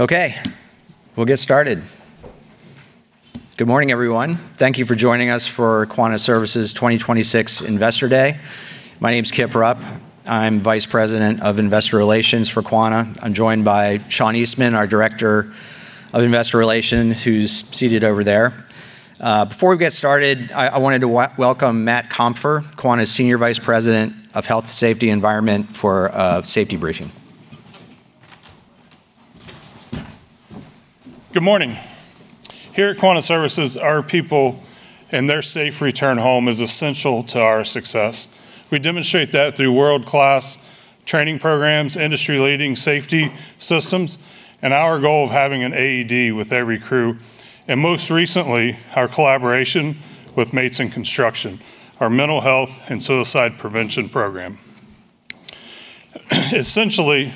Okay, we'll get started. Good morning, everyone. Thank you for joining us for Quanta Services 2026 Investor Day. My name's Kip Rupp. I'm Vice President of Investor Relations for Quanta. I'm joined by Sean Eastman, our Director of Investor Relations, who's seated over there. Before we get started, I wanted to welcome Matt Compher, Quanta's Senior Vice President of Safety, Health & Environmental for a safety briefing. Good morning. Here at Quanta Services, our people and their safe return home is essential to our success. We demonstrate that through world-class training programs, industry-leading safety systems, and our goal of having an AED with every crew, and most recently, our collaboration with MATES in Construction, our mental health and suicide prevention program. Essentially,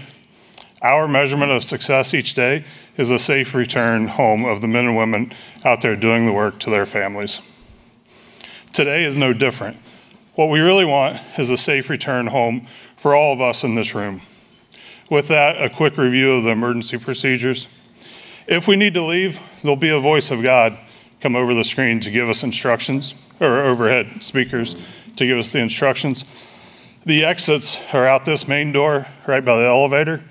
our measurement of success each day is a safe return home of the men and women out there doing the work to their families. Today is no different. What we really want is a safe return home for all of us in this room. With that, a quick review of the emergency procedures. If we need to leave, there'll be a voice of God come over the screen to give us instructions or overhead speakers to give us the instructions. The exits are out this main door right by the elevator.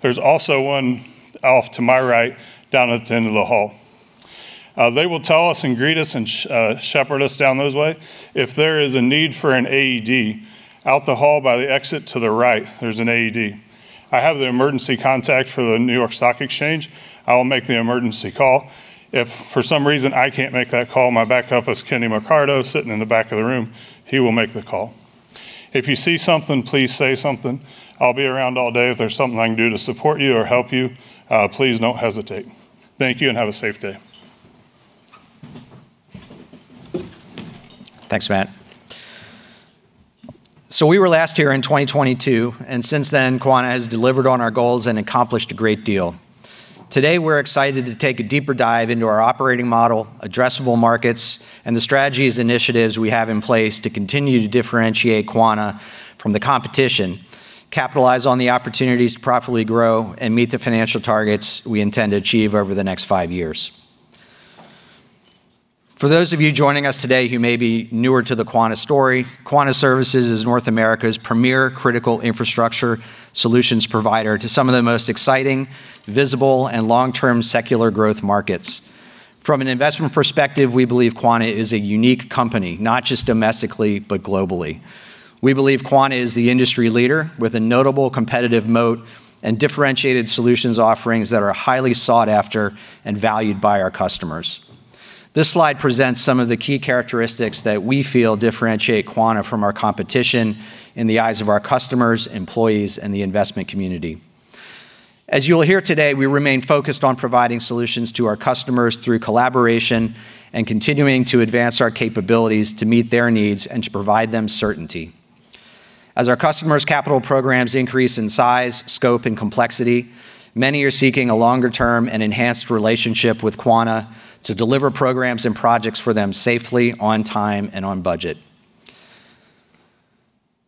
There's also one off to my right, down at the end of the hall. They will tell us and greet us and shepherd us down those way. If there is a need for an AED, out the hall by the exit to the right, there's an AED. I have the emergency contact for the New York Stock Exchange. I will make the emergency call. If for some reason I can't make that call, my backup is Kenny Mercado sitting in the back of the room. He will make the call. If you see something, please say something. I'll be around all day. If there's something I can do to support you or help you, please don't hesitate. Thank you and have a safe day. Thanks, Matt. We were last here in 2022, and since then, Quanta has delivered on our goals and accomplished a great deal. Today, we're excited to take a deeper dive into our operating model, addressable markets, and the strategic initiatives we have in place to continue to differentiate Quanta from the competition, capitalize on the opportunities to profitably grow and meet the financial targets we intend to achieve over the next five years. For those of you joining us today who may be newer to the Quanta story, Quanta Services is North America's premier critical infrastructure solutions provider to some of the most exciting, visible, and long-term secular growth markets. From an investment perspective, we believe Quanta is a unique company, not just domestically but globally. We believe Quanta is the industry leader with a notable competitive moat and differentiated solutions offerings that are highly sought after and valued by our customers. This slide presents some of the key characteristics that we feel differentiate Quanta from our competition in the eyes of our customers, employees, and the investment community. As you'll hear today, we remain focused on providing solutions to our customers through collaboration and continuing to advance our capabilities to meet their needs and to provide them certainty. As our customers' capital programs increase in size, scope, and complexity, many are seeking a longer-term and enhanced relationship with Quanta to deliver programs and projects for them safely, on time, and on budget.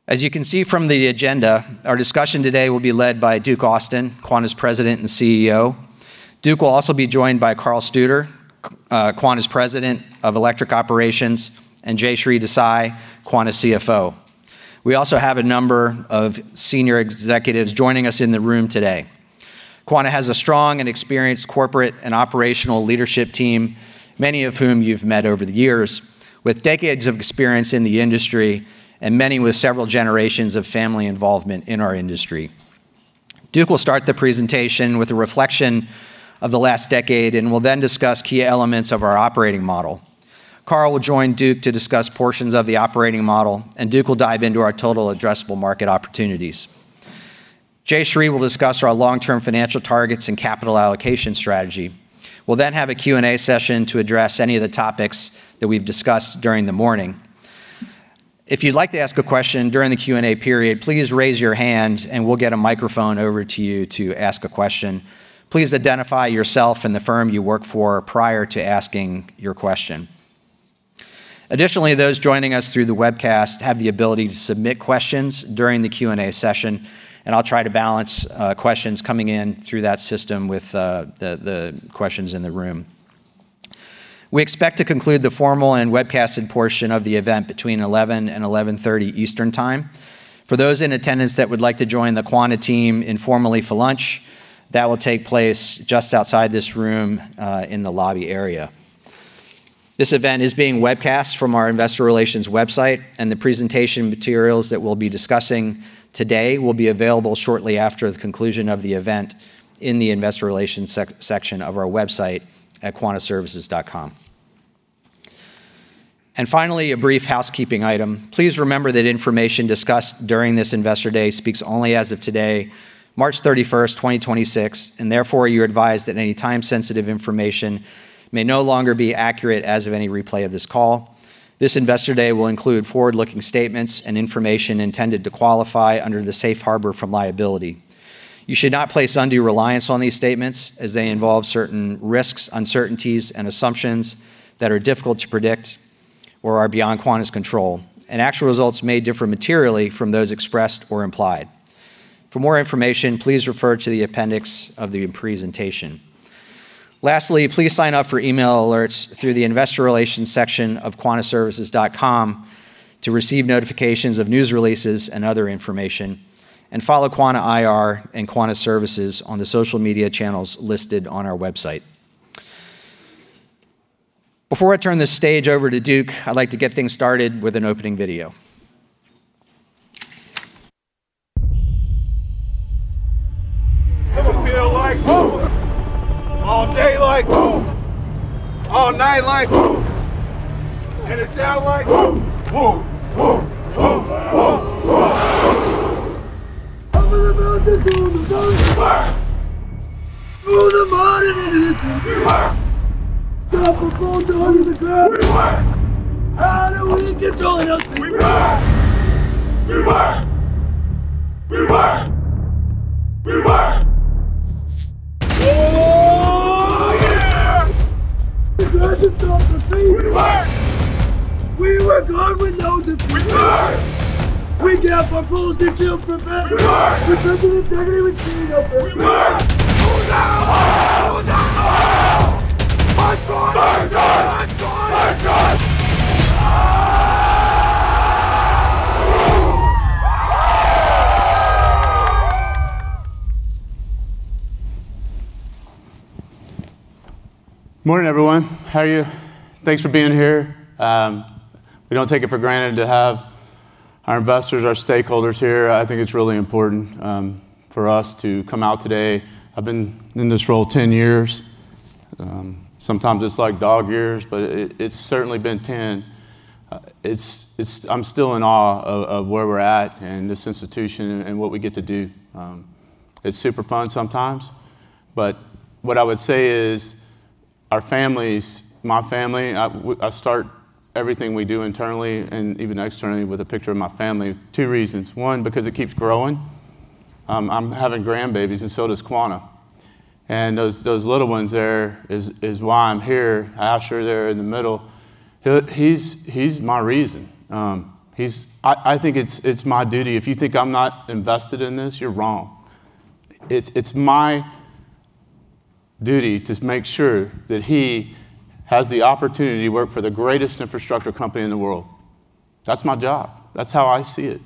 As you can see from the agenda, our discussion today will be led by Duke Austin, Quanta's President and CEO. Duke will also be joined by Karl Studer, Quanta's President of Electric Power, and Jayshree Desai, Quanta's CFO. We also have a number of senior executives joining us in the room today. Quanta has a strong and experienced corporate and operational leadership team, many of whom you've met over the years, with decades of experience in the industry and many with several generations of family involvement in our industry. Duke will start the presentation with a reflection of the last decade and will then discuss key elements of our operating model. Karl will join Duke to discuss portions of the operating model, and Duke will dive into our total addressable market opportunities. Jayshree will discuss our long-term financial targets and capital allocation strategy. We'll then have a Q&A session to address any of the topics that we've discussed during the morning. If you'd like to ask a question during the Q&A period, please raise your hand, and we'll get a microphone over to you to ask a question. Please identify yourself and the firm you work for prior to asking your question. Additionally, those joining us through the webcast have the ability to submit questions during the Q&A session, and I'll try to balance questions coming in through that system with the questions in the room. We expect to conclude the formal and webcasted portion of the event between 11:00 A.M. and 11:30 A.M. Eastern Time. For those in attendance that would like to join the Quanta team informally for lunch, that will take place just outside this room in the lobby area. This event is being webcast from our Investor Relations website, and the presentation materials that we'll be discussing today will be available shortly after the conclusion of the event in the Investor Relations section of our website at quantaservices.com. Finally, a brief housekeeping item. Please remember that information discussed during this investor day speaks only as of today, March 31st, 2026, and therefore, you're advised that any time-sensitive information may no longer be accurate as of any replay of this call. This Investor Day will include forward-looking statements and information intended to qualify under the Safe Harbor from liability. You should not place undue reliance on these statements as they involve certain risks, uncertainties, and assumptions that are difficult to predict. Or are beyond Quanta's control, and actual results may differ materially from those expressed or implied. For more information, please refer to the appendix of the presentation. Lastly, please sign up for email alerts through the Investor Relations section of quantaservices.com to receive notifications of news releases and other information, and follow Quanta IR and Quanta Services on the social media channels listed on our website. Before I turn this stage over to Duke, I'd like to get things started with an opening video. It feels like ooh. All day like ooh. All night like ooh. It sounds like ooh. Ooh, ooh, ooh. Up in the mountains or in the valley. We work. Through the mud and in the mission. We work. Drop our load all over the ground. We work. How do we keep rolling up to you? We work. We work. We work. We work. Oh yeah. The job is done for free. We work. We work hard with no defeat. We work. We get our poles and shins for better. We work. Protecting the territory we treat our brothers. We work. Who's down? Wildcat. Who's down? Wildcat. One tribe. Earth tribe. One tribe. Earth tribe. Morning, everyone. How are you? Thanks for being here. We don't take it for granted to have our investors, our stakeholders here. I think it's really important for us to come out today. I've been in this role 10 years. Sometimes it's like dog years, but it's certainly been 10. It's. I'm still in awe of where we're at in this institution and what we get to do. It's super fun sometimes, but what I would say is our families, my family, I start everything we do internally and even externally with a picture of my family, two reasons. One, because it keeps growing. I'm having grandbabies and so does Quanta, and those little ones there is why I'm here. Asher there in the middle, he's my reason. He's. I think it's my duty. If you think I'm not invested in this, you're wrong. It's my duty to make sure that he has the opportunity to work for the greatest infrastructure company in the world. That's my job. That's how I see it.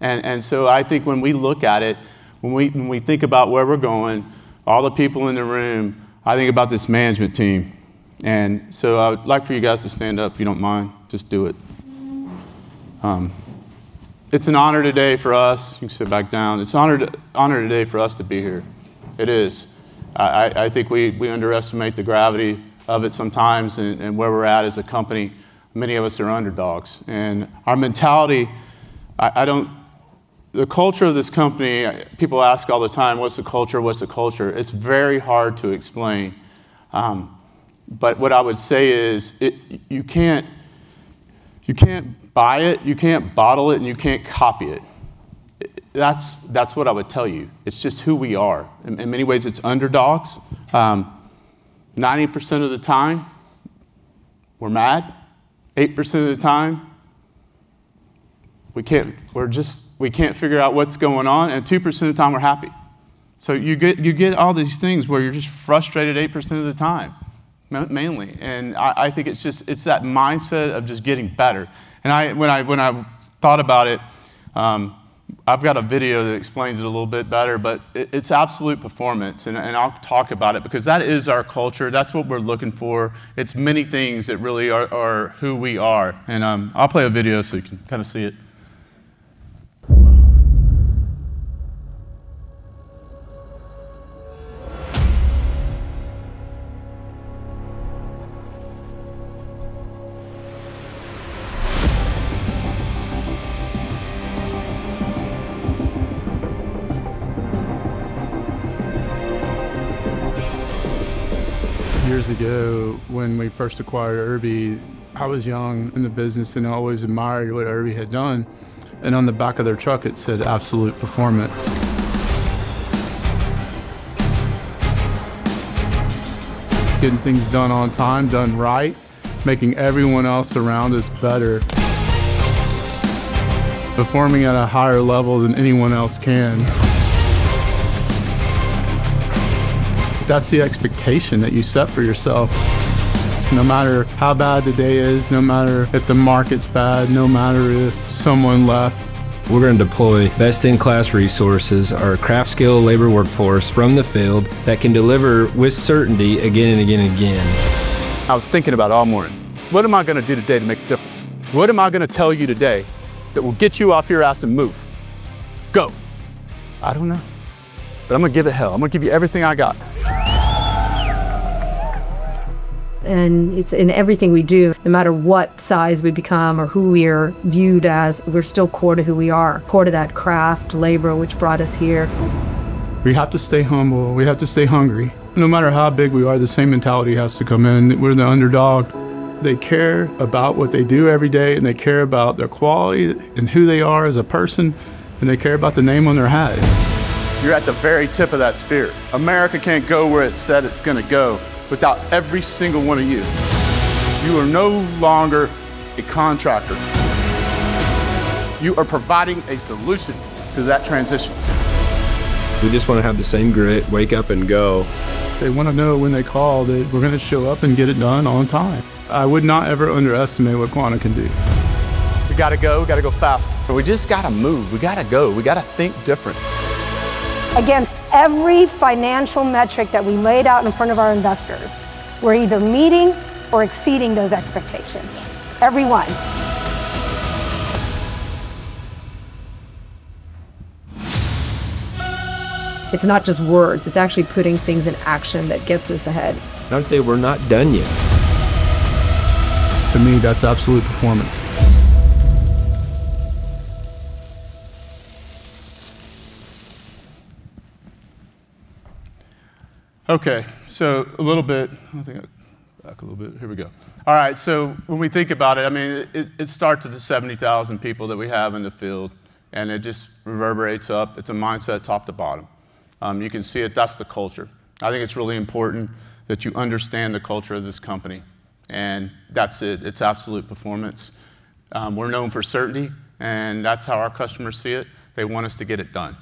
I think when we look at it, when we think about where we're going, all the people in the room, I think about this management team. I would like for you guys to stand up, if you don't mind. Just do it. It's an honor today for us. You can sit back down. It's an honor today for us to be here. It is. I think we underestimate the gravity of it sometimes and where we're at as a company. Many of us are underdogs, and our mentality. The culture of this company, people ask all the time, "What's the culture? What's the culture?" It's very hard to explain. What I would say is, you can't buy it, you can't bottle it, and you can't copy it. That's what I would tell you. It's just who we are. In many ways, it's underdogs. 90% of the time we're mad, 8% of the time we can't figure out what's going on, and 2% of the time we're happy. You get all these things where you're just frustrated 8% of the time mainly. I think it's just that mindset of just getting better. I thought about it, I've got a video that explains it a little bit better, but it's absolute performance and I'll talk about it because that is our culture. That's what we're looking for. It's many things that really are who we are, and I'll play a video so you can kind of see it. Years ago, when we first acquired Irby, I was young in the business and always admired what Irby had done, and on the back of their truck it said, "Absolute performance." Getting things done on time, done right, making everyone else around us better. Performing at a higher level than anyone else can. That's the expectation that you set for yourself. No matter how bad the day is, no matter if the market's bad, no matter if someone left. We're gonna deploy best-in-class resources, our craft-skill labor workforce from the field that can deliver with certainty again and again and again. I was thinking about it all morning, what am I gonna do today to make a difference? What am I gonna tell you today that will get you off your ass and move? Go. I don't know, but I'm gonna give it hell. I'm gonna give you everything I got. It's in everything we do, no matter what size we become or who we are viewed as, we're still core to who we are, core to that craft, labor which brought us here. We have to stay humble and we have to stay hungry. No matter how big we are, the same mentality has to come in. We're the underdog. They care about what they do every day, and they care about their quality and who they are as a person, and they care about the name on their hat. You're at the very tip of that spear. America can't go where it said it's gonna go without every single one of you. You are no longer a contractor. You are providing a solution to that transition. We just wanna have the same grit, wake up and go. They wanna know when they call that we're gonna show up and get it done on time. I would not ever underestimate what Quanta can do. We gotta go, we gotta go fast. We just gotta move. We gotta go. We gotta think different. Against every financial metric that we laid out in front of our investors, we're either meeting or exceeding those expectations. Every one. It's not just words, it's actually putting things in action that gets us ahead. I'd say we're not done yet. To me, that's absolute performance. When we think about it, I mean, it starts with the 70,000 people that we have in the field, and it just reverberates up. It's a mindset top to bottom. You can see it. That's the culture. I think it's really important that you understand the culture of this company, and that's it. It's absolute performance. We're known for certainty, and that's how our customers see it. They want us to get it done,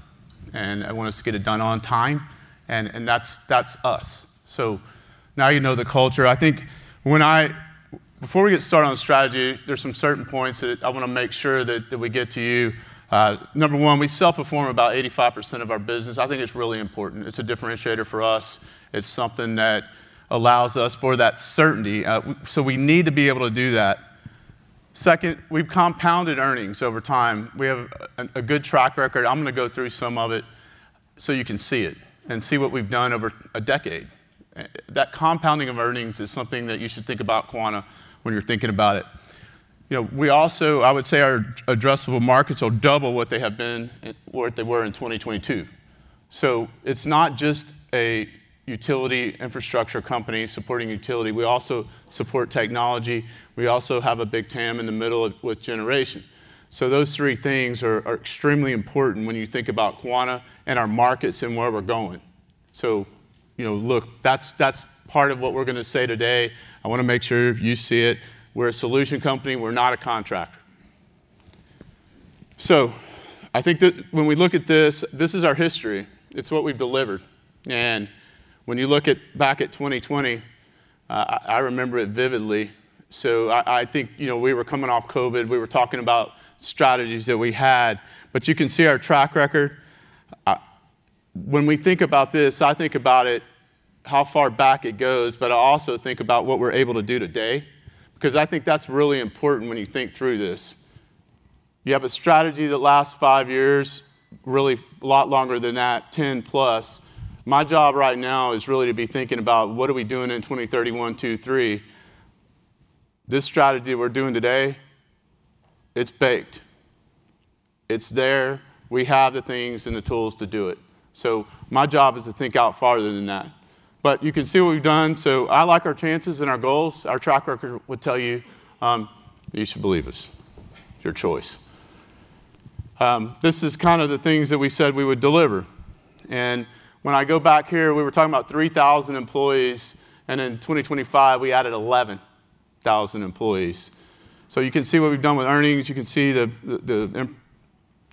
and they want us to get it done on time, and that's us. Now you know the culture. Before we get started on strategy, there's some certain points that I wanna make sure that we get to you. Number one, we self-perform about 85% of our business. I think it's really important. It's a differentiator for us. It's something that allows us for that certainty. So we need to be able to do that. Second, we've compounded earnings over time. We have a good track record. I'm gonna go through some of it so you can see it and see what we've done over a decade. That compounding of earnings is something that you should think about Quanta when you're thinking about it. You know, we also, I would say our addressable markets are double what they have been, what they were in 2022. It's not just a utility infrastructure company supporting utility. We also support technology. We also have a big TAM in the middle with generation. Those three things are extremely important when you think about Quanta and our markets and where we're going. You know, look, that's part of what we're gonna say today. I wanna make sure you see it. We're a solution company. We're not a contractor. I think that when we look at this is our history. It's what we've delivered. When you look back at 2020, I remember it vividly. I think, you know, we were coming off COVID. We were talking about strategies that we had, but you can see our track record. When we think about this, I think about it, how far back it goes, but I also think about what we're able to do today, because I think that's really important when you think through this. You have a strategy that lasts five years, really a lot longer than that, 10+. My job right now is really to be thinking about what are we doing in 2031, 2032, 2033. This strategy we're doing today, it's baked. It's there. We have the things and the tools to do it. So my job is to think out farther than that. But you can see what we've done, so I like our chances and our goals. Our track record would tell you should believe us. Your choice. This is kind of the things that we said we would deliver. When I go back here, we were talking about 3,000 employees, and in 2025, we added 11,000 employees. So you can see what we've done with earnings. You can see the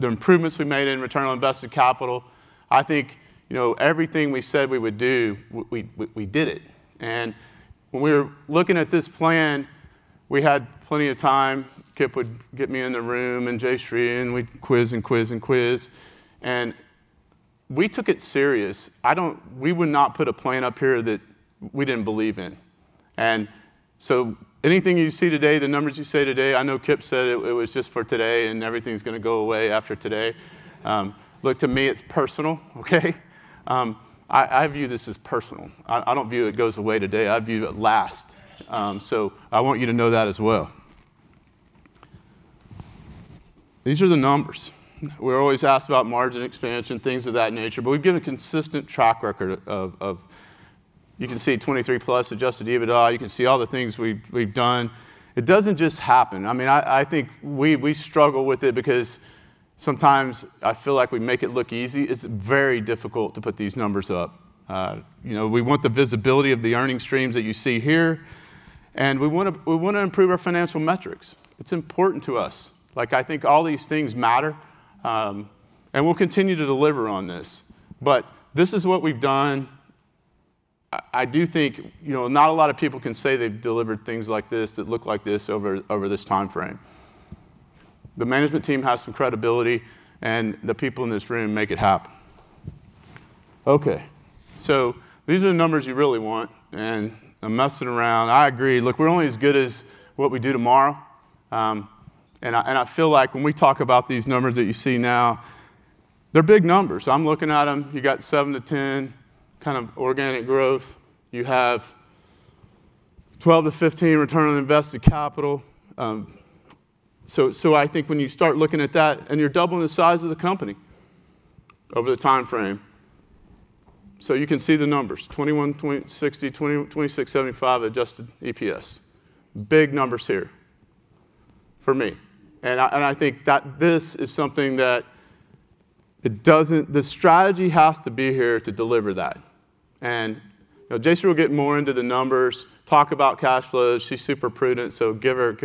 improvements we made in return on invested capital. I think, you know, everything we said we would do, we did it. When we were looking at this plan, we had plenty of time. Kip would get me in the room and Jayshree, and we'd quiz, and quiz and quiz, we took it serious. We would not put a plan up here that we didn't believe in. Anything you see today, the numbers you see today, I know Kip said it was just for today, and everything's gonna go away after today. Look, to me, it's personal, okay? I view this as personal. I don't view it goes away today. I view it lasts, so I want you to know that as well. These are the numbers. We're always asked about margin expansion, things of that nature, but we've given a consistent track record. You can see 23+ Adjusted EBITDA. You can see all the things we've done. It doesn't just happen. I mean, I think we struggle with it because sometimes I feel like we make it look easy. It's very difficult to put these numbers up. You know, we want the visibility of the earning streams that you see here, and we wanna improve our financial metrics. It's important to us. Like, I think all these things matter, and we'll continue to deliver on this. This is what we've done. I do think, you know, not a lot of people can say they've delivered things like this that look like this over this timeframe. The management team has some credibility, and the people in this room make it happen. Okay. These are the numbers you really want, and I'm messing around. I agree. Look, we're only as good as what we do tomorrow, and I feel like when we talk about these numbers that you see now, they're big numbers. I'm looking at them. You got 7%-10% kind of organic growth. You have 12%-15% return on invested capital. I think when you start looking at that, and you're doubling the size of the company over the timeframe. You can see the numbers. [2021 $2.60, 2026 $7.5] Adjusted EPS. Big numbers here for me. I think that this is something the strategy has to be here to deliver that. You know, Jayshree will get more into the numbers, talk about cash flows. She's super prudent, so give her,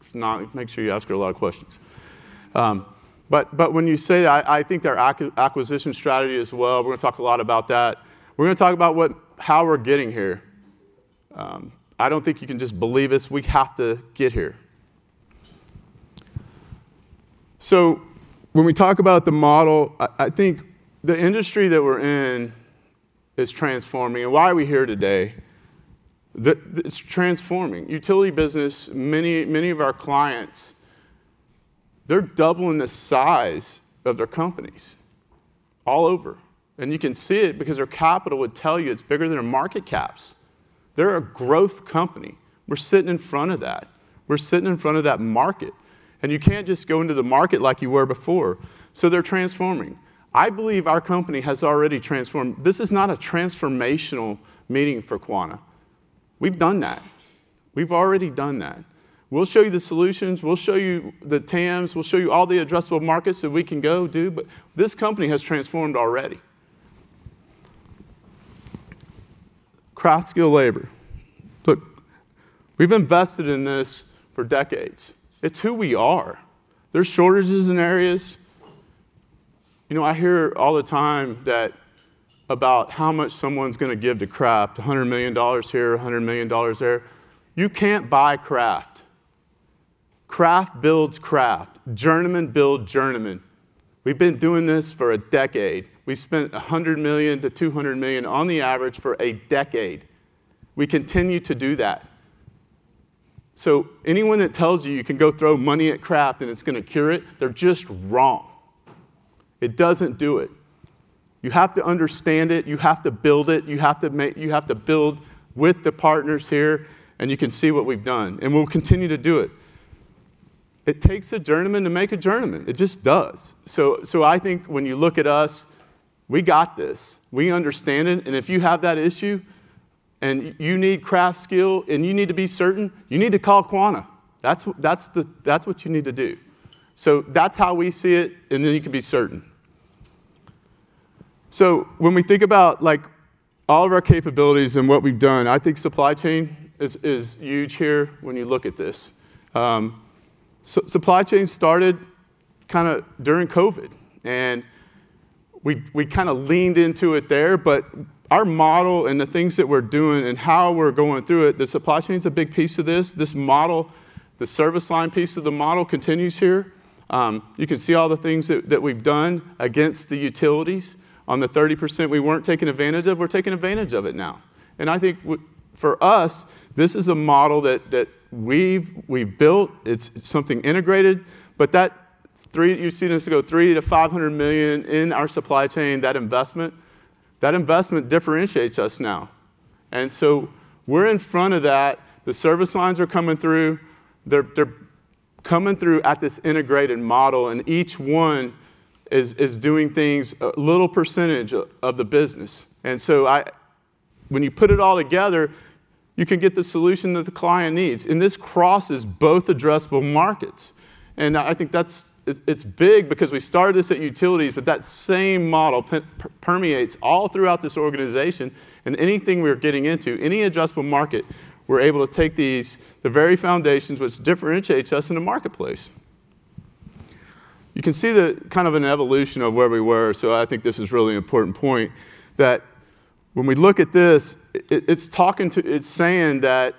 if not, make sure you ask her a lot of questions. But when you say that, I think their acquisition strategy as well, we're gonna talk a lot about that. We're gonna talk about how we're getting here. I don't think you can just believe us. We have to get here. So when we talk about the model, I think the industry that we're in is transforming. Why are we here today? It's transforming. Utility business, many of our clients, they're doubling the size of their companies all over. You can see it because their capital would tell you it's bigger than their market caps. They're a growth company. We're sitting in front of that. We're sitting in front of that market, and you can't just go into the market like you were before, so they're transforming. I believe our company has already transformed. This is not a transformational meeting for Quanta. We've done that. We've already done that. We'll show you the solutions, we'll show you the TAMs, we'll show you all the addressable markets that we can go do, but this company has transformed already. Craft skill labor. Look, we've invested in this for decades. It's who we are. There's shortages in areas. You know, I hear all the time that about how much someone's gonna give to craft. $100 million here, $100 million there. You can't buy craft. Craft builds craft. Journeymen build journeymen. We've been doing this for a decade. We spent $100 million-$200 million on the average for a decade. We continue to do that. Anyone that tells you you can go throw money at craft and it's gonna cure it, they're just wrong. It doesn't do it. You have to understand it. You have to build it. You have to build with the partners here, and you can see what we've done, and we'll continue to do it. It takes a journeyman to make a journeyman. It just does. I think when you look at us, we got this. We understand it, and if you have that issue, and you need craft skill, and you need to be certain, you need to call Quanta. That's what you need to do. That's how we see it, and then you can be certain. When we think about, like, all of our capabilities and what we've done, I think supply chain is huge here when you look at this. Supply chain started kinda during COVID, and we kinda leaned into it there. Our model and the things that we're doing and how we're going through it, the supply chain's a big piece of this. This model, the service line piece of the model continues here. You can see all the things that we've done against the utilities. On the 30% we weren't taking advantage of, we're taking advantage of it now. I think for us, this is a model that we've built. It's something integrated, but you've seen us go $300 million-$500 million in our supply chain, that investment. That investment differentiates us now. We're in front of that. The service lines are coming through. They're coming through at this integrated model, and each one is doing things, a little percentage of the business. When you put it all together, you can get the solution that the client needs, and this crosses both addressable markets. I think that's it's big because we started this at utilities, but that same model permeates all throughout this organization, and anything we're getting into, any addressable market, we're able to take these the very foundations, which differentiates us in the marketplace. You can see the kind of an evolution of where we were, so I think this is really an important point, that when we look at this, it's saying that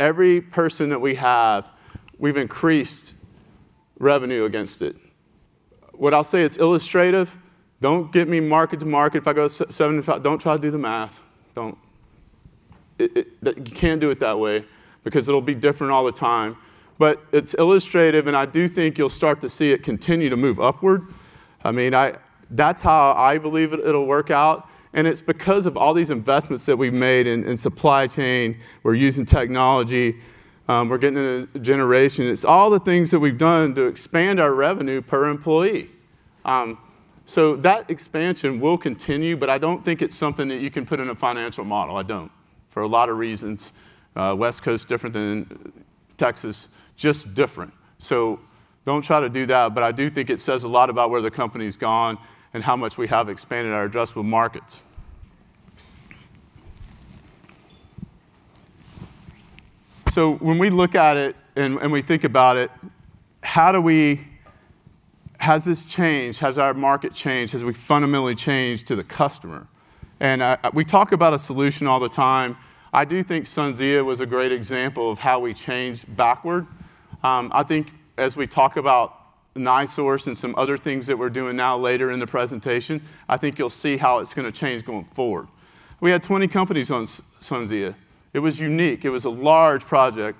every person that we have, we've increased revenue against it. What I'll say, it's illustrative. Don't get me mark to market. If I go 7-5, don't try to do the math. Don't. It You can't do it that way because it'll be different all the time. It's illustrative, and I do think you'll start to see it continue to move upward. I mean, that's how I believe it'll work out, and it's because of all these investments that we've made in supply chain. We're using technology. We're getting a generation. It's all the things that we've done to expand our revenue per employee. So that expansion will continue, but I don't think it's something that you can put in a financial model. I don't. For a lot of reasons. West Coast different than Texas. Just different. Don't try to do that, but I do think it says a lot about where the company's gone and how much we have expanded our addressable markets. When we look at it and we think about it, how do we, has this changed? Has our market changed? Has we fundamentally changed to the customer? We talk about a solution all the time. I do think SunZia was a great example of how we changed backward. I think as we talk about NiSource and some other things that we're doing now later in the presentation, I think you'll see how it's gonna change going forward. We had 20 companies on SunZia. It was unique. It was a large project,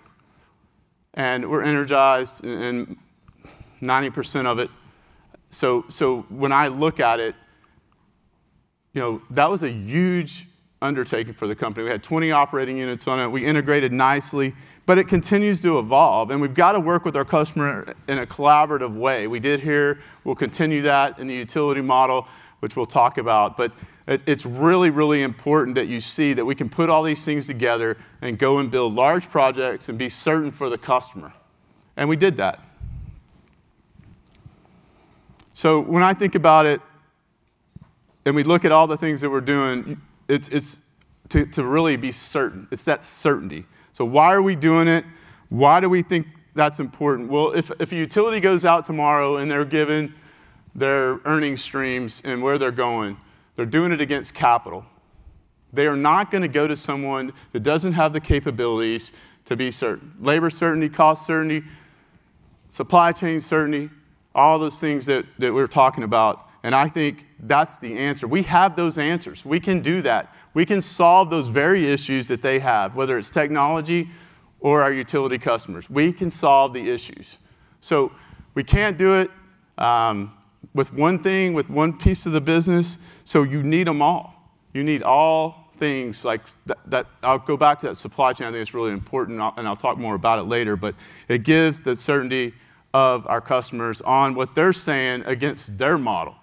and we're energized in 90% of it. When I look at it, you know, that was a huge undertaking for the company. We had 20 operating units on it. We integrated nicely, but it continues to evolve, and we've got to work with our customer in a collaborative way. We did here, we'll continue that in the utility model, which we'll talk about. It, it's really, really important that you see that we can put all these things together and go and build large projects and be certain for the customer. We did that. When I think about it, and we look at all the things that we're doing, it's to really be certain. It's that certainty. Why are we doing it? Why do we think that's important? Well, if a utility goes out tomorrow and they're given their earning streams and where they're going, they're doing it against capital. They are not gonna go to someone that doesn't have the capabilities to be certain. Labor certainty, cost certainty, supply chain certainty, all those things that we're talking about, and I think that's the answer. We have those answers. We can do that. We can solve those very issues that they have, whether it's technology or our utility customers. We can solve the issues. We can't do it with one thing, with one piece of the business, so you need them all. You need all things like that. I'll go back to that supply chain. I think it's really important, and I'll talk more about it later. It gives the certainty of our customers on what they're saying against their model.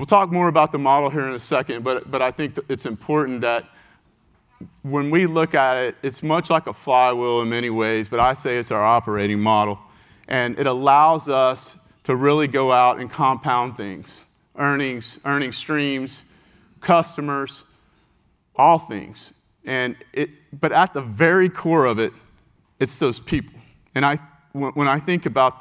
We'll talk more about the model here in a second, but I think it's important that when we look at it's much like a flywheel in many ways, but I say it's our operating model. It allows us to really go out and compound things, earnings, earning streams, customers, all things. But at the very core of it's those people. When I think about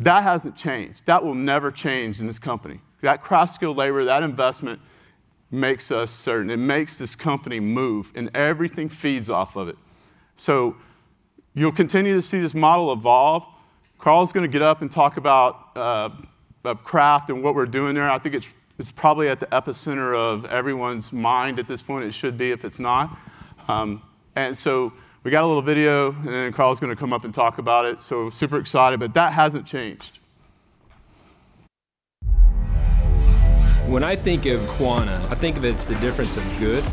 that hasn't changed. That will never change in this company. That craft skill labor, that investment makes us certain. It makes this company move, and everything feeds off of it. You'll continue to see this model evolve. Karl's gonna get up and talk about craft and what we're doing there. I think it's probably at the epicenter of everyone's mind at this point. It should be if it's not. We got a little video, and then Karl's gonna come up and talk about it, super excited. That hasn't changed. When I think of Quanta, I think of it as the difference between good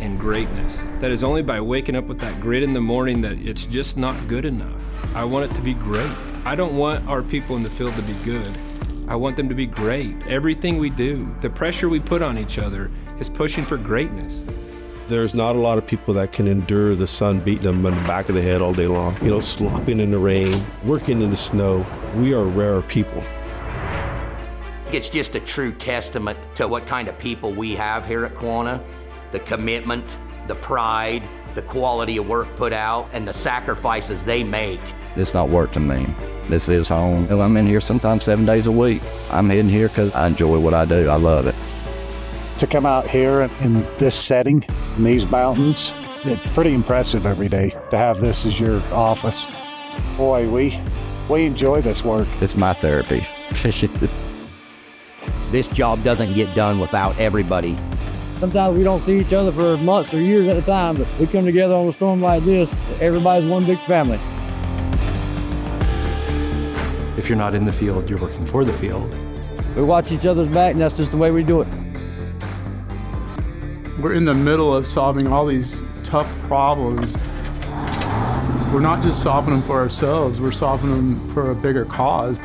and greatness. That is only by waking up with that grit in the morning that it's just not good enough. I want it to be great. I don't want our people in the field to be good. I want them to be great. Everything we do, the pressure we put on each other, is pushing for greatness. There's not a lot of people that can endure the sun beating them in the back of the head all day long, you know, sloshing in the rain, working in the snow. We are a rare people. It's just a true testament to what kind of people we have here at Quanta. The commitment, the pride, the quality of work put out, and the sacrifices they make. It's not work to me. This is home. I'm in here sometimes seven days a week. I'm in here 'cause I enjoy what I do. I love it. To come out here in this setting, in these mountains, it's pretty impressive every day to have this as your office. Boy, we enjoy this work. It's my therapy. This job doesn't get done without everybody. Sometimes we don't see each other for months or years at a time, but we come together on a storm like this, everybody's one big family. If you're not in the field, you're working for the field. We watch each other's back, and that's just the way we do it. We're in the middle of solving all these tough problems. We're not just solving them for ourselves, we're solving them for a bigger cause.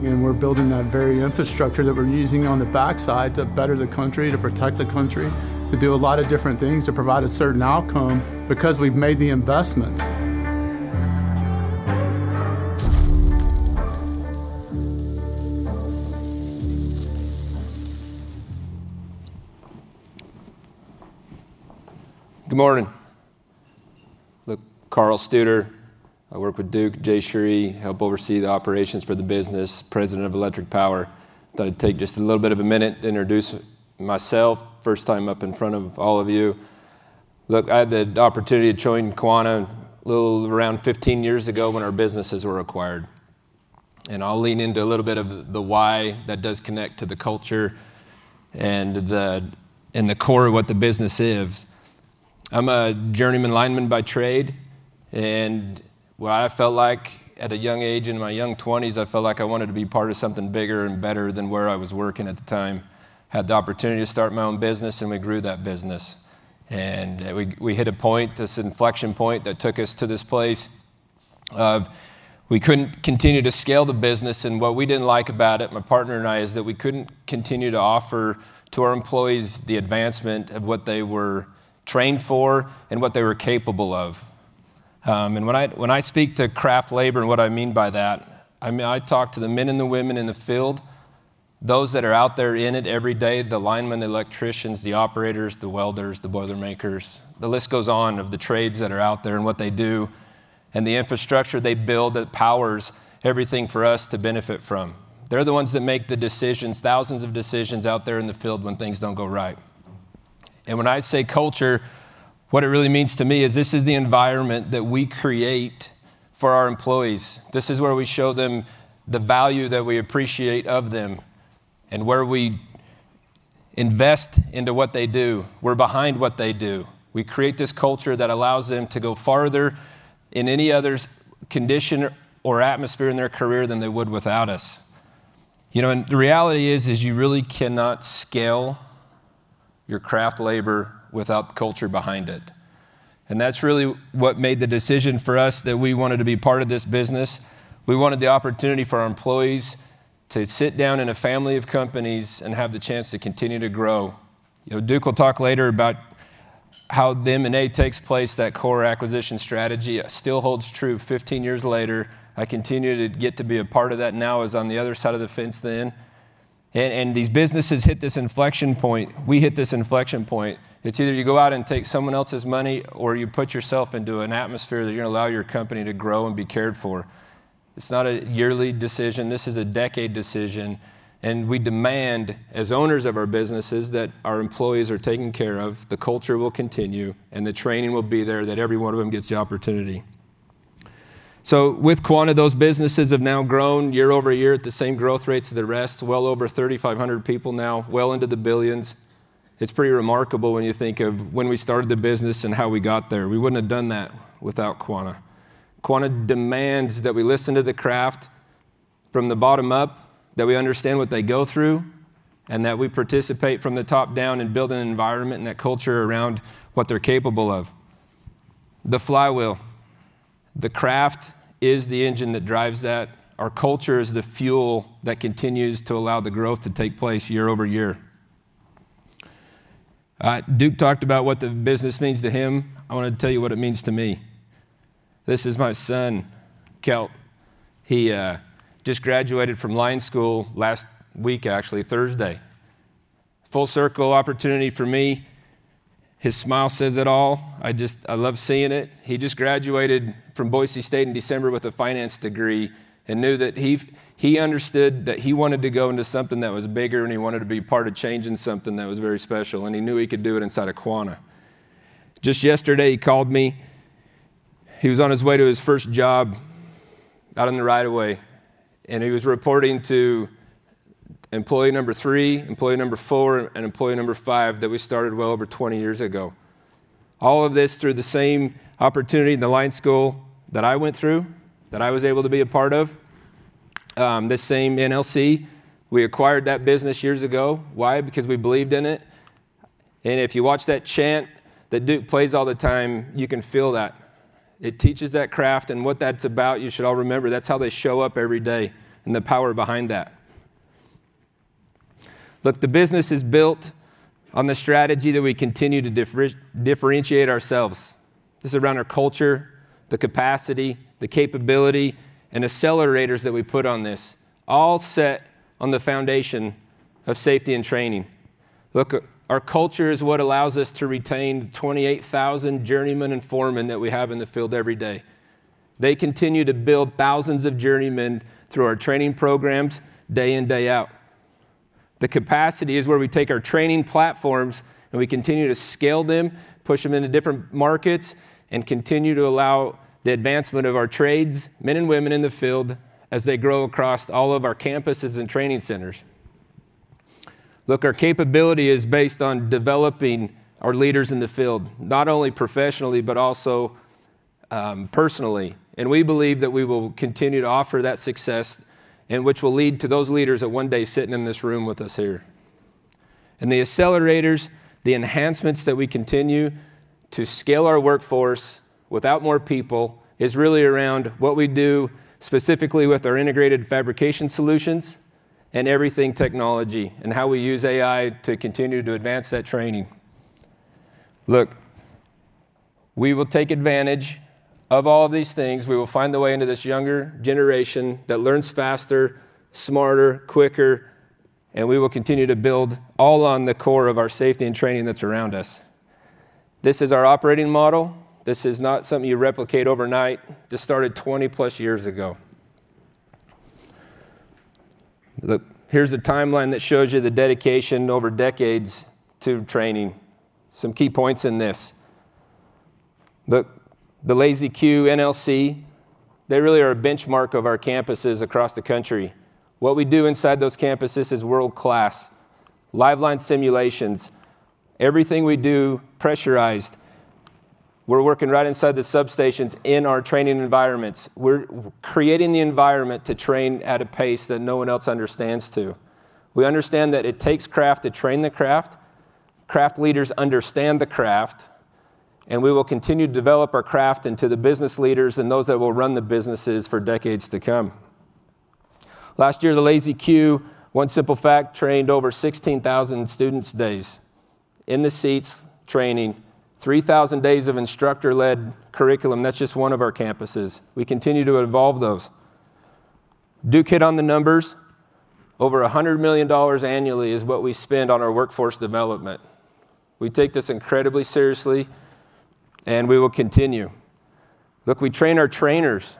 We're building that very infrastructure that we're using on the backside to better the country, to protect the country, to do a lot of different things, to provide a certain outcome because we've made the investments. Good morning. Look, Karl Studer. I work with Duke, Jayshree, help oversee the operations for the business, President of Electric Power. Thought I'd take just a little bit of a minute to introduce myself. First time up in front of all of you. Look, I had the opportunity to join Quanta a little around 15 years ago when our businesses were acquired. I'll lean into a little bit of the why that does connect to the culture and the core of what the business is. I'm a journeyman lineman by trade, and what I felt like at a young age, in my young 20s, I felt like I wanted to be part of something bigger and better than where I was working at the time. I had the opportunity to start my own business, and we grew that business. We hit a point, this inflection point that took us to this place of we couldn't continue to scale the business. What we didn't like about it, my partner and I, is that we couldn't continue to offer to our employees the advancement of what they were trained for and what they were capable of. When I speak to craft labor and what I mean by that, I mean, I talk to the men and the women in the field, those that are out there in it every day, the linemen, the electricians, the operators, the welders, the boilermakers. The list goes on of the trades that are out there and what they do and the infrastructure they build that powers everything for us to benefit from. They're the ones that make the decisions, thousands of decisions out there in the field when things don't go right. When I say culture, what it really means to me is this is the environment that we create for our employees. This is where we show them the value that we appreciate of them and where we Invest into what they do. We're behind what they do. We create this culture that allows them to go farther in any other condition or atmosphere in their career than they would without us. You know, and the reality is you really cannot scale your craft labor without the culture behind it, and that's really what made the decision for us that we wanted to be part of this business. We wanted the opportunity for our employees to sit down in a family of companies and have the chance to continue to grow. You know, Duke will talk later about how the M&A takes place, that core acquisition strategy. It still holds true 15 years later. I continue to get to be a part of that and now is on the other side of the fence than then. These businesses hit this inflection point. We hit this inflection point. It's either you go out and take someone else's money or you put yourself into an atmosphere that you're gonna allow your company to grow and be cared for. It's not a yearly decision. This is a decade decision, and we demand, as owners of our businesses, that our employees are taken care of, the culture will continue, and the training will be there, that every one of them gets the opportunity. With Quanta, those businesses have now grown year-over-year at the same growth rates as the rest. Well over 3,500 people now. Well into the billions. It's pretty remarkable when you think of when we started the business and how we got there. We wouldn't have done that without Quanta. Quanta demands that we listen to the craft from the bottom up, that we understand what they go through, and that we participate from the top down and build an environment and that culture around what they're capable of. The flywheel, the craft is the engine that drives that. Our culture is the fuel that continues to allow the growth to take place year over year. Duke talked about what the business means to him. I wanna tell you what it means to me. This is my son, Celt. He just graduated from line school last week, actually Thursday. Full circle opportunity for me. His smile says it all. I just love seeing it. He just graduated from Boise State in December with a finance degree and knew that he understood that he wanted to go into something that was bigger and he wanted to be part of changing something that was very special, and he knew he could do it inside of Quanta. Just yesterday, he called me. He was on his way to his first job out in the right of way, and he was reporting to employee number three, employee number four, and employee number five that we started well over 20 years ago. All of this through the same opportunity in the line school that I went through, that I was able to be a part of, this same NLC. We acquired that business years ago. Why? Because we believed in it, and if you watch that chant that Duke plays all the time, you can feel that. It teaches that craft and what that's about. You should all remember, that's how they show up every day and the power behind that. Look, the business is built on the strategy that we continue to differentiate ourselves. This is around our culture, the capacity, the capability, and accelerators that we put on this, all set on the foundation of safety and training. Look, our culture is what allows us to retain the 28,000 journeymen and foremen that we have in the field every day. They continue to build thousands of journeymen through our training programs day in, day out. The capacity is where we take our training platforms and we continue to scale them, push them into different markets, and continue to allow the advancement of our trades, men and women in the field as they grow across all of our campuses and training centers. Look, our capability is based on developing our leaders in the field, not only professionally, but also, personally, and we believe that we will continue to offer that success and which will lead to those leaders that one day sitting in this room with us here. The accelerators, the enhancements that we continue to scale our workforce without more people is really around what we do specifically with our integrated fabrication solutions and everything technology and how we use AI to continue to advance that training. Look, we will take advantage of all of these things. We will find the way into this younger generation that learns faster, smarter, quicker, and we will continue to build all on the core of our safety and training that's around us. This is our operating model. This is not something you replicate overnight. This started 20+ years ago. Look, here's a timeline that shows you the dedication over decades to training. Some key points in this. Look, the Lazy Q, NLC, they really are a benchmark of our campuses across the country. What we do inside those campuses is world-class. Live line simulations. Everything we do, pressurized. We're working right inside the substations in our training environments. We're creating the environment to train at a pace that no one else understands too. We understand that it takes craft to train the craft. Craft leaders understand the craft, and we will continue to develop our craft into the business leaders and those that will run the businesses for decades to come. Last year, the Lazy Q, one simple fact, trained over 16,000 students days in the seats training, 3,000 days of instructor-led curriculum. That's just one of our campuses. We continue to evolve those. Duke hit on the numbers. Over $100 million annually is what we spend on our workforce development. We take this incredibly seriously, and we will continue. Look, we train our trainers.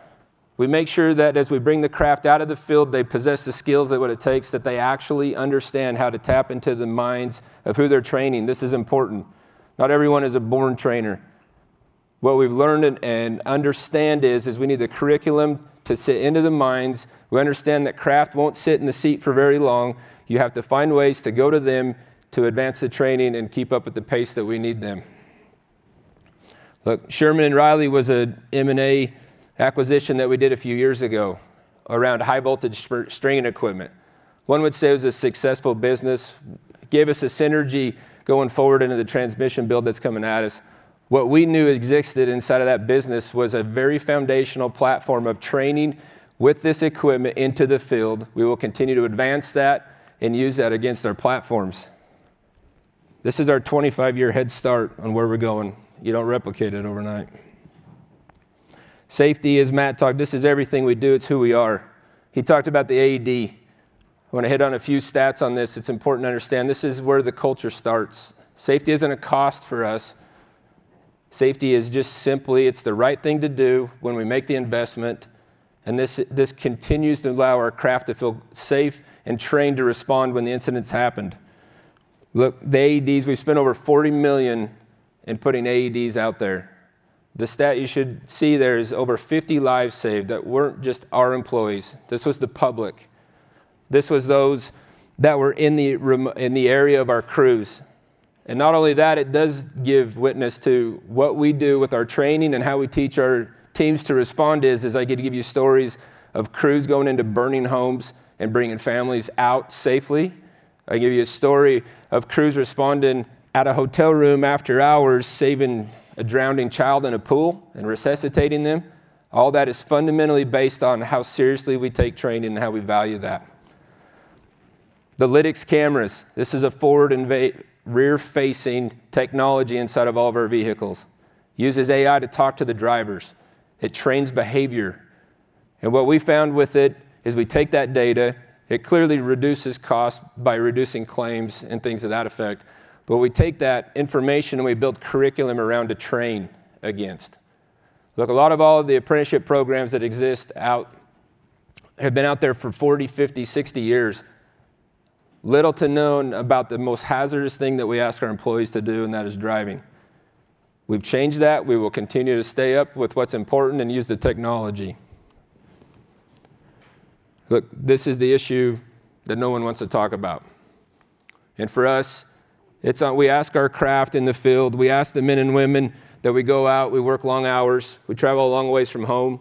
We make sure that as we bring the craft out of the field, they possess the skills of what it takes, that they actually understand how to tap into the minds of who they're training. This is important. Not everyone is a born trainer. What we've learned and understand is we need the curriculum to sit into the minds. We understand that craft won't sit in the seat for very long. You have to find ways to go to them to advance the training and keep up with the pace that we need them. Look, Sherman+Reilly was an M&A acquisition that we did a few years ago around high voltage stringing equipment. One would say it was a successful business. Gave us a synergy going forward into the transmission build that's coming at us. What we knew existed inside of that business was a very foundational platform of training with this equipment into the field. We will continue to advance that and use that against our platforms. This is our 25-year head start on where we're going. You don't replicate it overnight. Safety, as Matt talked, this is everything we do. It's who we are. He talked about the AED. I wanna hit on a few stats on this. It's important to understand this is where the culture starts. Safety isn't a cost for us. Safety is just simply the right thing to do when we make the investment, and this continues to allow our craft to feel safe and trained to respond when the incidents happened. Look, the AEDs. We've spent over $40 million in putting AEDs out there. The stat you should see there is over 50 lives saved that weren't just our employees. This was the public. This was those that were in the area of our crews. Not only that, it does give witness to what we do with our training and how we teach our teams to respond. I could give you stories of crews going into burning homes and bringing families out safely. I could give you a story of crews responding at a hotel room after hours, saving a drowning child in a pool and resuscitating them. All that is fundamentally based on how seriously we take training and how we value that. The Lytx cameras, this is a forward and rear-facing technology inside of all of our vehicles. Uses AI to talk to the drivers. It trains behavior. What we found with it is we take that data, it clearly reduces cost by reducing claims and things of that effect, but we take that information and we build curriculum around to train against. Look, a lot of all of the apprenticeship programs that exist out, have been out there for 40, 50, 60 years. Little is known about the most hazardous thing that we ask our employees to do, and that is driving. We've changed that. We will continue to stay up with what's important and use the technology. Look, this is the issue that no one wants to talk about. For us, we ask our craft in the field, we ask the men and women that go out, we work long hours, we travel a long ways from home,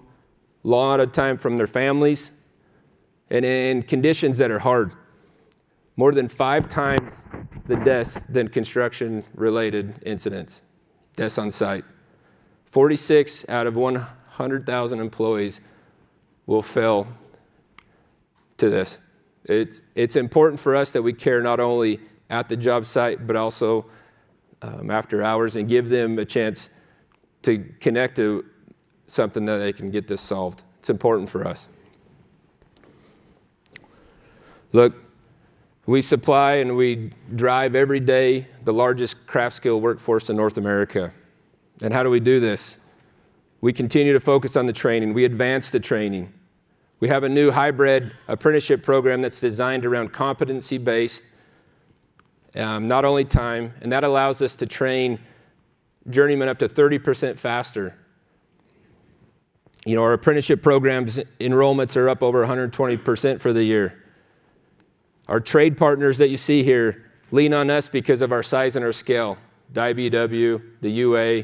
a lot of time from their families, and in conditions that are hard. More than 5x the deaths from construction-related incidents on site. 46 out of 100,000 employees will fall to this. It's important for us that we care not only at the job site, but also after hours and give them a chance to connect to something that they can get this solved. It's important for us. Look, we supply and we drive every day the largest craft-skilled workforce in North America. How do we do this? We continue to focus on the training. We advance the training. We have a new hybrid apprenticeship program that's designed around competency-based, not only time, and that allows us to train journeymen up to 30% faster. You know, our apprenticeship programs enrollments are up over 120% for the year. Our trade partners that you see here lean on us because of our size and our scale. The IBEW, the UA,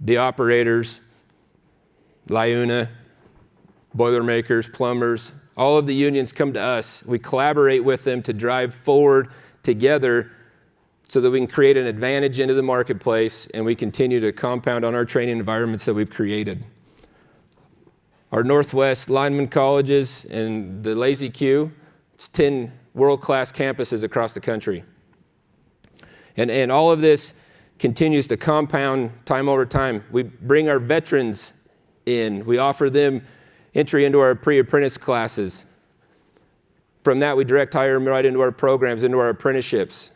the operators, LIUNA, Boilermakers, plumbers, all of the unions come to us. We collaborate with them to drive forward together so that we can create an advantage into the marketplace, and we continue to compound on our training environments that we've created. Our Northwest Lineman College and the Lazy Q, it's 10 world-class campuses across the country. All of this continues to compound time over time. We bring our veterans in. We offer them entry into our pre-apprentice classes. From that, we direct hire them right into our programs, into our apprenticeships.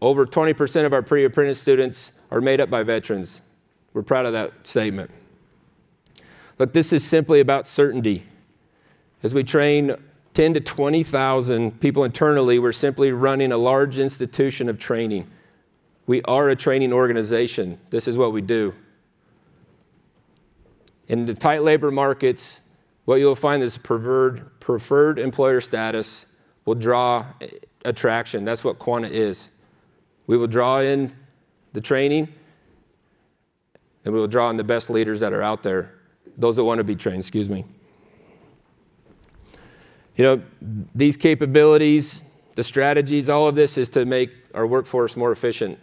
Over 20% of our pre-apprentice students are made up by veterans. We're proud of that statement. Look, this is simply about certainty. As we train 10,000-20,000 people internally, we're simply running a large institution of training. We are a training organization. This is what we do. In the tight labor markets, what you'll find is preferred employer status will draw attraction. That's what Quanta is. We will draw in the training, and we will draw in the best leaders that are out there, those that wanna be trained, excuse me. You know, these capabilities, the strategies, all of this is to make our workforce more efficient.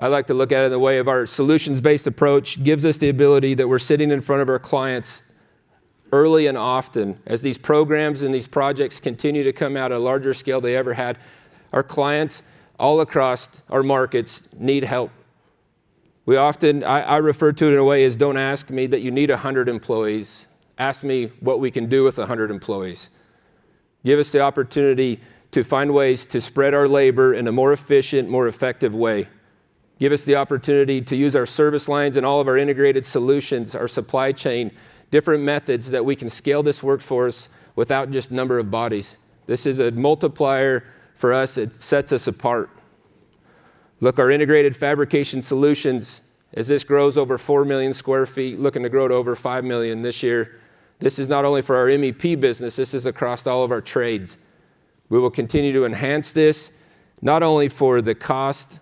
I like to look at it in the way of our solutions-based approach gives us the ability that we're sitting in front of our clients early and often. As these programs and these projects continue to come out on a larger scale than they ever had, our clients all across our markets need help. We often I refer to it in a way as don't ask me that you need 100 employees. Ask me what we can do with 100 employees. Give us the opportunity to find ways to spread our labor in a more efficient, more effective way. Give us the opportunity to use our service lines and all of our integrated solutions, our supply chain, different methods that we can scale this workforce without just number of bodies. This is a multiplier for us. It sets us apart. Look, our integrated fabrication solutions, as this grows over 4 million sq ft, looking to grow to over 5 million this year. This is not only for our MEP business, this is across all of our trades. We will continue to enhance this not only for the cost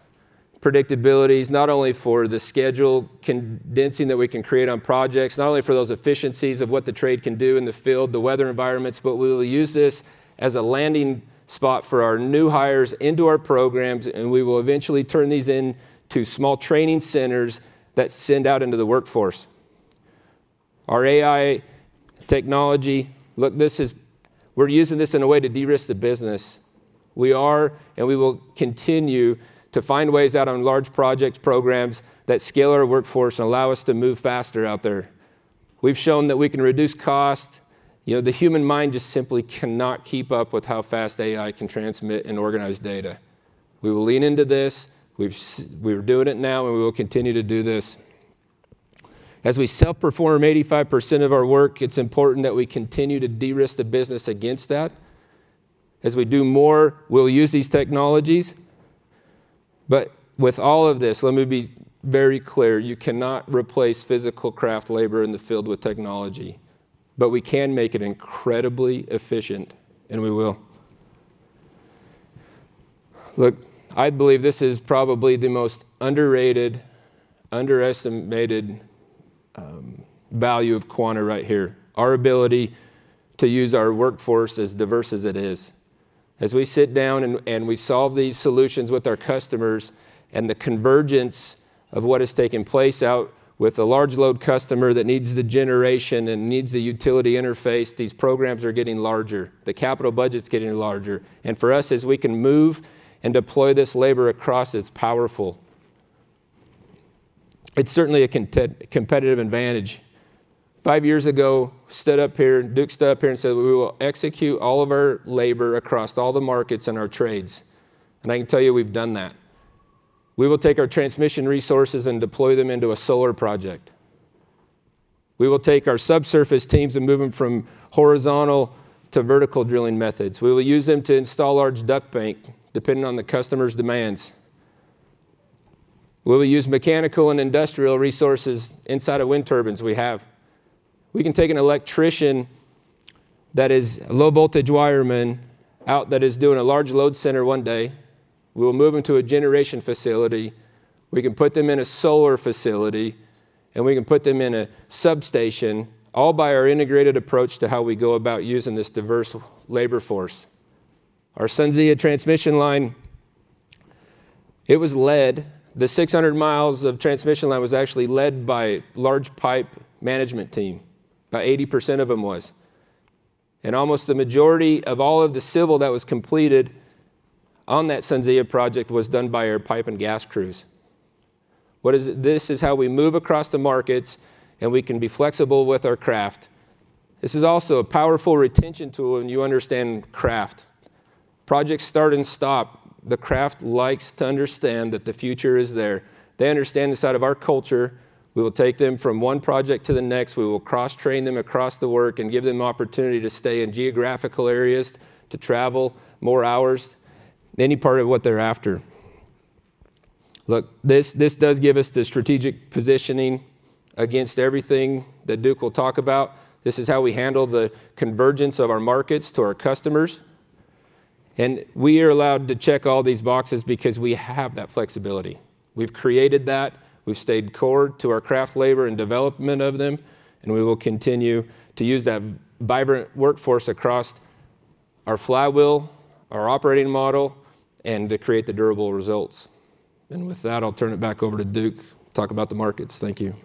predictabilities, not only for the schedule condensing that we can create on projects, not only for those efficiencies of what the trade can do in the field, the weather environments, but we will use this as a landing spot for our new hires into our programs, and we will eventually turn these into small training centers that send out into the workforce. Our AI technology. Look, we're using this in a way to de-risk the business. We are, and we will continue to find ways out on large projects, programs that scale our workforce and allow us to move faster out there. We've shown that we can reduce cost. You know, the human mind just simply cannot keep up with how fast AI can transmit and organize data. We will lean into this. We're doing it now, and we will continue to do this. As we self-perform 85% of our work, it's important that we continue to de-risk the business against that. As we do more, we'll use these technologies. With all of this, let me be very clear, you cannot replace physical craft labor in the field with technology. We can make it incredibly efficient, and we will. Look, I believe this is probably the most underrated, underestimated, value of Quanta right here, our ability to use our workforce as diverse as it is. As we sit down and we solve these solutions with our customers and the convergence of what is taking place out with a large load customer that needs the generation and needs the utility interface, these programs are getting larger. The capital budget's getting larger. For us, as we can move and deploy this labor across, it's powerful. It's certainly a competitive advantage. Five years ago, stood up here, Duke stood up here and said, "We will execute all of our labor across all the markets and our trades." I can tell you we've done that. We will take our transmission resources and deploy them into a solar project. We will take our subsurface teams and move them from horizontal to vertical drilling methods. We will use them to install large duct bank, depending on the customer's demands. We will use mechanical and industrial resources inside of wind turbines we have. We can take an electrician that is low voltage wireman out that is doing a large load center one day. We will move him to a generation facility. We can put them in a solar facility, and we can put them in a substation, all by our integrated approach to how we go about using this diverse labor force. Our SunZia transmission line, the 600 mi of transmission line was actually led by large pipe management team. About 80% of them was. Almost the majority of all of the civil that was completed on that SunZia project was done by our pipe and gas crews. This is how we move across the markets, and we can be flexible with our craft. This is also a powerful retention tool when you understand craft. Projects start and stop. The craft likes to understand that the future is there. They understand it's out of our culture. We will take them from one project to the next. We will cross-train them across the work and give them opportunity to stay in geographical areas, to travel more hours, any part of what they're after. Look, this does give us the strategic positioning against everything that Duke will talk about. This is how we handle the convergence of our markets to our customers. We are allowed to check all these boxes because we have that flexibility. We've created that. We've stayed core to our craft labor and development of them, and we will continue to use that vibrant workforce across our flywheel, our operating model, and to create the durable results. With that, I'll turn it back over to Duke to talk about the markets. Thank you.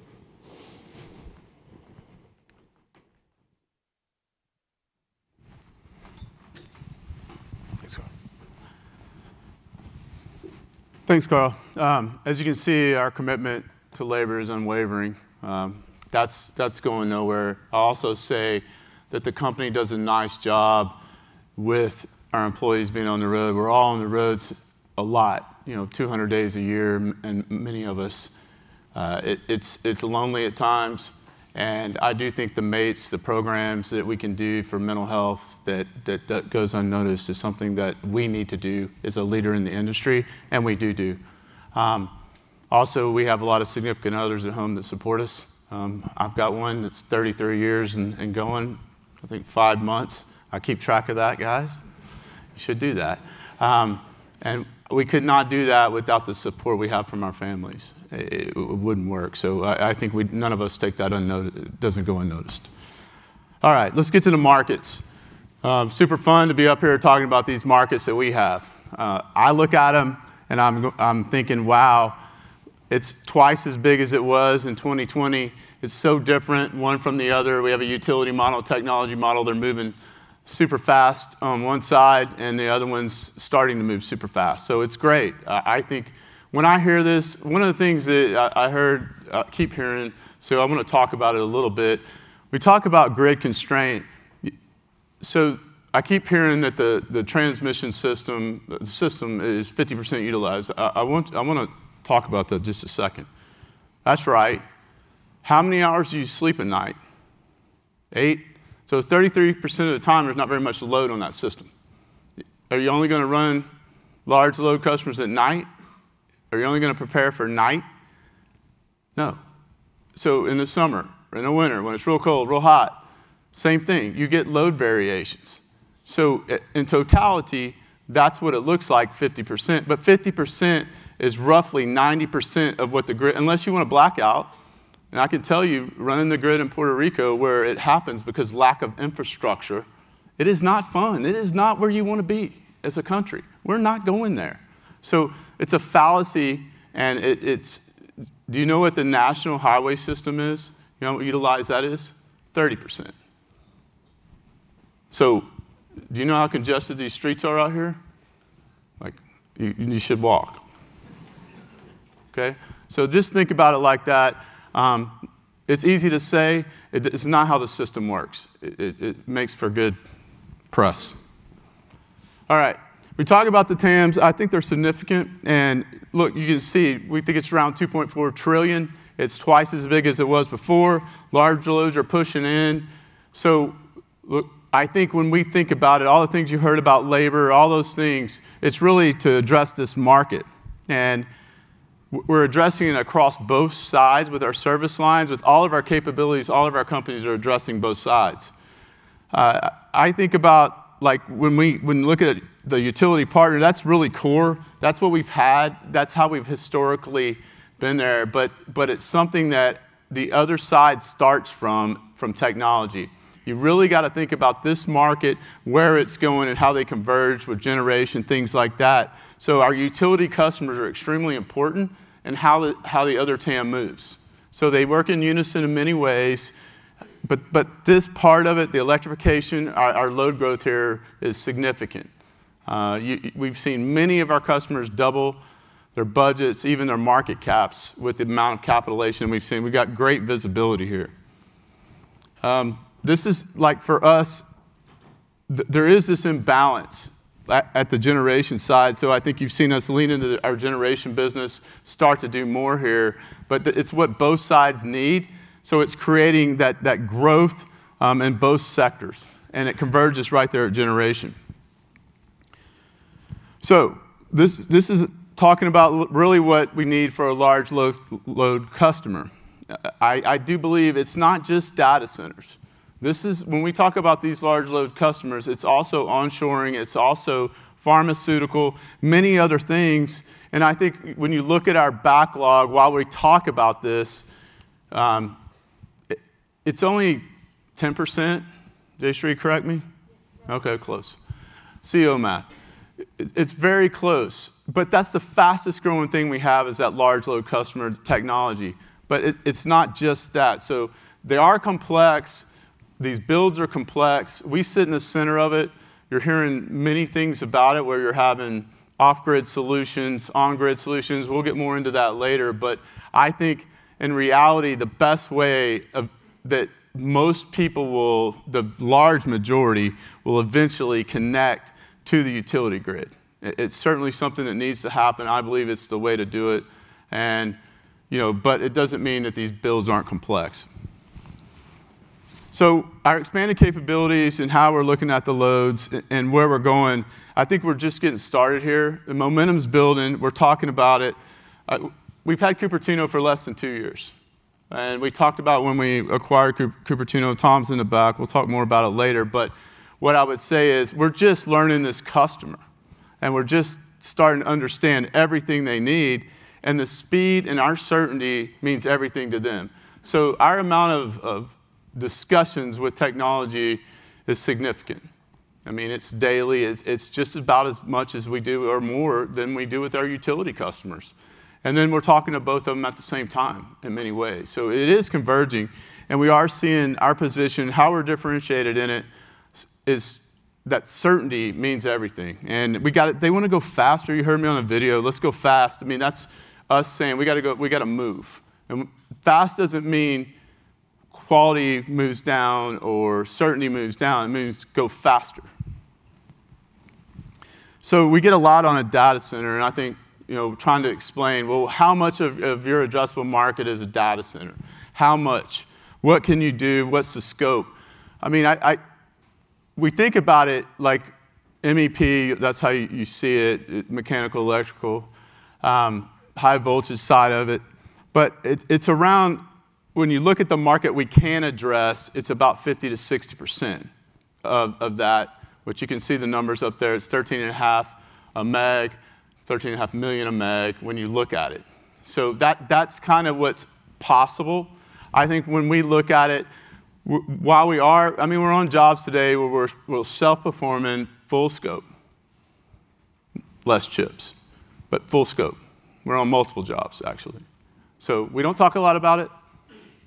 Thanks, Karl. As you can see, our commitment to labor is unwavering. That's going nowhere. I'll also say that the company does a nice job with our employees being on the road. We're all on the roads a lot, you know, 200-days a year, and many of us. It's lonely at times, and I do think the MATES, the programs that we can do for mental health that goes unnoticed is something that we need to do as a leader in the industry, and we do. Also, we have a lot of significant others at home that support us. I've got one that's 33 years and going, I think five months. I keep track of that, guys. You should do that. We could not do that without the support we have from our families. It wouldn't work. I think none of us take that. It doesn't go unnoticed. All right. Let's get to the markets. Super fun to be up here talking about these markets that we have. I look at them, and I'm thinking, "Wow, it's twice as big as it was in 2020." It's so different, one from the other. We have a utility model, technology model. They're moving super fast on one side, and the other one's starting to move super fast. It's great. I think when I hear this, one of the things that I heard, I keep hearing, so I'm gonna talk about it a little bit. We talk about grid constraint. I keep hearing that the transmission system is 50% utilized. I wanna talk about that just a second. That's right. How many hours do you sleep at night? Eight? 33% of the time, there's not very much load on that system. Are you only gonna run large load customers at night? Are you only gonna prepare for night? No. In the summer or in the winter when it's real cold, real hot, same thing, you get load variations. In totality, that's what it looks like, 50%. 50% is roughly 90% of what the grid. Unless you want a blackout, and I can tell you, running the grid in Puerto Rico where it happens because lack of infrastructure, it is not fun. It is not where you wanna be as a country. We're not going there. It's a fallacy and it is. Do you know what the national highway system is? You know how utilized that is? 30%. Do you know how congested these streets are out here? Like, you should walk. Okay. It's easy to say. It's not how the system works. It makes for good press. All right. We talk about the TAMs. I think they're significant. Look, you can see, we think it's around $2.4 trillion. It's twice as big as it was before. Large loads are pushing in. Look, I think when we think about it, all the things you heard about labor, all those things, it's really to address this market, and we're addressing it across both sides with our service lines. With all of our capabilities, all of our companies are addressing both sides. I think about, like, when you look at the utility partner, that's really core. That's what we've had. That's how we've historically been there. But it's something that the other side starts from technology. You really gotta think about this market, where it's going, and how they converge with generation, things like that, so our utility customers are extremely important in how the other TAM moves. So they work in unison in many ways, but this part of it, the electrification, our load growth here is significant. We've seen many of our customers double their budgets, even their market caps, with the amount of capitalization we've seen. We've got great visibility here. This is, like, for us, there is this imbalance at the generation side, so I think you've seen us lean into our generation business, start to do more here, but it's what both sides need, so it's creating that growth in both sectors, and it converges right there at generation. This is talking about really what we need for a large load customer. I do believe it's not just data centers. When we talk about these large load customers, it's also onshoring, it's also pharmaceutical, many other things. I think when you look at our backlog while we talk about this, it's only 10%. Did I show you? Correct me. Okay. Close. CEO math. It's very close, but that's the fastest growing thing we have is that large load customer technology. It, it's not just that. They are complex. These builds are complex. We sit in the center of it. You're hearing many things about it, where you're having off grid solutions, on grid solutions. We'll get more into that later. I think in reality, the best way of that most people will, the large majority, will eventually connect to the utility grid. It's certainly something that needs to happen. I believe it's the way to do it and, you know, but it doesn't mean that these builds aren't complex. Our expanded capabilities and how we're looking at the loads and where we're going, I think we're just getting started here. The momentum's building. We're talking about it. We've had Cupertino for less than two years, and we talked about when we acquired Cupertino. Tom's in the back. We'll talk more about it later. What I would say is we're just learning this customer, and we're just starting to understand everything they need, and the speed and our certainty means everything to them. Our amount of discussions with technology is significant. I mean, it's daily. It's just about as much as we do or more than we do with our utility customers. Then we're talking to both of them at the same time in many ways. It is converging, and we are seeing our position, how we're differentiated in it is that certainty means everything. We gotta. They wanna go faster. You heard me on the video. Let's go fast. I mean, that's us saying, "We gotta go. We gotta move. Fast doesn't mean quality moves down or certainty moves down. It means go faster. We get a lot on a data center, and I think trying to explain well how much of your addressable market is a data center. How much? What can you do? What's the scope? I mean, we think about it like MEP. That's how you see it, mechanical, electrical, high voltage side of it. But it's around. When you look at the market we can address, it's about 50%-60% of that, which you can see the numbers up there. It's $13.5 million per meg when you look at it. That's kind of what's possible. I think when we look at it, while we are. I mean, we're on jobs today where we're self-performing full scope. Less chips, but full scope. We're on multiple jobs, actually. We don't talk a lot about it.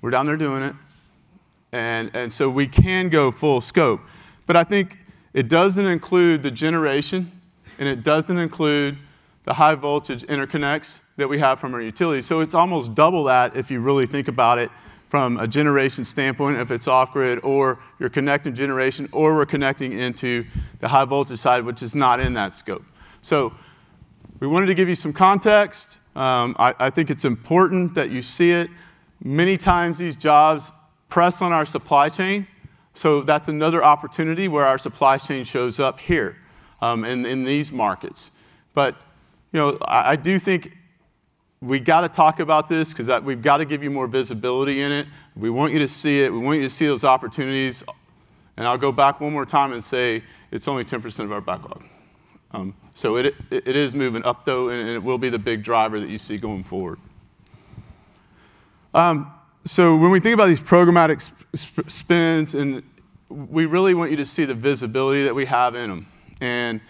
We're down there doing it. We can go full scope, but I think it doesn't include the generation, and it doesn't include the high voltage interconnects that we have from our utility. It's almost double that if you really think about it from a generation standpoint, if it's off grid or you're connecting generation or we're connecting into the high voltage side, which is not in that scope. We wanted to give you some context. I think it's important that you see it. Many times these jobs press on our supply chain, so that's another opportunity where our supply chain shows up here, in these markets. You know, I do think we gotta talk about this 'cause that we've gotta give you more visibility in it. We want you to see it. We want you to see those opportunities. I'll go back one more time and say it's only 10% of our backlog. It is moving up though, and it will be the big driver that you see going forward. When we think about these programmatic spends, we really want you to see the visibility that we have in 'em.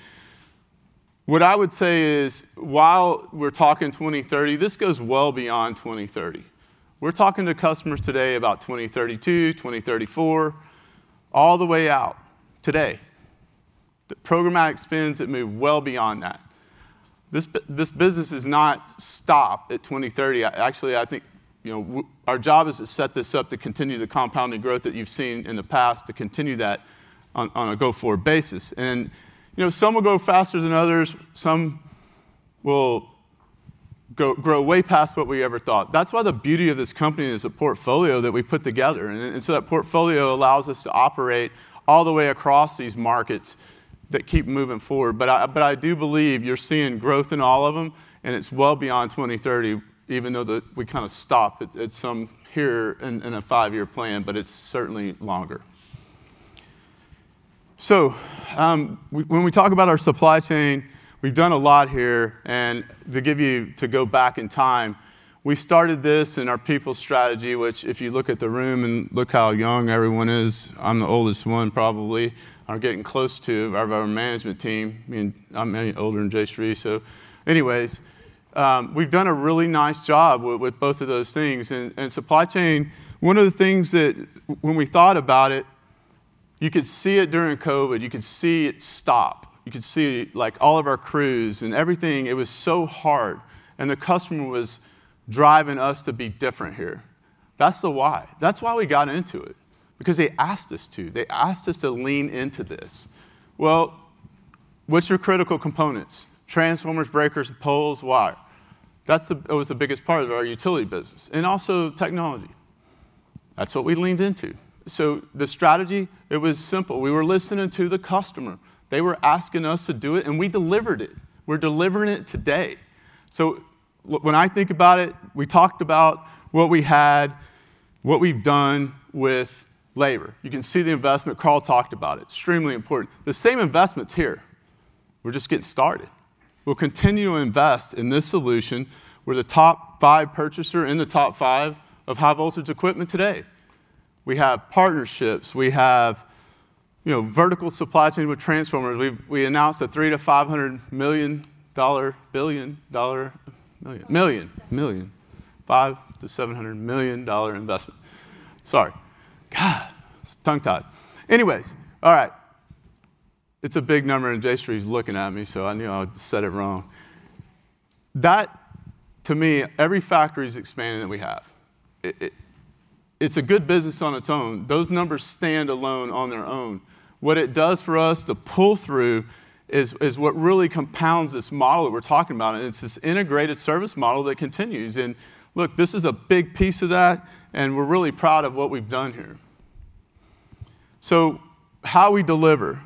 What I would say is, while we're talking 2030, this goes well beyond 2030. We're talking to customers today about 2032, 2034, all the way out today. The programmatic spends that move well beyond that. This business is not stopped at 2030. Actually, I think, you know, our job is to set this up to continue the compounded growth that you've seen in the past, to continue that on a go-forward basis. You know, some will grow faster than others, some will grow way past what we ever thought. That's why the beauty of this company is the portfolio that we put together, and so that portfolio allows us to operate all the way across these markets that keep moving forward. I do believe you're seeing growth in all of them, and it's well beyond 2030, even though we kinda stop at some here in a five year plan, but it's certainly longer. When we talk about our supply chain, we've done a lot here. To take you back in time, we started this in our people strategy, which if you look at the room and look how young everyone is, I'm the oldest one probably, or getting close to one of our management team. I mean, I'm older than Jayshree. Anyways, we've done a really nice job with both of those things. Supply chain, one of the things that when we thought about it, you could see it during COVID. You could see it stop. You could see, like, all of our crews and everything, it was so hard, and the customer was driving us to be different here. That's the why. That's why we got into it, because they asked us to. They asked us to lean into this. Well, what's your critical components? Transformers, breakers, poles, wire. It was the biggest part of our utility business. Also technology. That's what we leaned into. The strategy, it was simple. We were listening to the customer. They were asking us to do it, and we delivered it. We're delivering it today. When I think about it, we talked about what we had, what we've done with labor. You can see the investment. Karl talked about it. Extremely important. The same investment's here. We're just getting started. We'll continue to invest in this solution. We're the top five purchaser in the top five of high-voltage equipment today. We have partnerships. We have, you know, vertical supply chain with transformers. We announced a $300 million-$500 million, billion dollar. Million. Million. $500 million-$700 million investment. Sorry. God, tongue-tied. Anyways, all right. It's a big number, and Jayshree's looking at me, so I knew I'd said it wrong. That, to me, every factory is expanding that we have. It's a good business on its own. Those numbers stand alone on their own. What it does for us, the pull-through is what really compounds this model that we're talking about, and it's this integrated service model that continues. Look, this is a big piece of that, and we're really proud of what we've done here. How we deliver.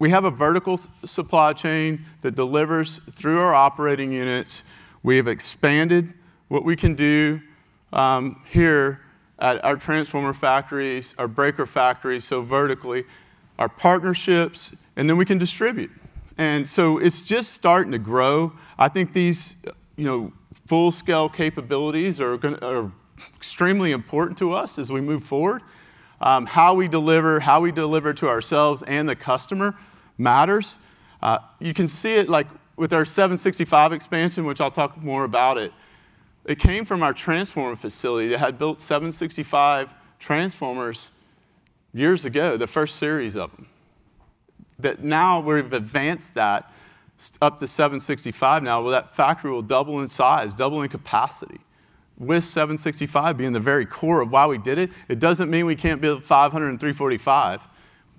We have a vertical supply chain that delivers through our operating units. We have expanded what we can do here at our transformer factories, our breaker factories, so vertically, our partnerships, and then we can distribute. It's just starting to grow. I think these, you know, full-scale capabilities are extremely important to us as we move forward. How we deliver to ourselves and the customer matters. You can see it, like, with our 765 kV expansion, which I'll talk more about it. It came from our transformer facility that had built 765 kV transformers years ago, the first series of them. That now we've advanced that up to 765 kV now. Well, that factory will double in size, double in capacity with 765 kV being the very core of why we did it. It doesn't mean we can't build 500 kV and 345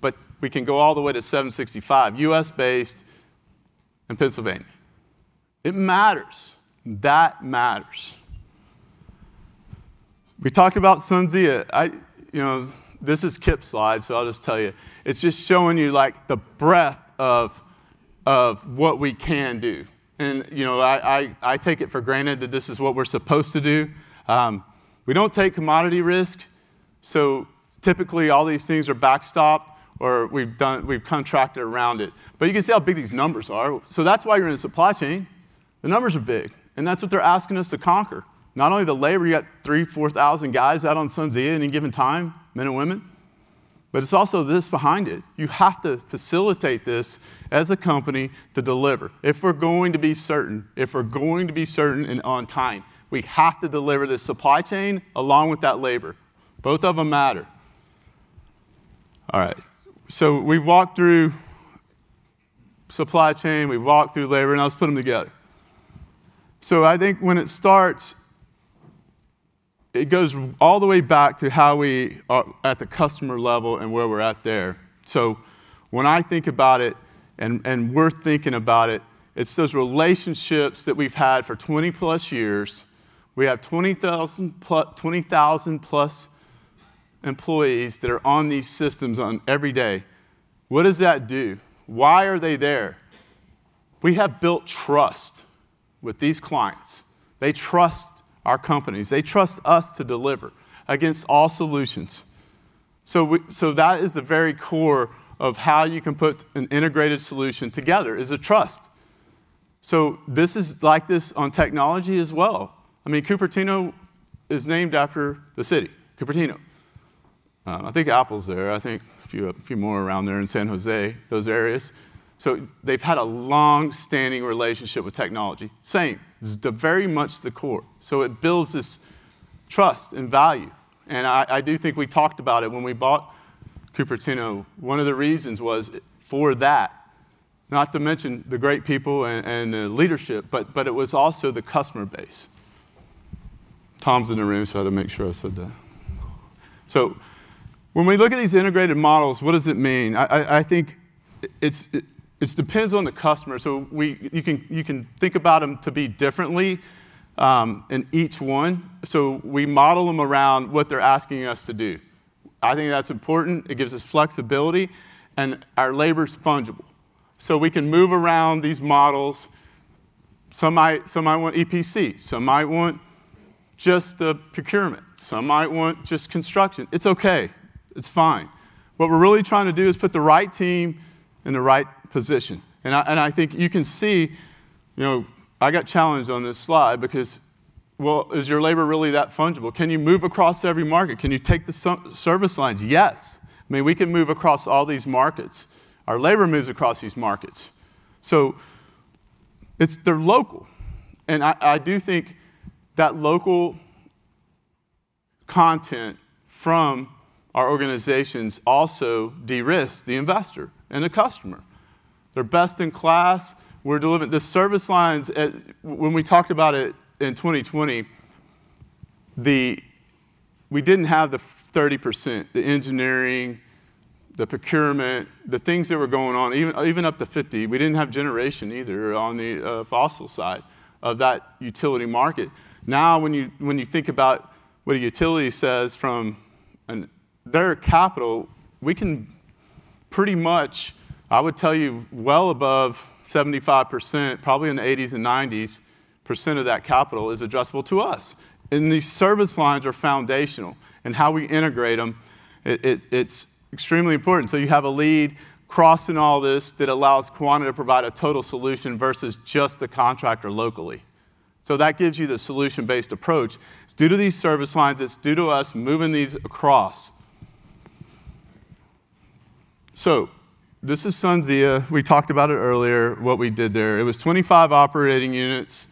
kV, but we can go all the way to 765 kV, U.S.-based in Pennsylvania. It matters. That matters. We talked about SunZia. You know, this is Kip's slide, so I'll just tell you. It's just showing you, like, the breadth of what we can do. You know, I take it for granted that this is what we're supposed to do. We don't take commodity risk, so typically all these things are backstop or we've contracted around it. You can see how big these numbers are. That's why you're in supply chain. The numbers are big, and that's what they're asking us to conquer. Not only the labor, you got 3,000, 4,000 guys out on SunZia at any given time, men and women, but it's also this behind it. You have to facilitate this as a company to deliver. If we're going to be certain and on time, we have to deliver the supply chain along with that labor. Both of them matter. All right. We've walked through supply chain, we've walked through labor, now let's put them together. I think when it starts, it goes all the way back to how we are at the customer level and where we're at there. When I think about it, and we're thinking about it's those relationships that we've had for 20+ years. We have 20,000+ employees that are on these systems every day. What does that do? Why are they there? We have built trust with these clients. They trust our companies. They trust us to deliver against all solutions. That is the very core of how you can put an integrated solution together, is the trust. This is like this on technology as well. I mean, Cupertino is named after the city, Cupertino. I think Apple's there. I think a few more around there in San Jose, those areas. They've had a long-standing relationship with technology. Same. This is very much the core. It builds this trust and value. I think we talked about it when we bought Cupertino, one of the reasons was for that, not to mention the great people and the leadership, but it was also the customer base. Tom's in the room, so I had to make sure I said that. When we look at these integrated models, what does it mean? I think it depends on the customer, so you can think about them to be differently in each one. We model them around what they're asking us to do. I think that's important. It gives us flexibility, and our labor's fungible. We can move around these models. Some might want EPC, some might want just the procurement, some might want just construction. It's okay. It's fine. What we're really trying to do is put the right team in the right position. And I think you can see, you know, I got challenged on this slide because, well, is your labor really that fungible? Can you move across every market? Can you take the service lines? Yes. I mean, we can move across all these markets. Our labor moves across these markets, so it's. They're local. And I do think that local content from our organizations also de-risks the investor and the customer. They're best in class. We're delivering. The service lines. When we talked about it in 2020, we didn't have the 30%, the engineering, the procurement, the things that were going on, even up to 50%. We didn't have generation either on the fossil side of that utility market. Now, when you think about what a utility spends from their capital, we can pretty much, I would tell you well above 75%, probably in the 80% and 90% of that capital is addressable to us. These service lines are foundational in how we integrate them. It's extremely important. You have a lead crossing all this that allows Quanta to provide a total solution versus just a contractor locally. That gives you the solution-based approach. It's due to these service lines, it's due to us moving these across. This is SunZia. We talked about it earlier, what we did there. It was 25 operating units.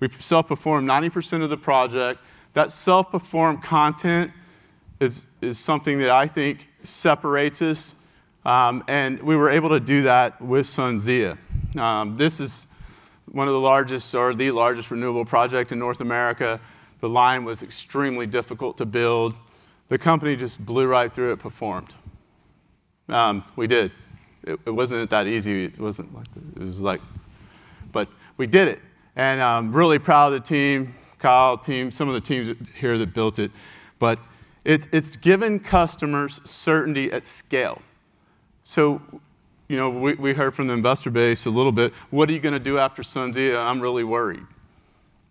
We self-performed 90% of the project. That self-performed content is something that I think separates us, and we were able to do that with SunZia. This is one of the largest or the largest renewable project in North America. The line was extremely difficult to build. The company just blew right through it, performed. We did. It wasn't that easy. But we did it, and I'm really proud of the team, Karl, some of the teams here that built it. But it's given customers certainty at scale. You know, we heard from the investor base a little bit, "What are you gonna do after SunZia? I'm really worried."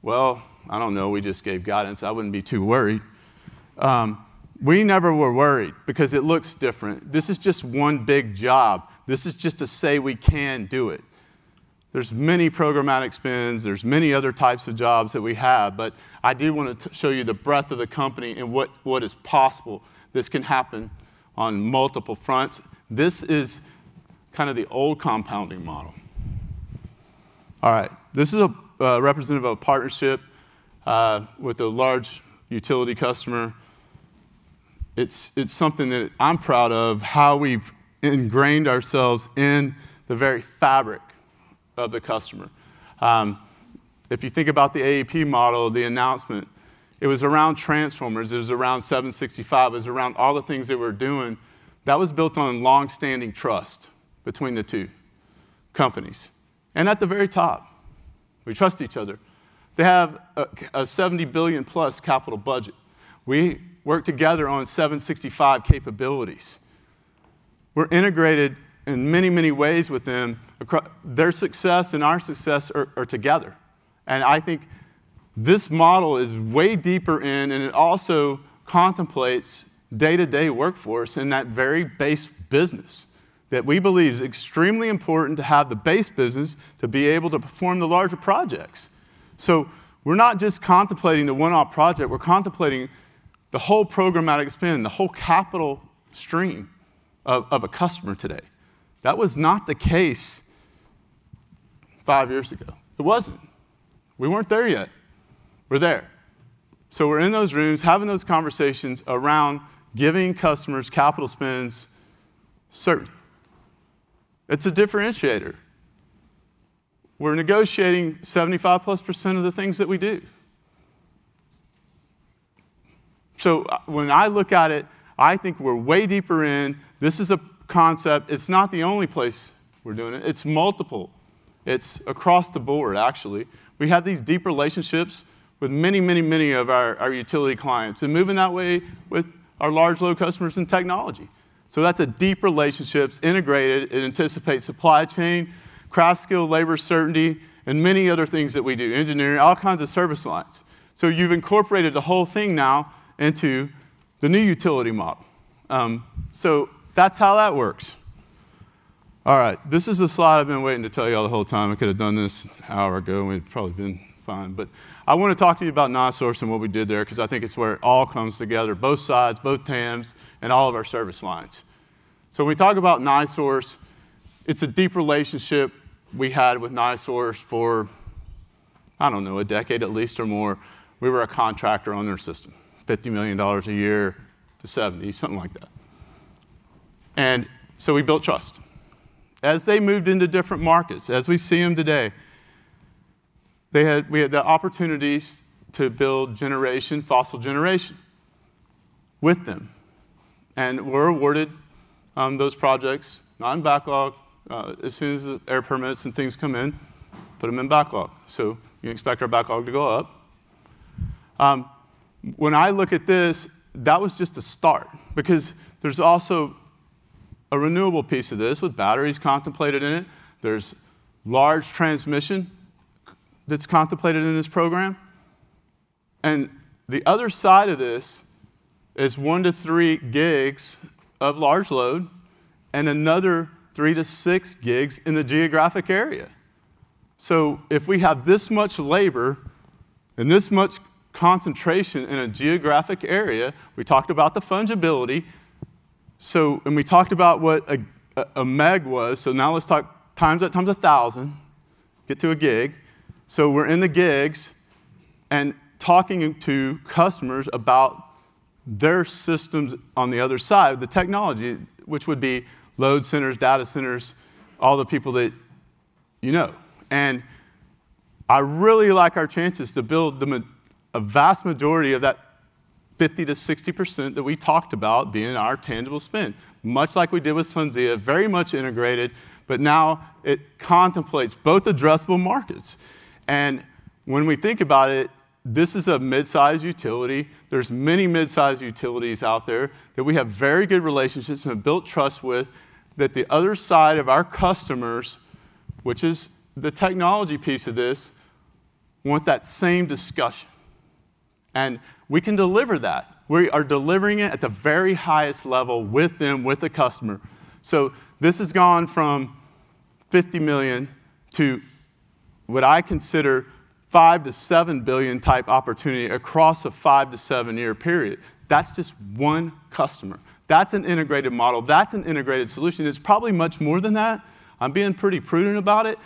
Well, I don't know. We just gave guidance. I wouldn't be too worried. We never were worried because it looks different. This is just one big job. This is just to say we can do it. There's many programmatic spends, there's many other types of jobs that we have, but I do wanna show you the breadth of the company and what is possible. This can happen on multiple fronts. This is kind of the old compounding model. All right. This is a representative of a partnership with a large utility customer. It's something that I'm proud of how we've ingrained ourselves in the very fabric of the customer. If you think about the AAP model, the announcement, it was around transformers, it was around 765 kV, it was around all the things that we're doing. That was built on longstanding trust between the two companies. At the very top, we trust each other. They have a $70+ billion capital budget. We work together on 765 kV capabilities. We're integrated in many, many ways with them. Their success and our success are together. I think this model is way deeper in, and it also contemplates day-to-day workforce in that very base business that we believe is extremely important to have the base business to be able to perform the larger projects. We're not just contemplating the one-off project, we're contemplating the whole programmatic spend, the whole capital stream of a customer today. That was not the case five years ago. It wasn't. We weren't there yet. We're there. We're in those rooms, having those conversations around giving customers capital spends certainty. It's a differentiator. We're negotiating 75%+ of the things that we do. When I look at it, I think we're way deeper in. This is a concept. It's not the only place we're doing it. It's multiple. It's across the board, actually. We have these deep relationships with many, many, many of our utility clients and moving that way with our large load customers in technology. That's a deep relationships, integrated, it anticipates supply chain, craft skill, labor certainty, and many other things that we do, engineering, all kinds of service lines. You've incorporated the whole thing now into the new utility model. That's how that works. All right. This is a slide I've been waiting to tell you all the whole time. I could have done this an hour ago, and we'd probably been fine. I wanna talk to you about NiSource and what we did there 'cause I think it's where it all comes together, both sides, both TAMs, and all of our service lines. When we talk about NiSource, it's a deep relationship we had with NiSource for, I don't know, a decade at least or more. We were a contractor on their system, $50 million a year to $70 million, something like that. We built trust. As they moved into different markets, as we see them today, we had the opportunities to build generation, fossil generation with them. We're awarded those projects, not in backlog, as soon as the air permits and things come in, put them in backlog. You expect our backlog to go up. When I look at this, that was just a start because there's also a renewable piece of this with batteries contemplated in it. There's large transmission that's contemplated in this program. The other side of this is 1 GW-3 GW of large load and another 3 GW-6 GW in the geographic area. If we have this much labor and this much concentration in a geographic area, we talked about the fungibility, and we talked about what a meg was. Now let's talk times that times 1,000, get to a gig. We're in the gigs and talking to customers about their systems on the other side, the technology, which would be load centers, data centers, all the people that you know. I really like our chances to build the vast majority of that 50%-60% that we talked about being our tangible spend, much like we did with SunZia, very much integrated, but now it contemplates both addressable markets. When we think about it, this is a mid-size utility. There's many mid-size utilities out there that we have very good relationships and have built trust with that the other side of our customers, which is the technology piece of this, want that same discussion. We can deliver that. We are delivering it at the very highest level with them, with the customer. This has gone from $50 million to what I consider $5 billion-$7 billion type opportunity across a five- to seven-year period. That's just one customer. That's an integrated model. That's an integrated solution. It's probably much more than that. I'm being pretty prudent about it,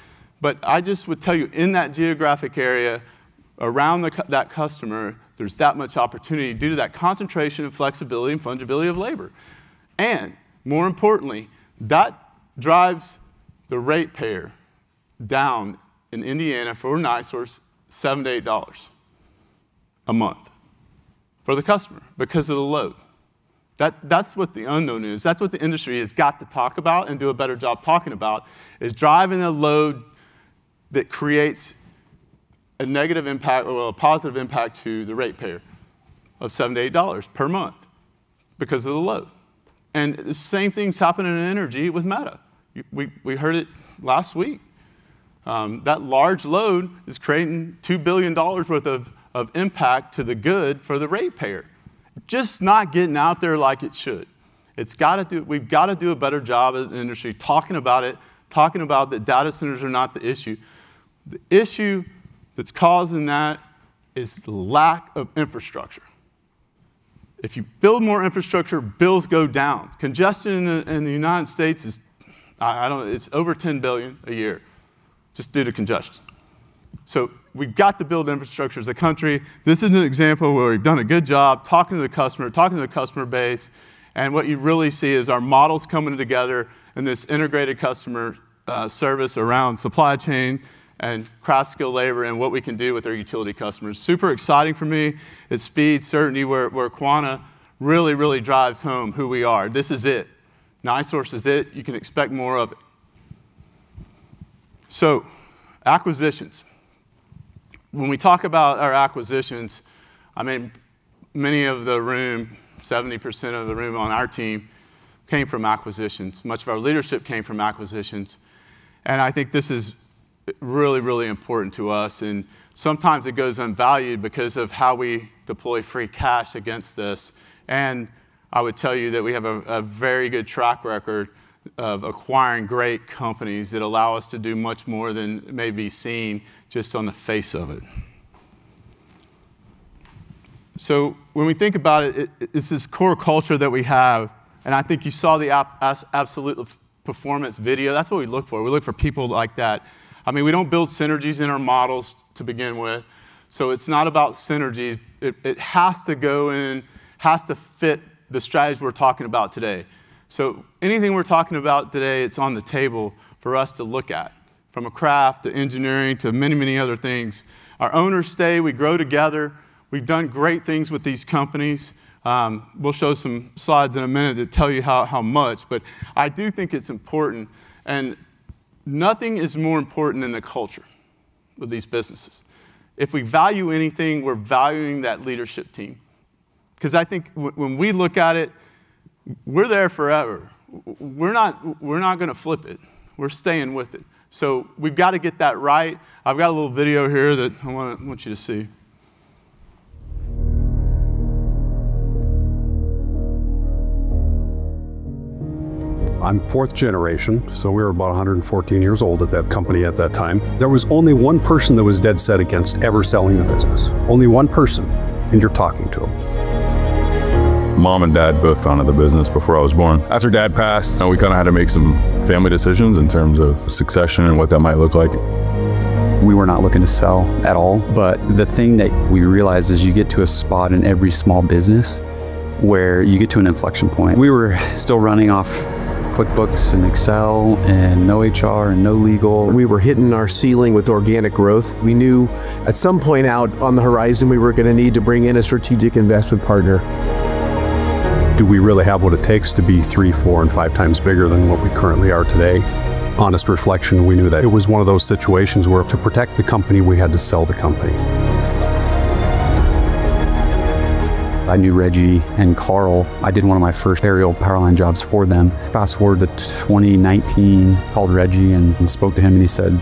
but I just would tell you in that geographic area around that customer, there's that much opportunity due to that concentration of flexibility and fungibility of labor. More importantly, that drives the rate payer down in Indiana for NiSource $7-$8 a month for the customer because of the load. That's what the unknown is. That's what the industry has got to talk about and do a better job talking about is driving a load that creates a negative impact or a positive impact to the rate payer of $7-$8 per month because of the load. The same thing's happening in energy with Meta. We heard it last week that large load is creating $2 billion worth of impact to the good for the rate payer. Just not getting out there like it should. It's gotta—we've gotta do a better job as an industry talking about it, talking about that data centers are not the issue. The issue that's causing that is the lack of infrastructure. If you build more infrastructure, bills go down. Congestion in the United States is, I don't know, it's over $10 billion a year just due to congestion. We've got to build infrastructure as a country. This is an example where we've done a good job talking to the customer, talking to the customer base, and what you really see is our models coming together in this integrated customer service around supply chain and craft skill labor and what we can do with our utility customers. Super exciting for me. It's speed, certainty, where Quanta really drives home who we are. This is it. NiSource is it. You can expect more of it. Acquisitions. When we talk about our acquisitions, I mean, many in the room, 70% of our team came from acquisitions. Much of our leadership came from acquisitions. I think this is really, really important to us, and sometimes it goes unvalued because of how we deploy free cash against this. I would tell you that we have a very good track record of acquiring great companies that allow us to do much more than may be seen just on the face of it. When we think about it's this core culture that we have, and I think you saw the absolute performance video. That's what we look for. We look for people like that. I mean, we don't build synergies in our models to begin with, so it's not about synergies. It has to go in, has to fit the strategies we're talking about today. Anything we're talking about today, it's on the table for us to look at, from a craft to engineering to many, many other things. Our owners stay, we grow together. We've done great things with these companies. We'll show some slides in a minute to tell you how much. But I do think it's important, and nothing is more important than the culture of these businesses. If we value anything, we're valuing that leadership team. 'Cause I think when we look at it, we're there forever. We're not gonna flip it. We're staying with it. We've gotta get that right. I've got a little video here that I want you to see. I'm fourth generation, so we were about 114 years old at that company at that time. There was only one person that was dead set against ever selling the business, only one person, and you're talking to him. Mom and dad both founded the business before I was born. After dad passed, you know, we kinda had to make some family decisions in terms of succession and what that might look like. We were not looking to sell at all, but the thing that we realized is you get to a spot in every small business where you get to an inflection point. We were still running off QuickBooks and Excel and no HR and no legal. We were hitting our ceiling with organic growth. We knew at some point out on the horizon, we were gonna need to bring in a strategic investment partner. Do we really have what it takes to be 3x, 4x, and 5x bigger than what we currently are today? Honest reflection, we knew that it was one of those situations where to protect the company, we had to sell the company. I knew Redgie and Karl. I did one of my first aerial power line jobs for them. Fast-forward to 2019, called Redgie and spoke to him, and he said,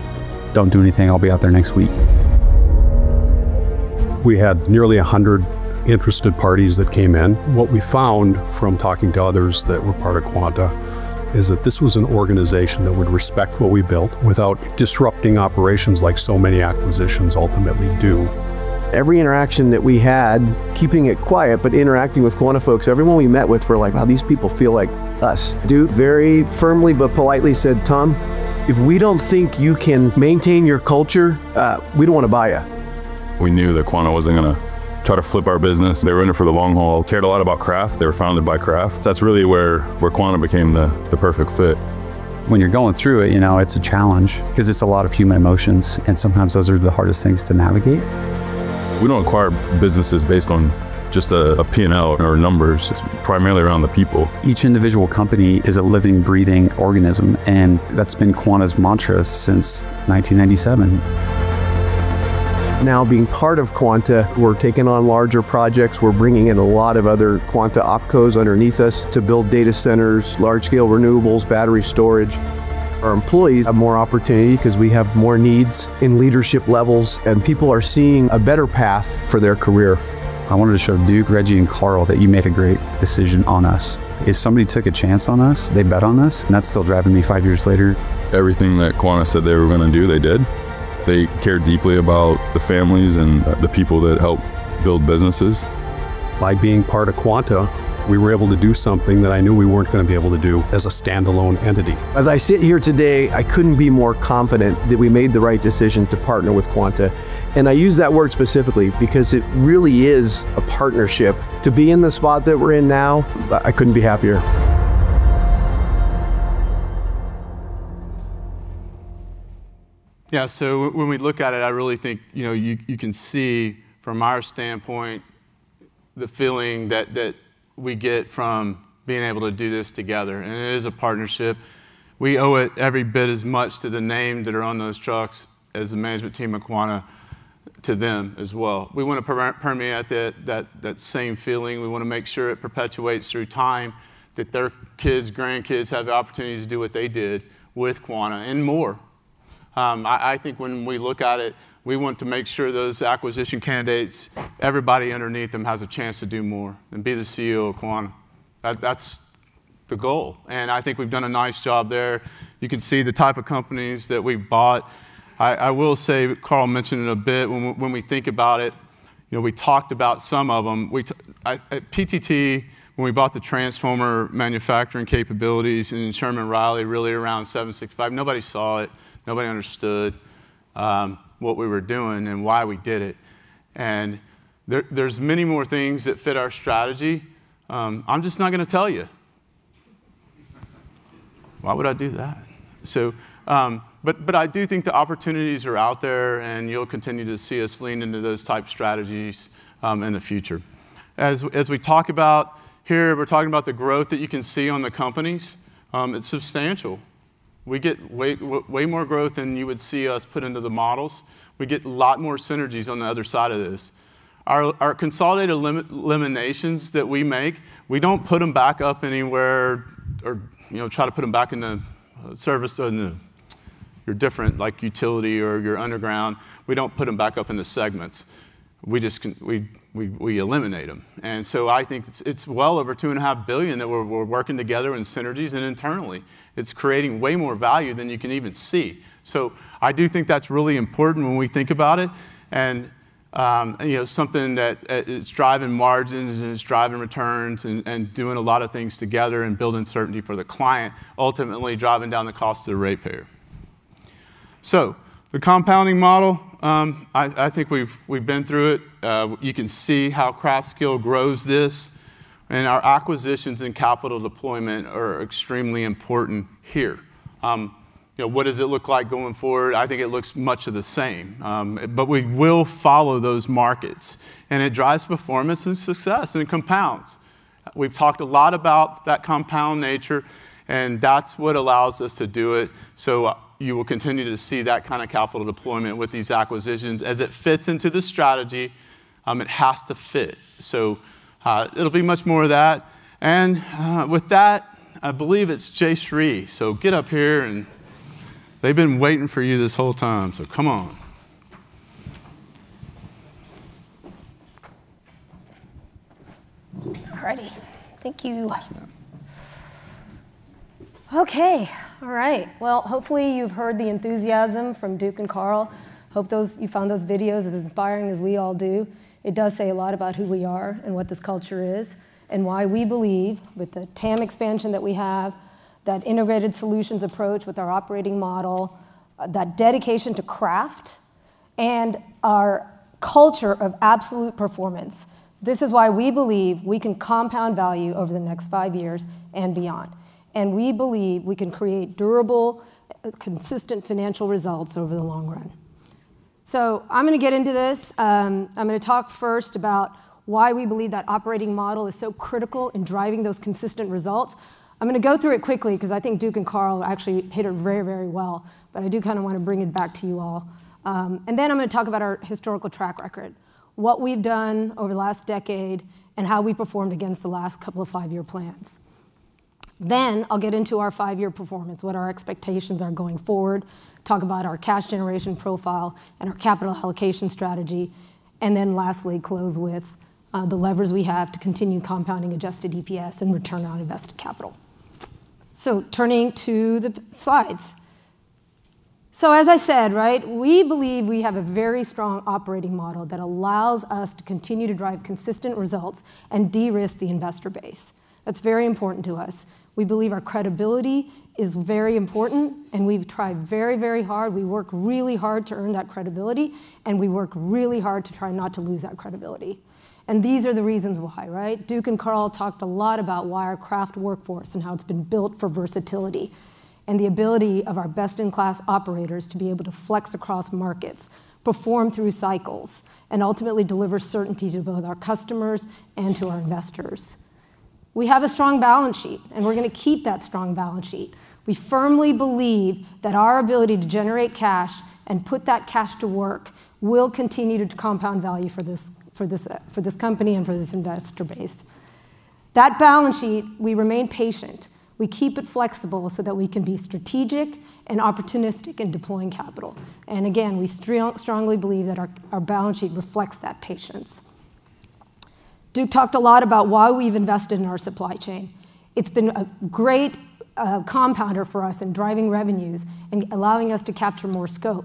"Don't do anything. I'll be out there next week. We had nearly 100 interested parties that came in. What we found from talking to others that were part of Quanta is that this was an organization that would respect what we built without disrupting operations like so many acquisitions ultimately do. Every interaction that we had, keeping it quiet, but interacting with Quanta folks, everyone we met with, we're like, "Wow, these people feel like us." Duke very firmly but politely said, "Tom, if we don't think you can maintain your culture, we don't wanna buy you. We knew that Quanta wasn't gonna try to flip our business. They were in it for the long haul, cared a lot about craft. They were founded by craft. That's really where Quanta became the perfect fit. When you're going through it, you know, it's a challenge 'cause it's a lot of human emotions, and sometimes those are the hardest things to navigate. We don't acquire businesses based on just a P&L or numbers. It's primarily around the people. Each individual company is a living, breathing organism, and that's been Quanta's mantra since 1997. Now being part of Quanta, we're taking on larger projects. We're bringing in a lot of other Quanta opcos underneath us to build data centers, large-scale renewables, battery storage. Our employees have more opportunity 'cause we have more needs in leadership levels, and people are seeing a better path for their career. I wanted to show Duke, Redgie, and Karl that you made a great decision on us. If somebody took a chance on us, they bet on us, and that's still driving me five years later. Everything that Quanta said they were gonna do, they did. They cared deeply about the families and the people that help build businesses. By being part of Quanta, we were able to do something that I knew we weren't gonna be able to do as a standalone entity. As I sit here today, I couldn't be more confident that we made the right decision to partner with Quanta, and I use that word specifically because it really is a partnership. To be in the spot that we're in now, I couldn't be happier. When we look at it, I really think, you know, you can see from our standpoint the feeling that we get from being able to do this together, and it is a partnership. We owe it every bit as much to the name that are on those trucks as the management team of Quanta to them as well. We wanna permeate that same feeling. We wanna make sure it perpetuates through time, that their kids, grandkids have the opportunity to do what they did with Quanta and more. I think when we look at it, we want to make sure those acquisition candidates, everybody underneath them, has a chance to do more and be the CEO of Quanta. That's the goal, and I think we've done a nice job there. You can see the type of companies that we've bought. I will say, Karl mentioned it a bit, when we think about it, you know, we talked about some of them. At PTT, when we bought the transformer manufacturing capabilities and Sherman+Reilly, really around 765 kV, nobody saw it. Nobody understood what we were doing and why we did it. There are many more things that fit our strategy. I'm just not gonna tell you. Why would I do that? But I do think the opportunities are out there, and you'll continue to see us lean into those type strategies in the future. As we talk about here, we're talking about the growth that you can see on the companies. It's substantial. We get way more growth than you would see us put into the models. We get a lot more synergies on the other side of this. Our consolidated eliminations that we make, we don't put them back up anywhere or, you know, try to put them back into service to your different, like utility or your underground. We don't put them back up into segments. We just eliminate them. I think it's well over $2.5 billion that we're working together in synergies and internally. It's creating way more value than you can even see. I do think that's really important when we think about it and, you know, something that, it's driving margins, and it's driving returns and doing a lot of things together and building certainty for the client, ultimately driving down the cost to the ratepayer. The compounding model, I think we've been through it. You can see how craft skill grows this, and our acquisitions and capital deployment are extremely important here. You know, what does it look like going forward? I think it looks much of the same. We will follow those markets, and it drives performance and success, and it compounds. We've talked a lot about that compound nature, and that's what allows us to do it. You will continue to see that kind of capital deployment with these acquisitions as it fits into the strategy. It has to fit. It'll be much more of that. With that, I believe it's Jayshree. Get up here, and they've been waiting for you this whole time, so come on. All righty. Thank you. Yeah. Okay. All right. Well, hopefully you've heard the enthusiasm from Duke and Karl. Hope you found those videos as inspiring as we all do. It does say a lot about who we are and what this culture is, and why we believe, with the TAM expansion that we have, that integrated solutions approach with our operating model, that dedication to craft and our culture of absolute performance, this is why we believe we can compound value over the next five years and beyond. We believe we can create durable, consistent financial results over the long run. I'm gonna get into this. I'm gonna talk first about why we believe that operating model is so critical in driving those consistent results. I'm gonna go through it quickly 'cause I think Duke and Karl actually hit it very, very well, but I do kinda wanna bring it back to you all. I'm gonna talk about our historical track record, what we've done over the last decade, and how we performed against the last couple of five-year plans. I'll get into our five-year performance, what our expectations are going forward, talk about our cash generation profile and our capital allocation strategy, and then lastly, close with the levers we have to continue compounding Adjusted EPS and return on invested capital. Turning to the slides. As I said, right, we believe we have a very strong operating model that allows us to continue to drive consistent results and de-risk the investor base. That's very important to us. We believe our credibility is very important, and we've tried very, very hard, we work really hard to earn that credibility, and we work really hard to try not to lose that credibility. These are the reasons why, right? Duke and Karl talked a lot about why our craft workforce and how it's been built for versatility, and the ability of our best-in-class operators to be able to flex across markets, perform through cycles, and ultimately deliver certainty to both our customers and to our investors. We have a strong balance sheet, and we're gonna keep that strong balance sheet. We firmly believe that our ability to generate cash and put that cash to work will continue to compound value for this company and for this investor base. That balance sheet, we remain patient. We keep it flexible so that we can be strategic and opportunistic in deploying capital. We strongly believe that our balance sheet reflects that patience. Duke talked a lot about why we've invested in our supply chain. It's been a great compounder for us in driving revenues and allowing us to capture more scope,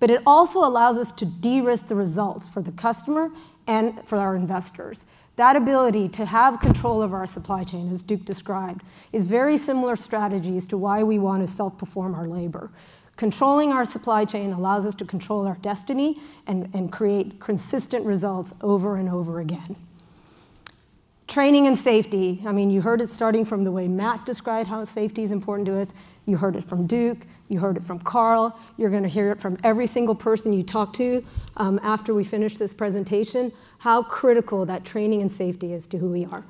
but it also allows us to de-risk the results for the customer and for our investors. That ability to have control of our supply chain, as Duke described, is very similar strategies to why we wanna self-perform our labor. Controlling our supply chain allows us to control our destiny and create consistent results over and over again. Training and safety, I mean, you heard it starting from the way Matt described how safety is important to us. You heard it from Duke, you heard it from Karl, you're gonna hear it from every single person you talk to, after we finish this presentation, how critical that training and safety is to who we are.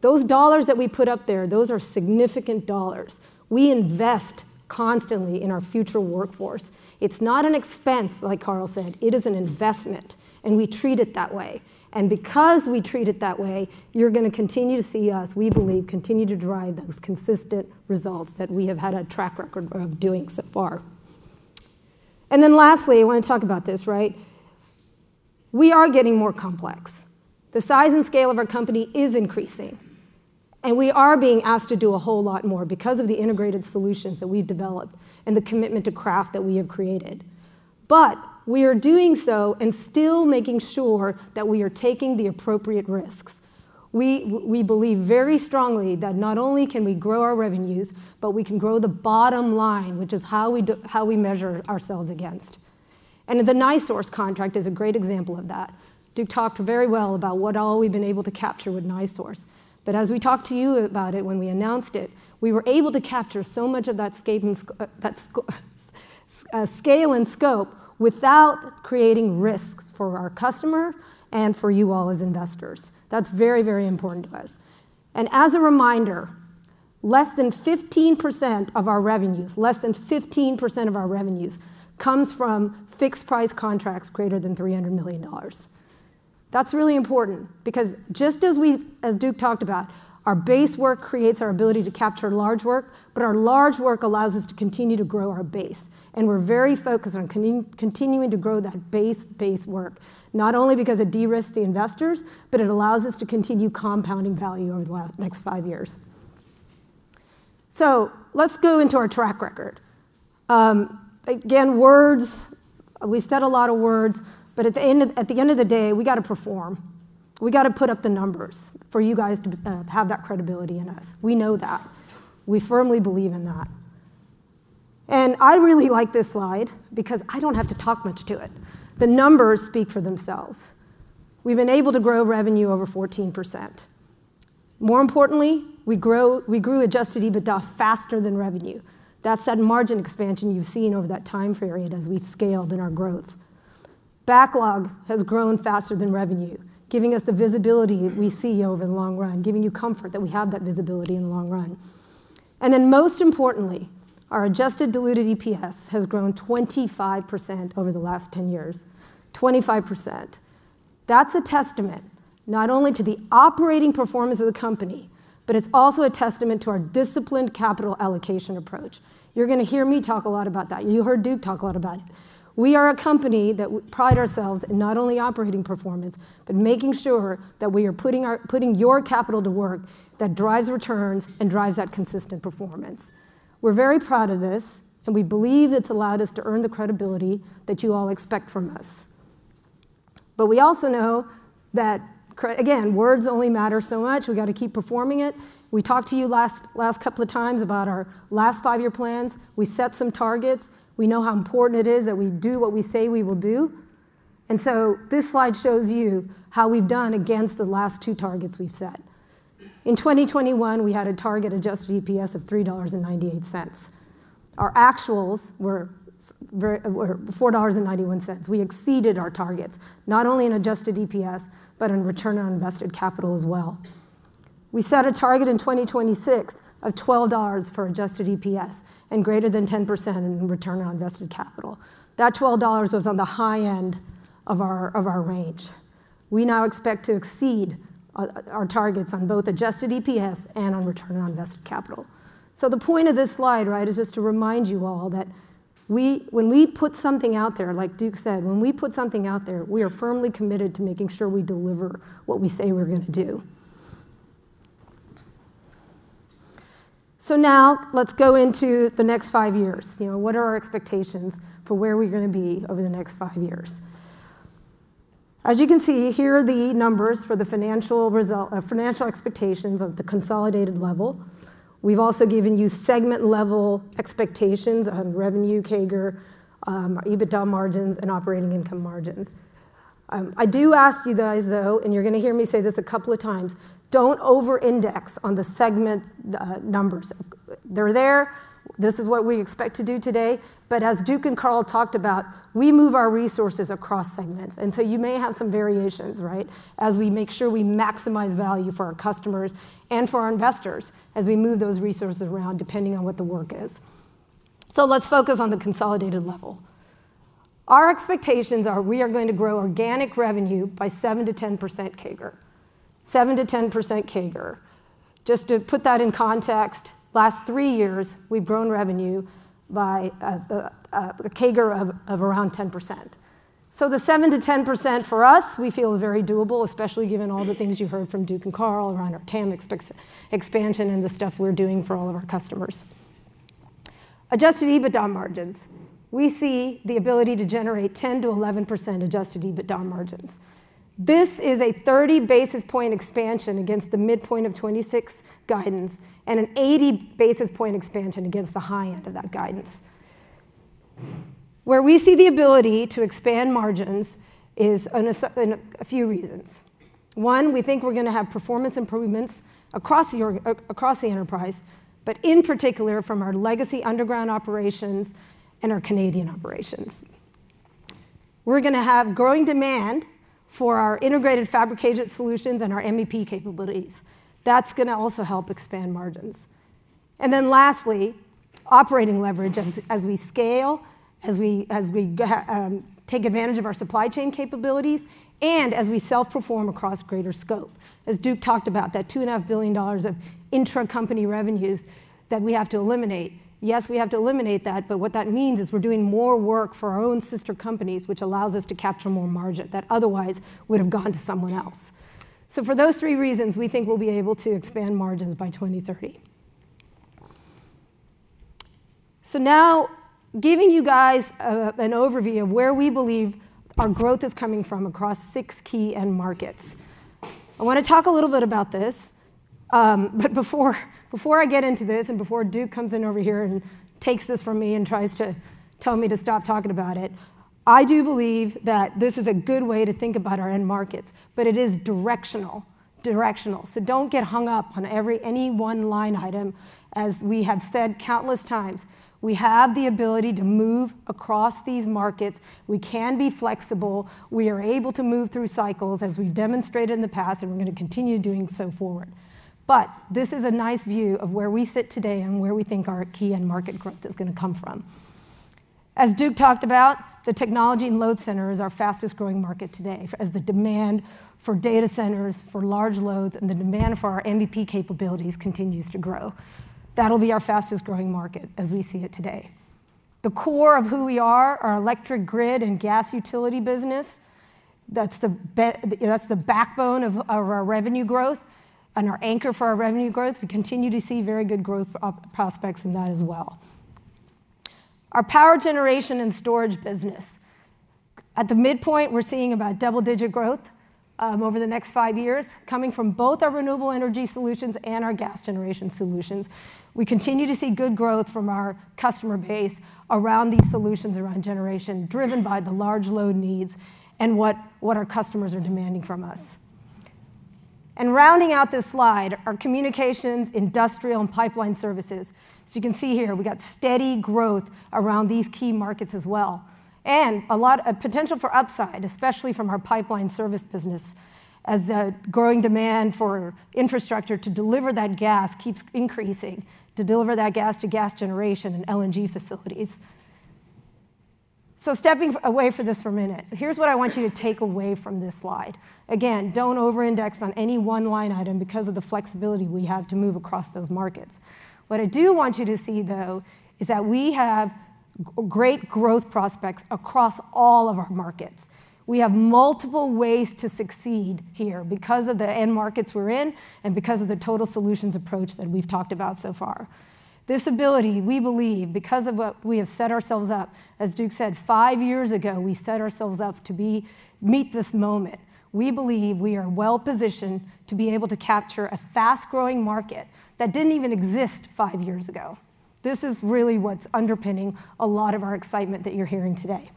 Those dollars that we put up there, those are significant dollars. We invest constantly in our future workforce. It's not an expense, like Karl said, it is an investment, and we treat it that way. Because we treat it that way, you're gonna continue to see us, we believe, continue to drive those consistent results that we have had a track record of doing so far. Then lastly, I wanna talk about this, right? We are getting more complex. The size and scale of our company is increasing, and we are being asked to do a whole lot more because of the integrated solutions that we've developed and the commitment to craft that we have created. We are doing so and still making sure that we are taking the appropriate risks. We believe very strongly that not only can we grow our revenues, but we can grow the bottom line, which is how we measure ourselves against. The NiSource contract is a great example of that. Duke talked very well about what all we've been able to capture with NiSource. As we talked to you about it when we announced it, we were able to capture so much of that scale and scope without creating risks for our customer and for you all as investors. That's very, very important to us. as a reminder, less than 15% of our revenues comes from fixed price contracts greater than $300 million. That's really important because just as Duke talked about, our base work creates our ability to capture large work, but our large work allows us to continue to grow our base, and we're very focused on continuing to grow that base work, not only because it de-risks the investors, but it allows us to continue compounding value over the next five years. Let's go into our track record. Again, words, we said a lot of words, but at the end of the day, we gotta perform. We gotta put up the numbers for you guys to have that credibility in us. We know that. We firmly believe in that. I really like this slide because I don't have to talk much to it. The numbers speak for themselves. We've been able to grow revenue over 14%. More importantly, we grew Adjusted EBITDA faster than revenue. That's that margin expansion you've seen over that time period as we've scaled in our growth. Backlog has grown faster than revenue, giving us the visibility we see over the long run, giving you comfort that we have that visibility in the long run. Most importantly, our Adjusted diluted EPS has grown 25% over the last 10 years. 25%. That's a testament not only to the operating performance of the company, but it's also a testament to our disciplined capital allocation approach. You're gonna hear me talk a lot about that. You heard Duke talk a lot about it. We are a company that pride ourselves in not only operating performance, but making sure that we are putting your capital to work that drives returns and drives that consistent performance. We're very proud of this, and we believe it's allowed us to earn the credibility that you all expect from us. But we also know that again, words only matter so much. We gotta keep performing it. We talked to you last couple of times about our last five year plans. We set some targets. We know how important it is that we do what we say we will do. This slide shows you how we've done against the last two targets we've set. In 2021, we had a target Adjusted EPS of $3.98. Our actuals were $4.91. We exceeded our targets, not only in Adjusted EPS, but in return on invested capital as well. We set a target in 2026 of $12 for Adjusted EPS and greater than 10% in return on invested capital. That $12 was on the high end of our range. We now expect to exceed our targets on both Adjusted EPS and on return on invested capital. The point of this slide, right, is just to remind you all that we, when we put something out there, like Duke said, are firmly committed to making sure we deliver what we say we're gonna do. Now let's go into the next five years. You know, what are our expectations for where we're gonna be over the next five years? As you can see, here are the numbers for the financial result, financial expectations of the consolidated level. We've also given you segment-level expectations on revenue CAGR, EBITDA margins, and operating income margins. I do ask you guys, though, and you're gonna hear me say this a couple of times, don't over-index on the segment, numbers. They're there. This is what we expect to do today. As Duke and Karl talked about, we move our resources across segments. You may have some variations, right, as we make sure we maximize value for our customers and for our investors as we move those resources around, depending on what the work is. Let's focus on the consolidated level. Our expectations are we are going to grow organic revenue by 7%-10% CAGR. 7%-10% CAGR. Just to put that in context, last three years, we've grown revenue by a CAGR of around 10%. The 7%-10% for us, we feel is very doable, especially given all the things you heard from Duke and Karl around our TAM expansion and the stuff we're doing for all of our customers. Adjusted EBITDA Margins. We see the ability to generate 10%-11% Adjusted EBITDA Margins. This is a 30-basis-point expansion against the midpoint of 2026 guidance and an 80-basis-point expansion against the high end of that guidance. Where we see the ability to expand margins is in a few reasons. One, we think we're gonna have performance improvements across the enterprise, but in particular from our legacy underground operations and our Canadian operations. We're gonna have growing demand for our integrated fabricated solutions and our MEP capabilities. That's gonna also help expand margins. Then lastly, operating leverage as we scale, take advantage of our supply chain capabilities, and as we self-perform across greater scope. As Duke talked about, that $2.5 billion of intra-company revenues that we have to eliminate. Yes, we have to eliminate that, but what that means is we're doing more work for our own sister companies, which allows us to capture more margin that otherwise would have gone to someone else. For those three reasons, we think we'll be able to expand margins by 2030. Now giving you guys an overview of where we believe our growth is coming from across six key end markets. I wanna talk a little bit about this. But before I get into this, and before Duke comes in over here and takes this from me and tries to tell me to stop talking about it, I do believe that this is a good way to think about our end markets, but it is directional. Don't get hung up on any one line item. As we have said countless times, we have the ability to move across these markets. We can be flexible. We are able to move through cycles, as we've demonstrated in the past, and we're gonna continue doing so forward. This is a nice view of where we sit today and where we think our key end market growth is gonna come from. As Duke talked about, the technology and load center is our fastest-growing market today, as the demand for data centers, for large loads, and the demand for our MEP capabilities continues to grow. That'll be our fastest-growing market as we see it today. The core of who we are, our electric grid and gas utility business, that's the you know, that's the backbone of our revenue growth and our anchor for our revenue growth. We continue to see very good growth prospects in that as well. Our power generation and storage business. At the midpoint, we're seeing about double-digit growth over the next five years coming from both our renewable energy solutions and our gas generation solutions. We continue to see good growth from our customer base around these solutions, around generation driven by the large load needs and what our customers are demanding from us. Rounding out this slide are communications, industrial, and pipeline services. You can see here we got steady growth around these key markets as well, and a lot of potential for upside, especially from our pipeline service business as the growing demand for infrastructure to deliver that gas keeps increasing to gas generation and LNG facilities. Stepping away for this for a minute, here's what I want you to take away from this slide. Again, don't over-index on any one line item because of the flexibility we have to move across those markets. What I do want you to see, though, is that we have great growth prospects across all of our markets. We have multiple ways to succeed here because of the end markets we're in and because of the total solutions approach that we've talked about so far. This ability, we believe, because of what we have set ourselves up, as Duke said, five years ago, we set ourselves up to meet this moment. We believe we are well-positioned to be able to capture a fast-growing market that didn't even exist five years ago. This is really what's underpinning a lot of our excitement that you're hearing today.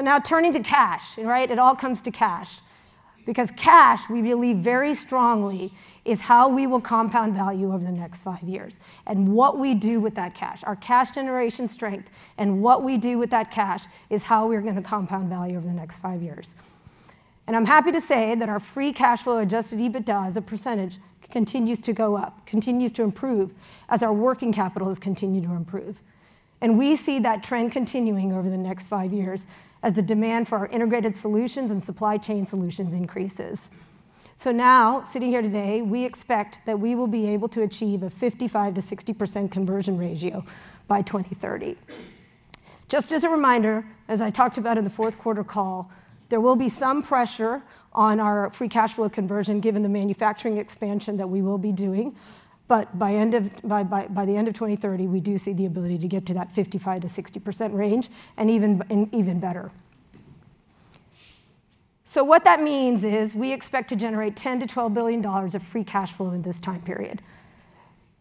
Now turning to cash, right? It all comes to cash, because cash, we believe very strongly, is how we will compound value over the next five years. What we do with that cash, our cash generation strength, and what we do with that cash is how we're gonna compound value over the next five years. I'm happy to say that our Free Cash Flow Adjusted EBITDA as a percentage continues to go up, continues to improve as our working capital has continued to improve. We see that trend continuing over the next five years as the demand for our integrated solutions and supply chain solutions increases. Now, sitting here today, we expect that we will be able to achieve a 55%-60% conversion ratio by 2030. Just as a reminder, as I talked about in the fourth quarter call, there will be some pressure on our Free Cash Flow conversion given the manufacturing expansion that we will be doing. By the end of 2030, we do see the ability to get to that 55%-60% range and even better. What that means is we expect to generate $10 billion-$12 billion of Free Cash Flow in this time period.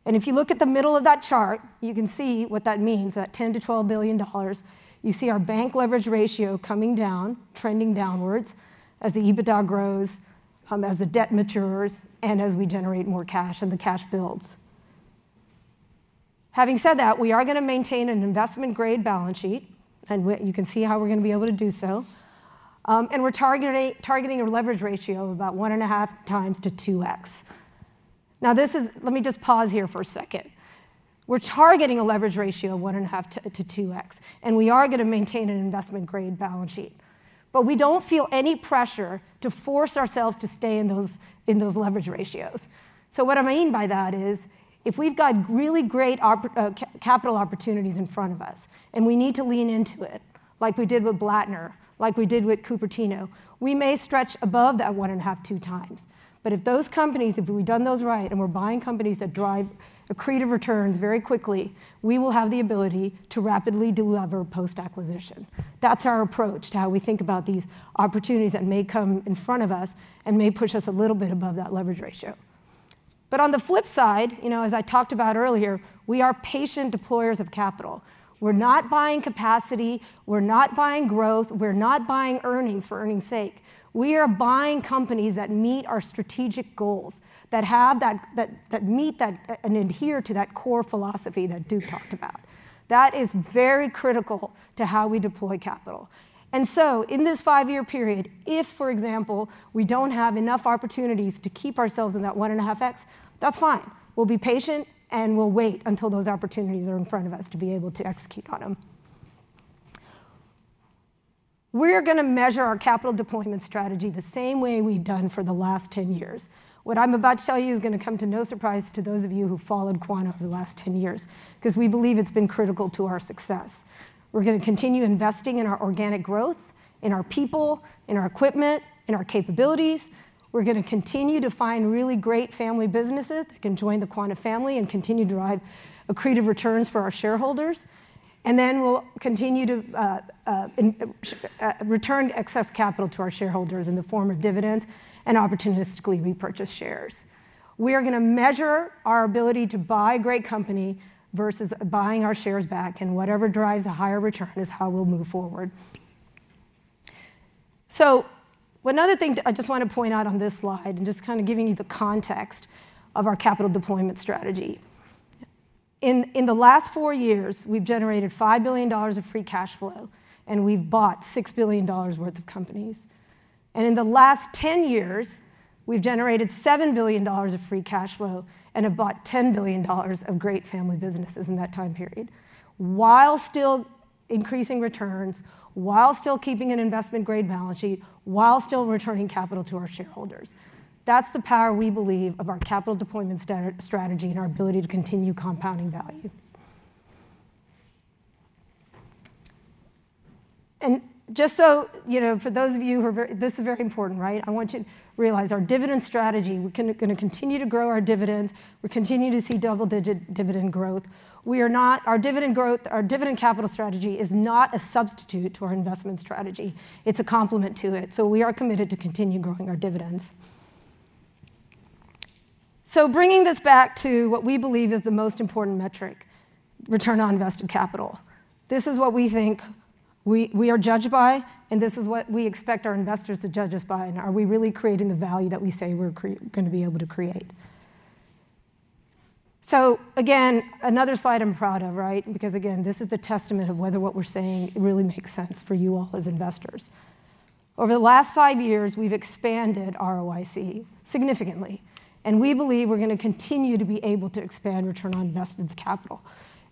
If you look at the middle of that chart, you can see what that means, that $10 billion-$12 billion. You see our bank leverage ratio coming down, trending downwards as the EBITDA grows, as the debt matures, and as we generate more cash and the cash builds. Having said that, we are gonna maintain an investment-grade balance sheet, and you can see how we're gonna be able to do so. We're targeting a leverage ratio of about 1.5x-2x. Let me just pause here for a second. We're targeting a leverage ratio of 1.5x-2x, and we are gonna maintain an investment-grade balance sheet. We don't feel any pressure to force ourselves to stay in those leverage ratios. What I mean by that is, if we've got really great capital opportunities in front of us, and we need to lean into it like we did with Blattner, like we did with Cupertino, we may stretch above that 1.5x-2x. If those companies, if we've done those right, and we're buying companies that drive accretive returns very quickly, we will have the ability to rapidly delever post-acquisition. That's our approach to how we think about these opportunities that may come in front of us and may push us a little bit above that leverage ratio. On the flip side, you know, as I talked about earlier, we are patient deployers of capital. We're not buying capacity. We're not buying growth. We're not buying earnings for earning's sake. We are buying companies that meet our strategic goals, that have that meet that, and adhere to that core philosophy that Duke talked about. That is very critical to how we deploy capital. In this five-year period, if, for example, we don't have enough opportunities to keep ourselves in that 1.5x, that's fine. We'll be patient, and we'll wait until those opportunities are in front of us to be able to execute on them. We're gonna measure our capital deployment strategy the same way we've done for the last 10 years. What I'm about to tell you is gonna come to no surprise to those of you who've followed Quanta over the last 10 years, because we believe it's been critical to our success. We're gonna continue investing in our organic growth, in our people, in our equipment, in our capabilities. We're gonna continue to find really great family businesses that can join the Quanta family and continue to drive accretive returns for our shareholders. We'll continue to return excess capital to our shareholders in the form of dividends and opportunistically repurchase shares. We are gonna measure our ability to buy a great company versus buying our shares back, and whatever drives a higher return is how we'll move forward. One other thing I just want to point out on this slide and just kind of giving you the context of our capital deployment strategy. In the last four years, we've generated $5 billion of Free Cash Flow, and we've bought $6 billion worth of companies. In the last 10 years, we've generated $7 billion of Free Cash Flow and have bought $10 billion of great family businesses in that time period while still increasing returns, while still keeping an investment-grade balance sheet, while still returning capital to our shareholders. That's the power we believe of our capital deployment strategy and our ability to continue compounding value. Just so, you know, for those of you who are, this is very important, right? I want you to realize our dividend strategy. We're gonna continue to grow our dividends. We continue to see double-digit dividend growth. Our dividend growth, our dividend capital strategy is not a substitute to our investment strategy. It's a complement to it, so we are committed to continue growing our dividends. Bringing this back to what we believe is the most important metric, return on invested capital. This is what we think we are judged by, and this is what we expect our investors to judge us by and are we really creating the value that we say we're gonna be able to create. Again, another slide I'm proud of, right? Because again, this is the testament of whether what we're saying really makes sense for you all as investors. Over the last five years, we've expanded ROIC significantly, and we believe we're gonna continue to be able to expand return on invested capital.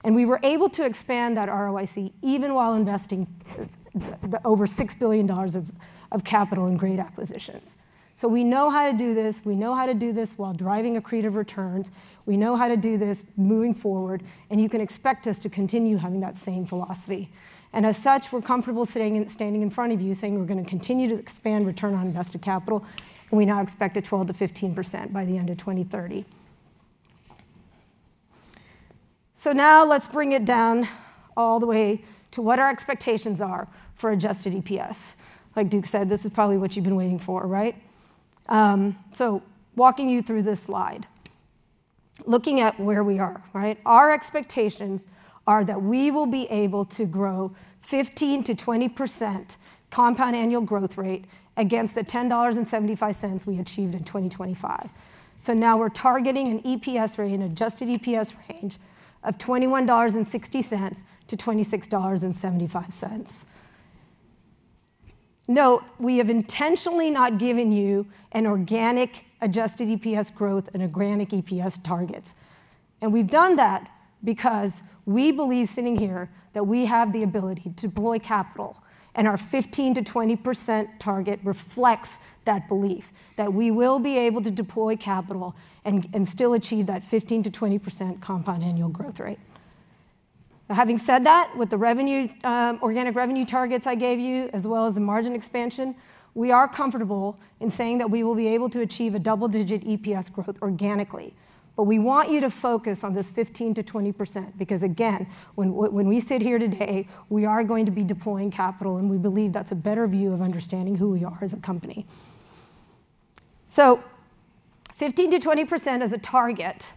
We were able to expand that ROIC even while investing the over $6 billion of capital in great acquisitions. We know how to do this. We know how to do this while driving accretive returns. We know how to do this moving forward, and you can expect us to continue having that same philosophy. As such, we're comfortable sitting and standing in front of you saying we're gonna continue to expand return on invested capital, and we now expect 12%-15% by the end of 2030. Now let's bring it down all the way to what our expectations are for Adjusted EPS. Like Duke said, this is probably what you've been waiting for, right? Walking you through this slide. Looking at where we are, right? Our expectations are that we will be able to grow 15%-20% compound annual growth rate against the $10.75 we achieved in 2025. Now we're targeting an EPS range, an Adjusted EPS range of $21.60-$26.75. Note, we have intentionally not given you an organic Adjusted EPS growth and organic EPS targets. We've done that because we believe sitting here that we have the ability to deploy capital, and our 15%-20% target reflects that belief that we will be able to deploy capital and still achieve that 15%-20% compound annual growth rate. Now, having said that, with the revenue, organic revenue targets I gave you, as well as the margin expansion, we are comfortable in saying that we will be able to achieve a double-digit EPS growth organically. We want you to focus on this 15%-20% because again, when we sit here today, we are going to be deploying capital, and we believe that's a better view of understanding who we are as a company. 15%-20% is a target,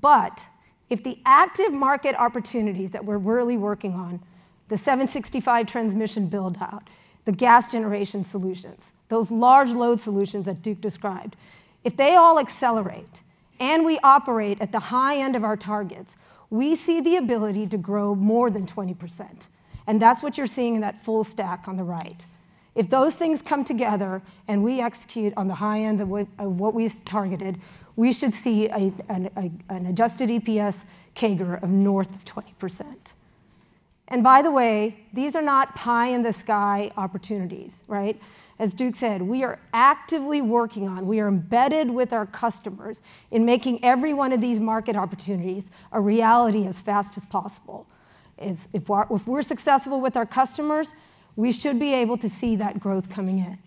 but if the active market opportunities that we're really working on, the 765 kV transmission build-out, the gas generation solutions, those large load solutions that Duke described, if they all accelerate and we operate at the high end of our targets, we see the ability to grow more than 20%. That's what you're seeing in that full stack on the right. If those things come together and we execute on the high end of what we've targeted, we should see an Adjusted EPS CAGR of north of 20%. By the way, these are not pie-in-the-sky opportunities, right? As Duke said, we are actively working on, we are embedded with our customers in making every one of these market opportunities a reality as fast as possible. If we're successful with our customers, we should be able to see that growth coming in.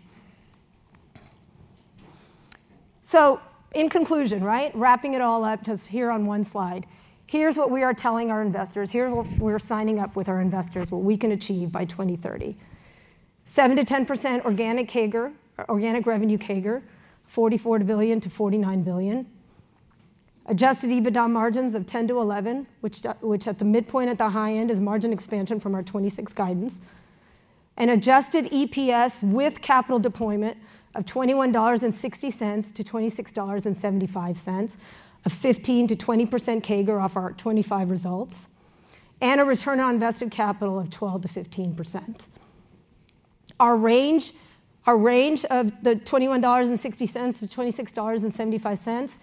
In conclusion, right. Wrapping it all up just here on one slide. Here's what we are telling our investors. Here's what we're signing up with our investors, what we can achieve by 2030. 7%-10% organic CAGR, organic revenue CAGR, $44 billion-$49 billion. Adjusted EBITDA Margins of 10%-11%, which at the midpoint, at the high end is margin expansion from our 2026 guidance. An Adjusted EPS with capital deployment of $21.60-$26.75. A 15%-20% CAGR off our 2025 results, and a return on invested capital of 12%-15%. Our range of $21.60-$26.75,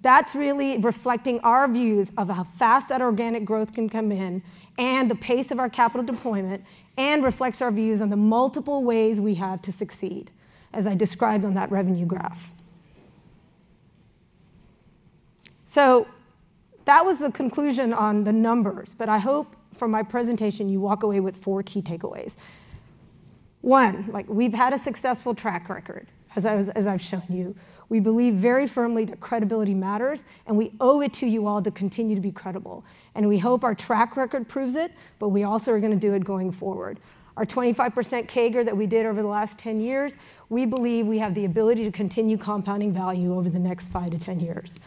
that's really reflecting our views of how fast that organic growth can come in and the pace of our capital deployment and reflects our views on the multiple ways we have to succeed, as I described on that revenue graph. So that was the conclusion on the numbers, but I hope from my presentation, you walk away with four key takeaways. One, like we've had a successful track record, as I've shown you. We believe very firmly that credibility matters, and we owe it to you all to continue to be credible. We hope our track record proves it, but we also are gonna do it going forward. Our 25% CAGR that we did over the last 10 years, we believe we have the ability to continue compounding value over the next five to 10 years.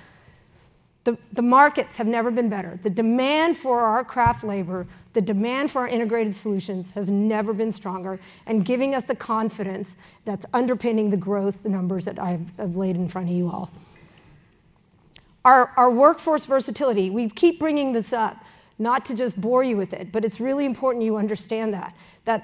The markets have never been better. The demand for our craft labor, the demand for our integrated solutions has never been stronger and giving us the confidence that's underpinning the growth numbers that I've laid in front of you all. Our workforce versatility, we keep bringing this up, not to just bore you with it, but it's really important you understand that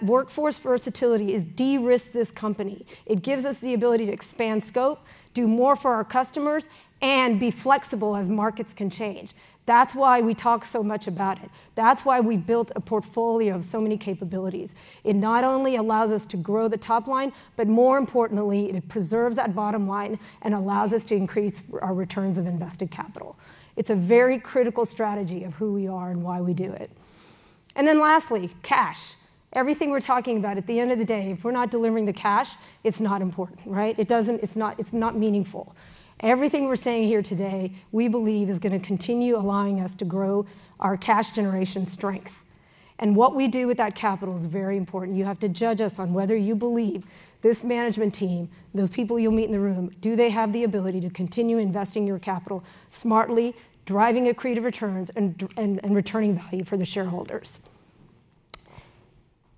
workforce versatility is de-risk this company. It gives us the ability to expand scope, do more for our customers, and be flexible as markets can change. That's why we talk so much about it. That's why we built a portfolio of so many capabilities. It not only allows us to grow the top line, but more importantly, it preserves that bottom line and allows us to increase our return on invested capital. It's a very critical strategy of who we are and why we do it. Then lastly, cash. Everything we're talking about, at the end of the day, if we're not delivering the cash, it's not important, right? It's not meaningful. Everything we're saying here today, we believe is gonna continue allowing us to grow our cash generation strength. What we do with that capital is very important. You have to judge us on whether you believe this management team, those people you'll meet in the room, do they have the ability to continue investing your capital smartly, driving accretive returns, and returning value for the shareholders?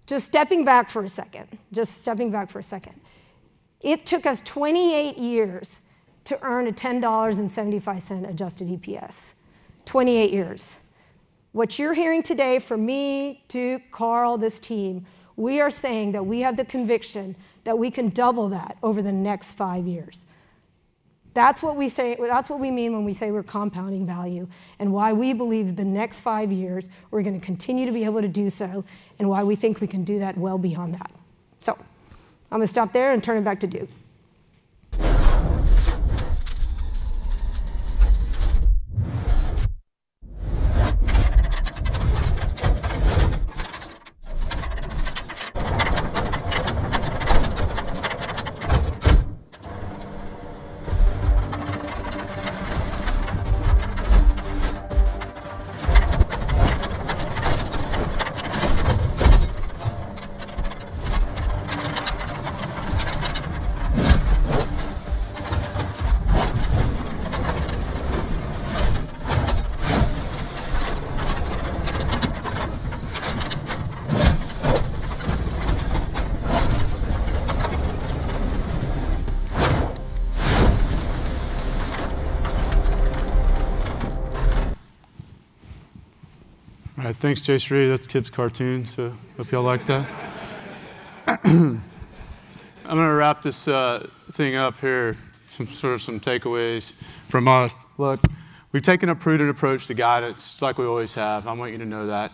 Just stepping back for a second. It took us 28 years to earn a $10.75 Adjusted EPS. 28 years. What you're hearing today from me, Duke, Karl, this team, we are saying that we have the conviction that we can double that over the next five years. That's what we say. That's what we mean when we say we're compounding value, and why we believe that the next five years, we're gonna continue to be able to do so, and why we think we can do that well beyond that. I'm gonna stop there and turn it back to Duke. All right. Thanks, Jayshree. That's the kids' cartoon, so hope y'all liked that. I'm gonna wrap this thing up here. Some takeaways from us. Look, we've taken a prudent approach to guidance like we always have. I want you to know that.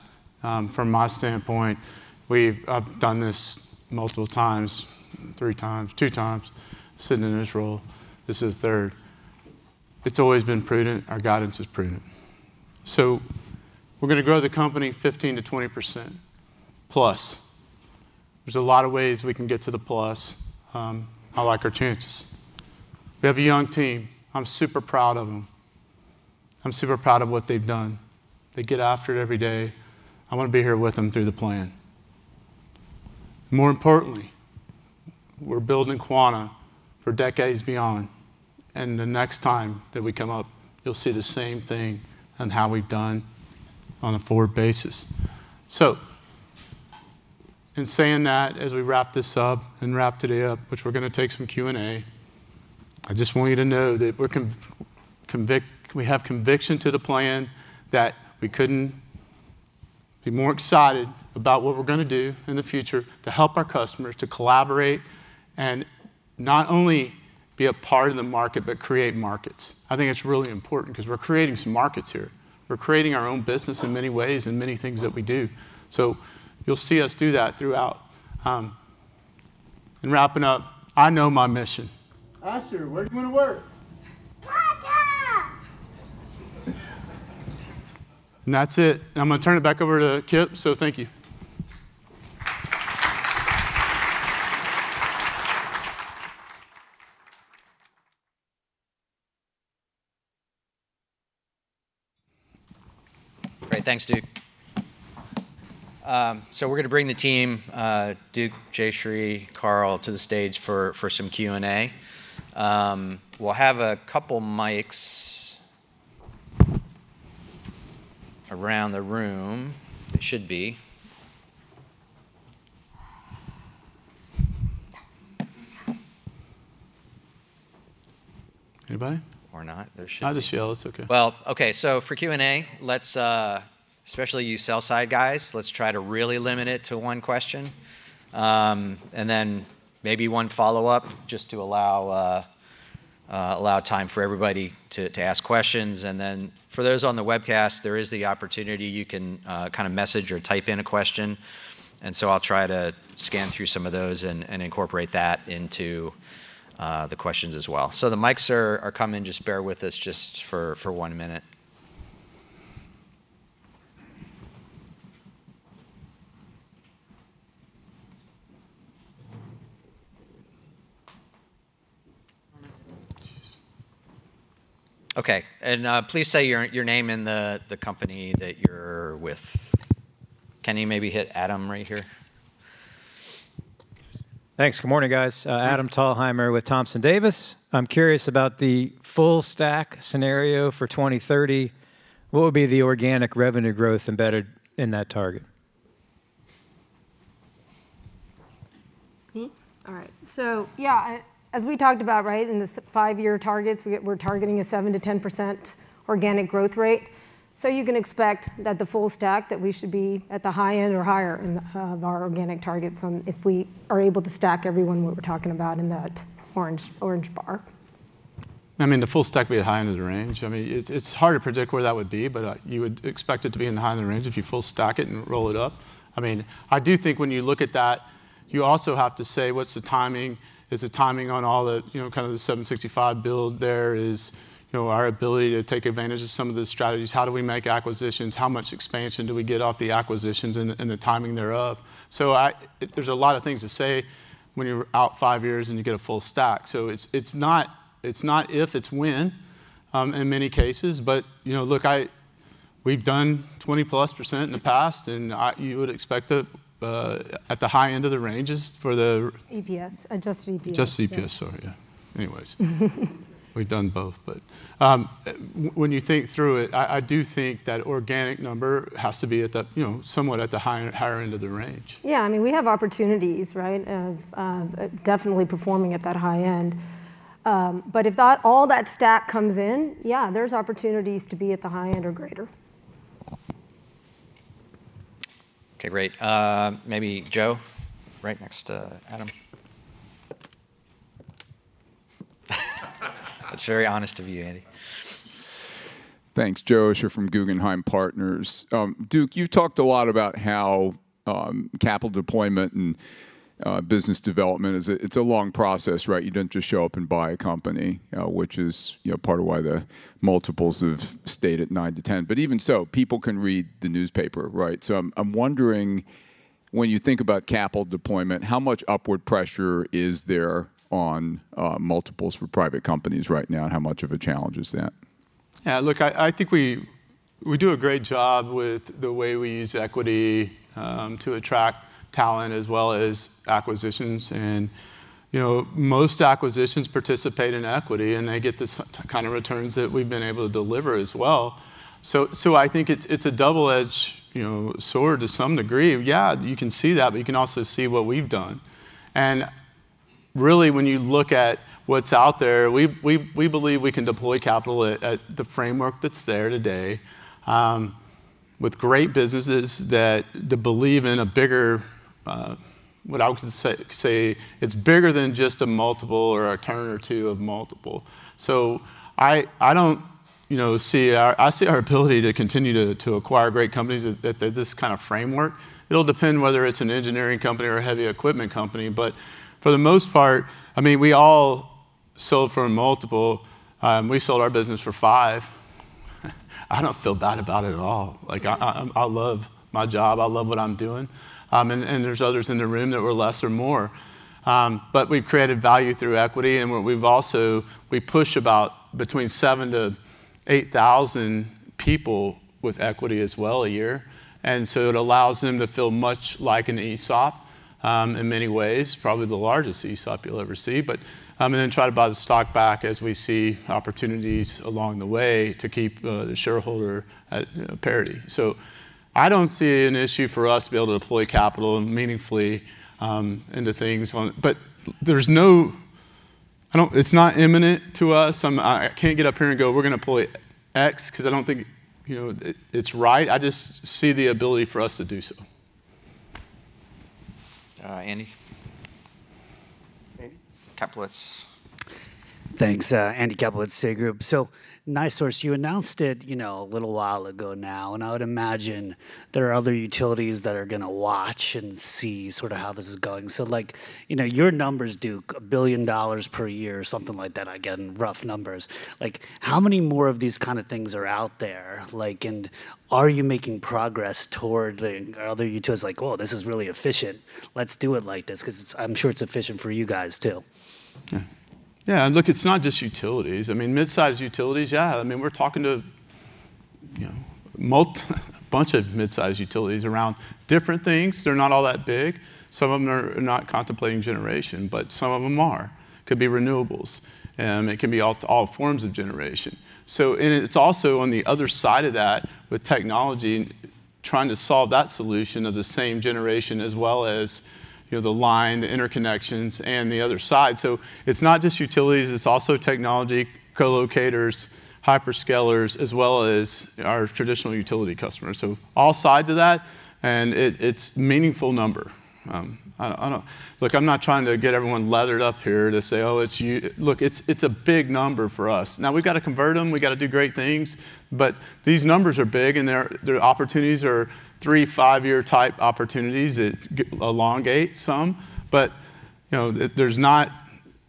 From my standpoint, I've done this multiple times, three times, two times sitting in this role. This is the third. It's always been prudent. Our guidance is prudent. We're gonna grow the company 15%-20%+. There's a lot of ways we can get to the plus. I like our chances. We have a young team. I'm super proud of them. I'm super proud of what they've done. They get after it every day. I wanna be here with them through the plan. More importantly, we're building Quanta for decades beyond, and the next time that we come up, you'll see the same thing on how we've done on a forward basis. In saying that, as we wrap this up and wrap today up, which we're gonna take some Q&A, I just want you to know that we have conviction to the plan, that we couldn't be more excited about what we're gonna do in the future to help our customers, to collaborate, and not only be a part of the market, but create markets. I think it's really important 'cause we're creating some markets here. We're creating our own business in many ways and many things that we do. You'll see us do that throughout. In wrapping up, I know my mission. Asher, where do you wanna work? Quanta! That's it. I'm gonna turn it back over to Kip. Thank you. Great. Thanks, Duke. We're gonna bring the team, Duke, Jayshree, Karl to the stage for some Q&A. We'll have a couple mics around the room. There should be. Anybody? Not. There should be. I'll just yell. It's okay. Well, okay, for Q&A, let's especially you sell-side guys, let's try to really limit it to one question, and then maybe one follow-up just to allow time for everybody to ask questions. For those on the webcast, there is the opportunity, you can kinda message or type in a question, and I'll try to scan through some of those and incorporate that into the questions as well. The mics are coming. Just bear with us for one minute. Okay. Please say your name and the company that you're with. Kenny, maybe hit Adam right here. Thanks. Good morning, guys. Adam Thalhimer with Thompson Davis. I'm curious about the full stack scenario for 2030. What would be the organic revenue growth embedded in that target? Me? All right. Yeah, as we talked about, right, in the five-year targets, we're targeting a 7%-10% organic growth rate. You can expect that the full stack, that we should be at the high end or higher in our organic targets if we are able to stack every one what we're talking about in that orange bar. I mean, the full stack will be at high end of the range. I mean, it's hard to predict where that would be, but you would expect it to be in the high end of the range if you full stack it and roll it up. I mean, I do think when you look at that, you also have to say, "What's the timing?" Is the timing on all the, you know, kind of the 765 kV build there? Is, you know, our ability to take advantage of some of the strategies? How do we make acquisitions? How much expansion do we get off the acquisitions and the timing thereof? There's a lot of things to say when you're out five years and you get a full stack. It's not if, it's when, in many cases. You know, look, we've done 20%+ in the past and you would expect it at the high end of the ranges for the- EPS. Adjusted EPS. Adjusted EPS. Sorry, yeah. Anyways. We've done both, but when you think through it, I do think that organic number has to be at that, you know, somewhat at the higher end of the range. Yeah. I mean, we have opportunities, right, of definitely performing at that high end. If all that stack comes in, yeah, there's opportunities to be at the high end or greater. Okay, great. Maybe Joe, right next to Adam. That's very honest of you, Andy. Thanks. Joe Osha from Guggenheim Partners. Duke, you talked a lot about how capital deployment and business development is a, it's a long process, right? You don't just show up and buy a company, which is, you know, part of why the multiples have stayed at 9x-10x. Even so, people can read the newspaper, right? I'm wondering when you think about capital deployment, how much upward pressure is there on multiples for private companies right now, and how much of a challenge is that? Yeah, look, I think we do a great job with the way we use equity to attract talent as well as acquisitions. You know, most acquisitions participate in equity, and they get the same kind of returns that we've been able to deliver as well. I think it's a double-edged sword to some degree. Yeah, you can see that, but you can also see what we've done. Really when you look at what's out there, we believe we can deploy capital at the framework that's there today with great businesses that we believe in a bigger what I would say it's bigger than just a multiple or a turn or two of multiple. I don't, you know, see our ability to continue to acquire great companies at this kind of framework. It'll depend whether it's an engineering company or a heavy equipment company. For the most part, I mean, we all sold for a multiple. We sold our business for 5x. I don't feel bad about it at all. Like I love my job. I love what I'm doing. There's others in the room that were less or more. We've created value through equity, and we've also push about between 7,000-8,000 people with equity as well a year. It allows them to feel much like an ESOP in many ways, probably the largest ESOP you'll ever see. I'm gonna try to buy the stock back as we see opportunities along the way to keep the shareholder at parity. I don't see an issue for us to be able to deploy capital meaningfully into things. It's not imminent to us. I can't get up here and go, "We're gonna deploy X," 'cause I don't think, you know, it's right. I just see the ability for us to do so. Andy. Andy Kaplowitz. Thanks. Andy Kaplowitz, Citigroup. NiSource, you announced it, you know, a little while ago now, and I would imagine there are other utilities that are gonna watch and see sort of how this is going. Like, you know, your numbers, Duke, $1 billion per year or something like that, again, rough numbers. Like, how many more of these kind of things are out there? Like, and are you making progress toward the other utilities like, "Whoa, this is really efficient. Let's do it like this"? 'Cause it's efficient for you guys too. Yeah, look, it's not just utilities. I mean, mid-size utilities, yeah. I mean, we're talking to, you know, a bunch of mid-size utilities around different things. They're not all that big. Some of them are not contemplating generation, but some of them are. Could be renewables, it can be all forms of generation. And it's also on the other side of that with technology, trying to solve that solution of the same generation as well as, you know, the line, the interconnections, and the other side. It's not just utilities, it's also technology, co-locators, hyperscalers, as well as our traditional utility customers. All sides of that, and it's a meaningful number. I don't. Look, I'm not trying to get everyone lathered up here to say, "Oh, it's you." Look, it's a big number for us. Now we've got to convert them. We've got to do great things. These numbers are big, and they're opportunities or three, five year type opportunities. It elongates some, but you know, there's not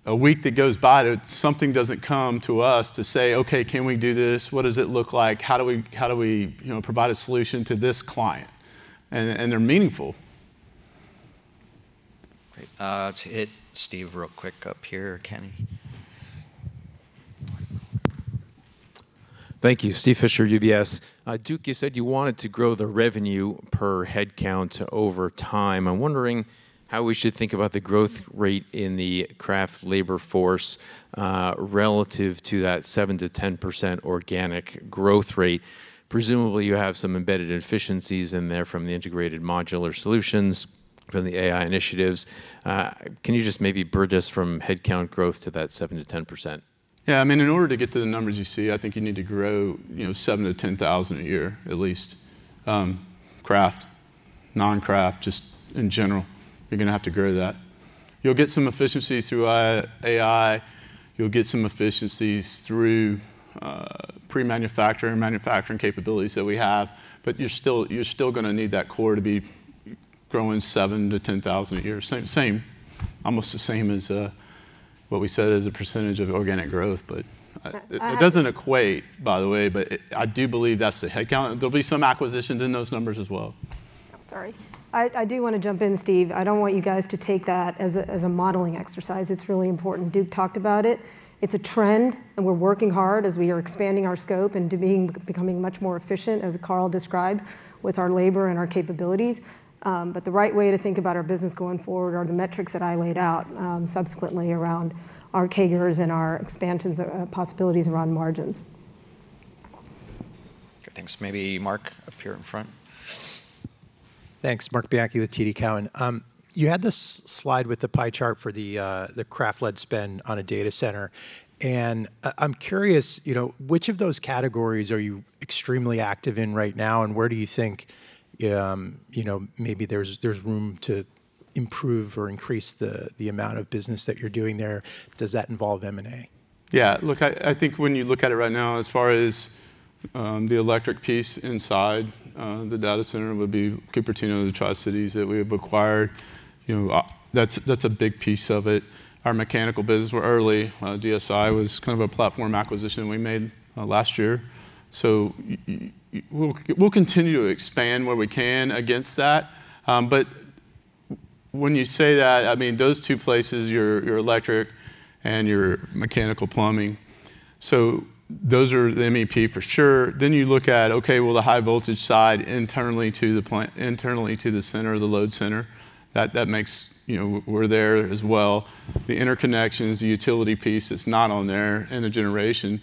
a week that goes by that something doesn't come to us to say, "Okay, can we do this? What does it look like? How do we you know, provide a solution to this client?" They're meaningful. Great. Let's hit Steve real quick up here. Kenny. Thank you. Steven Fisher, UBS. Duke, you said you wanted to grow the revenue per head count over time. I'm wondering how we should think about the growth rate in the craft labor force, relative to that 7%-10% organic growth rate. Presumably, you have some embedded efficiencies in there from the integrated modular solutions, from the AI initiatives. Can you just maybe bridge us from head count growth to that 7%-10%? Yeah, I mean, in order to get to the numbers you see, I think you need to grow, you know, 7,000-10,000 a year at least, craft, non-craft, just in general. You're gonna have to grow that. You'll get some efficiencies through AI. You'll get some efficiencies through pre-manufacturing, manufacturing capabilities that we have. But you're still gonna need that core to be growing 7,000-10,000 a year. Same. Almost the same as what we said as a percentage of organic growth. But Uh, uh- It doesn't equate, by the way, but it, I do believe that's the head count. There'll be some acquisitions in those numbers as well. Sorry. I do wanna jump in, Steve. I don't want you guys to take that as a modeling exercise. It's really important. Duke talked about it. It's a trend, and we're working hard as we are expanding our scope and becoming much more efficient, as Karl described, with our labor and our capabilities. The right way to think about our business going forward are the metrics that I laid out, subsequently around our CAGRs and our expansions, possibilities around margins. Okay, thanks. Maybe Marc up here in front. Thanks. Marc Bianchi with TD Cowen. You had this slide with the pie chart for the craft-led spend on a data center, and I'm curious, you know, which of those categories are you extremely active in right now, and where do you think, you know, maybe there's room to improve or increase the amount of business that you're doing there? Does that involve M&A? Look, I think when you look at it right now, as far as the electric piece inside the data center would be Cupertino and the Tri-City that we have acquired. You know, that's a big piece of it. Our mechanical business, we're early. DSI was kind of a platform acquisition we made last year. We'll continue to expand where we can against that. When you say that, I mean, those two places, your electric and your mechanical plumbing, so those are the MEP for sure. You look at, okay, well, the high voltage side internally to the plant, internally to the center of the load center, that makes, you know, we're there as well. The interconnections, the utility piece that's not on there, and the generation,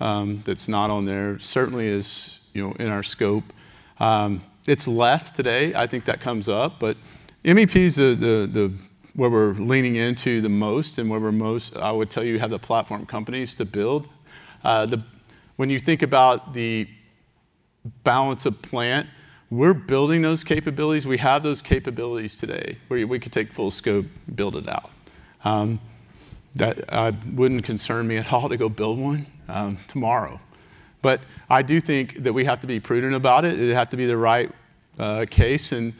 that's not on there certainly is, you know, in our scope. It's less today. I think that comes up. MEP is the where we're leaning into the most and where we're most, I would tell you, have the platform companies to build. When you think about the balance of plant, we're building those capabilities. We have those capabilities today, where we could take full scope, build it out. That wouldn't concern me at all to go build one tomorrow. I do think that we have to be prudent about it. It'd have to be the right case and,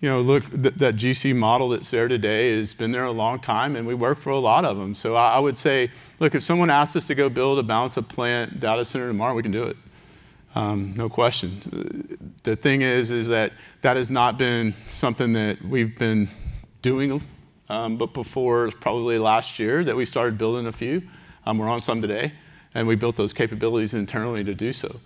you know, look, that GC model that's there today has been there a long time, and we work for a lot of them. I would say, look, if someone asks us to go build a balance of plant data center tomorrow, we can do it. No question. The thing is, that that has not been something that we've been doing, but before probably last year that we started building a few. We're on some today, and we built those capabilities internally to do so.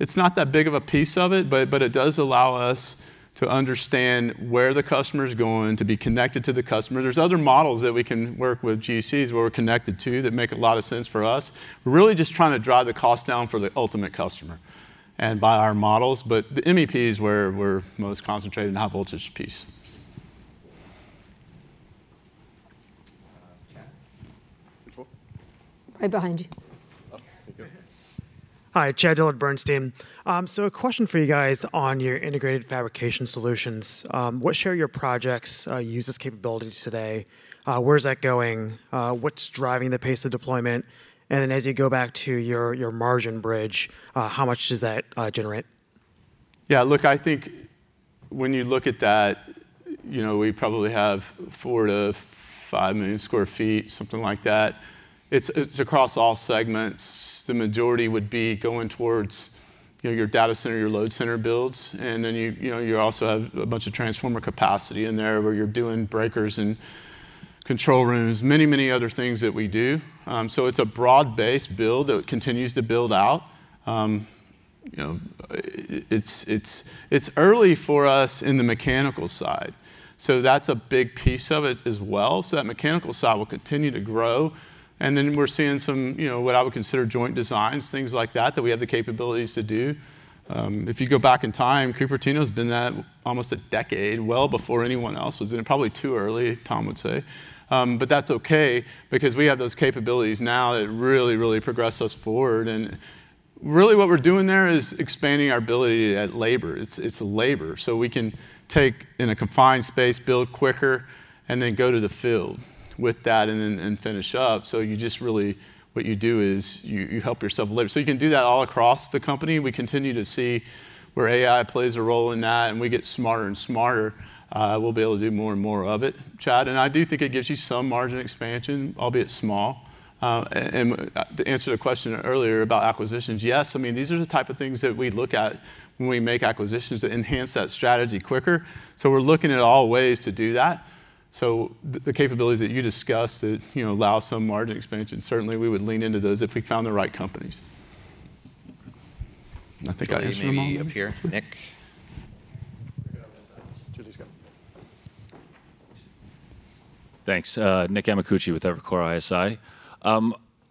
It's not that big of a piece of it, but it does allow us to understand where the customer's going, to be connected to the customer. There's other models that we can work with GCs where we're connected to that make a lot of sense for us. We're really just trying to drive the cost down for the ultimate customer and by our models. But the MEP is where we're most concentrated in the high voltage piece. Chad. Which one? Right behind you. Oh. Thank you. Go ahead. Hi. Chad Dillard, Bernstein. A question for you guys on your integrated fabrication solutions. What share of your projects use these capabilities today? Where's that going? What's driving the pace of deployment? As you go back to your margin bridge, how much does that generate? Look, I think when you look at that, you know, we probably have 4-5 million sq ft, something like that. It's across all segments. The majority would be going towards, you know, your data center, your load center builds, and then you know, you also have a bunch of transformer capacity in there where you're doing breakers and control rooms, many other things that we do. So it's a broad-based build that continues to build out. You know, it's early for us in the mechanical side, so that's a big piece of it as well. So that mechanical side will continue to grow. Then we're seeing some, you know, what I would consider joint designs, things like that we have the capabilities to do. If you go back in time, Cupertino's been at almost a decade, well before anyone else was in. Probably too early, Tom would say. That's okay because we have those capabilities now that really, really progress us forward. Really what we're doing there is expanding our ability at labor. It's, it's labor. We can take in a confined space, build quicker, and then go to the field with that and then, and finish up. You just really, what you do is you help yourself deliver. You can do that all across the company. We continue to see where AI plays a role in that, and we get smarter and smarter. We'll be able to do more and more of it, Chad. I do think it gives you some margin expansion, albeit small. To answer the question earlier about acquisitions, yes, I mean, these are the type of things that we look at when we make acquisitions to enhance that strategy quicker. We're looking at all ways to do that. The capabilities that you discussed that, you know, allow some margin expansion, certainly we would lean into those if we found the right companies. I think I have somebody up here. Nick. Right here on this side. Judy, Scott. Thanks. Nick Amicucci with Evercore ISI.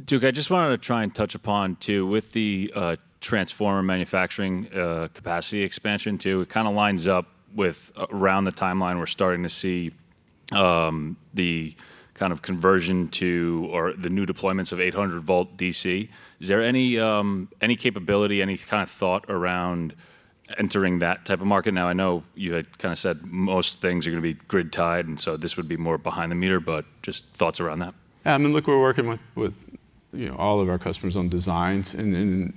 Duke, I just wanted to try and touch upon too with the transformer manufacturing capacity expansion too. It kinda lines up with around the timeline we're starting to see the kind of conversion to or the new deployments of 800-volt DC. Is there any capability, any kind of thought around entering that type of market? Now I know you had kinda said most things are gonna be grid tied, and so this would be more behind the meter, but just thoughts around that. I mean, look, we're working with you know, all of our customers on designs and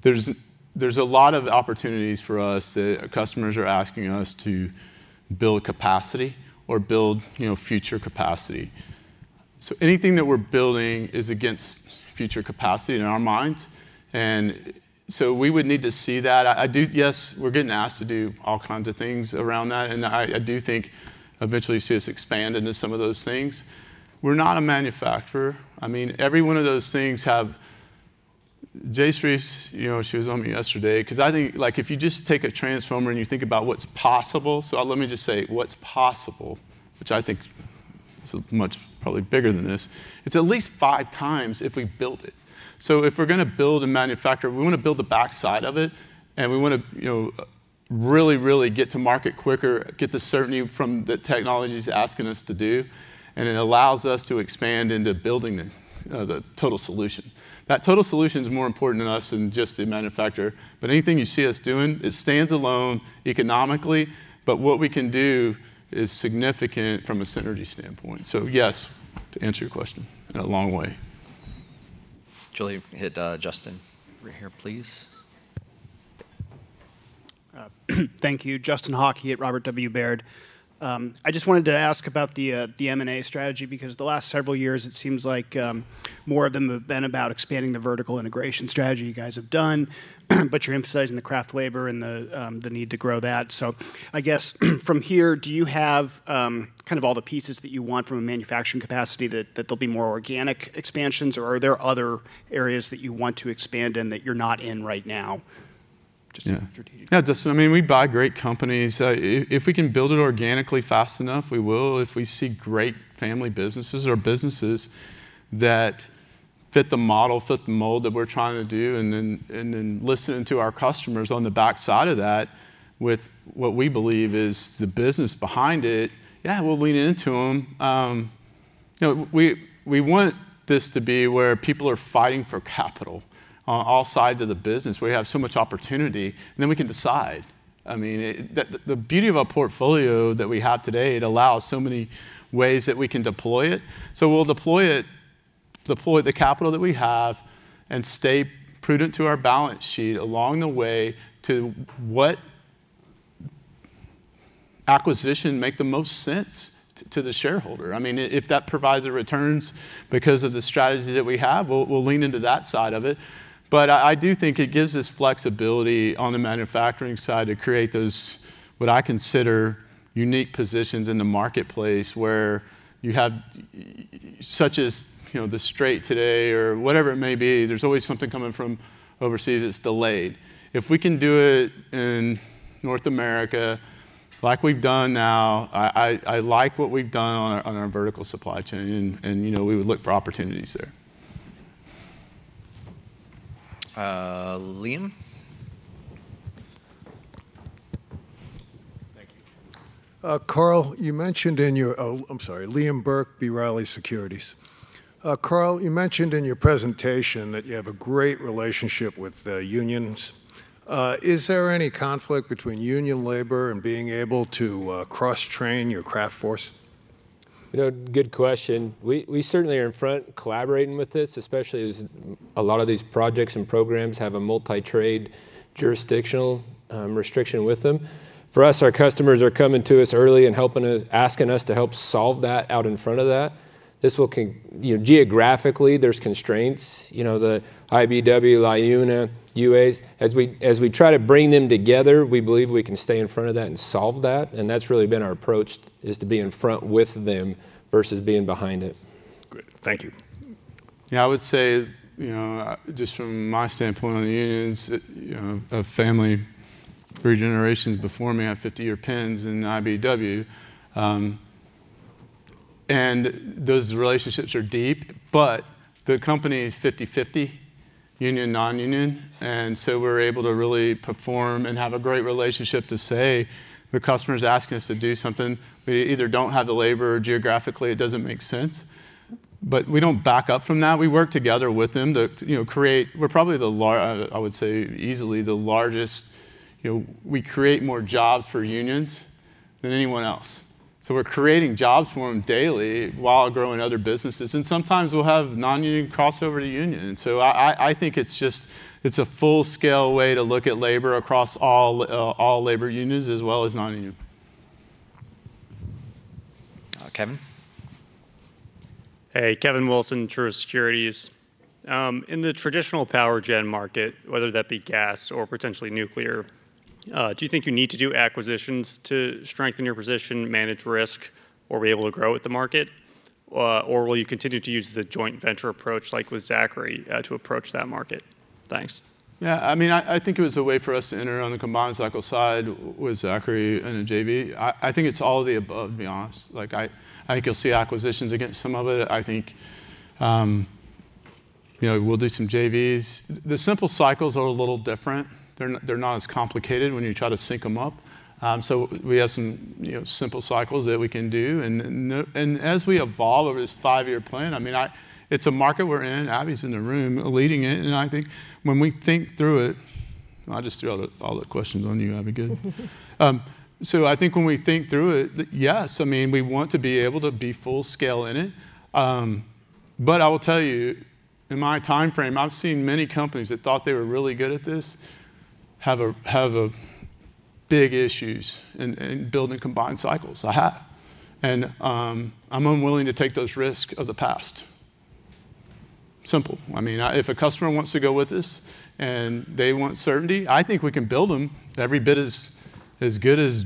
there's a lot of opportunities for us. Customers are asking us to build capacity or, you know, future capacity. Anything that we're building is against future capacity in our minds, and so we would need to see that. Yes, we're getting asked to do all kinds of things around that, and I do think eventually see us expand into some of those things. We're not a manufacturer. I mean, every one of those things have Jayshree, you know, she was on yesterday, 'cause I think, like, if you just take a transformer and you think about what's possible, let me just say what's possible, which I think is much probably bigger than this. It's at least five times if we built it. If we're gonna build and manufacture, we wanna build the backside of it and we wanna, you know, really get to market quicker, get the certainty from the technologies asking us to do, and it allows us to expand into building it, the total solution. That total solution's more important to us than just the manufacturer. But anything you see us doing, it stands alone economically, but what we can do is significant from a synergy standpoint. Yes, to answer your question in a long way. Julia, hit Justin right here, please. Thank you. Justin Hauke at Robert W. Baird. I just wanted to ask about the M&A strategy because the last several years it seems like more of them have been about expanding the vertical integration strategy you guys have done, but you're emphasizing the craft labor and the need to grow that. I guess from here, do you have kind of all the pieces that you want from a manufacturing capacity that there'll be more organic expansions, or are there other areas that you want to expand in that you're not in right now? Just from a strategic- Yeah. Yeah, Justin, I mean, we buy great companies. If we can build it organically fast enough, we will. If we see great family businesses or businesses that fit the model, fit the mold that we're trying to do, and then listening to our customers on the backside of that with what we believe is the business behind it, yeah, we'll lean into them. You know, we want this to be where people are fighting for capital on all sides of the business, where you have so much opportunity, and then we can decide. I mean, the beauty of our portfolio that we have today, it allows so many ways that we can deploy it. We'll deploy the capital that we have and stay prudent to our balance sheet along the way to what acquisition make the most sense to the shareholder. I mean, if that provides the returns because of the strategy that we have, we'll lean into that side of it. But I do think it gives us flexibility on the manufacturing side to create those, what I consider, unique positions in the marketplace where you have such as, you know, the Strait today or whatever it may be. There's always something coming from overseas that's delayed. If we can do it in North America like we've done now, I like what we've done on our vertical supply chain and, you know, we would look for opportunities there. Liam. Thank you. I'm sorry. Liam Burke, B. Riley Securities. Karl, you mentioned in your presentation that you have a great relationship with the unions. Is there any conflict between union labor and being able to cross-train your craft force? You know, good question. We certainly are in front collaborating with this, especially as a lot of these projects and programs have a multi-trade jurisdictional restriction with them. For us, our customers are coming to us early and helping us, asking us to help solve that out in front of that. You know, geographically, there's constraints. You know, the IBEW, LIUNA, UAs. As we try to bring them together, we believe we can stay in front of that and solve that, and that's really been our approach, is to be in front with them versus being behind it. Great. Thank you. Yeah, I would say, you know, just from my standpoint on the unions, you know, a family three generations before me have 50-year pins in IBEW, and those relationships are deep, but the company is 50/50 union, non-union, and we're able to really perform and have a great relationship to say the customer's asking us to do something. We either don't have the labor or geographically it doesn't make sense, but we don't back up from that. We work together with them to, you know, create. I would say easily the largest. You know, we create more jobs for unions than anyone else. We're creating jobs for them daily while growing other businesses, and sometimes we'll have non-union cross over to union. I think it's just a full scale way to look at labor across all labor unions as well as non-union. Kevin. Hey, Kevin Wilson, Truist Securities. In the traditional power gen market, whether that be gas or potentially nuclear, do you think you need to do acquisitions to strengthen your position, manage risk or be able to grow with the market? Or will you continue to use the joint venture approach like with Zachry, to approach that market? Thanks. Yeah, I mean, I think it was a way for us to enter on the combined cycle side with Zachry in a JV. I think it's all of the above, to be honest. Like I think you'll see acquisitions against some of it. I think, you know, we'll do some JVs. The simple cycles are a little different. They're not as complicated when you try to sync them up. So we have some, you know, simple cycles that we can do. And as we evolve over this five-year plan, I mean, it's a market we're in. Abby's in the room leading it. And I think when we think through it. I'll just throw all the questions on you, that'd be good. I think when we think through it, yes, I mean, we want to be able to be full scale in it. I will tell you, in my timeframe, I've seen many companies that thought they were really good at this, have big issues in building combined cycles. I have. I'm unwilling to take those risks of the past. Simple. I mean, if a customer wants to go with this and they want certainty, I think we can build them every bit as good as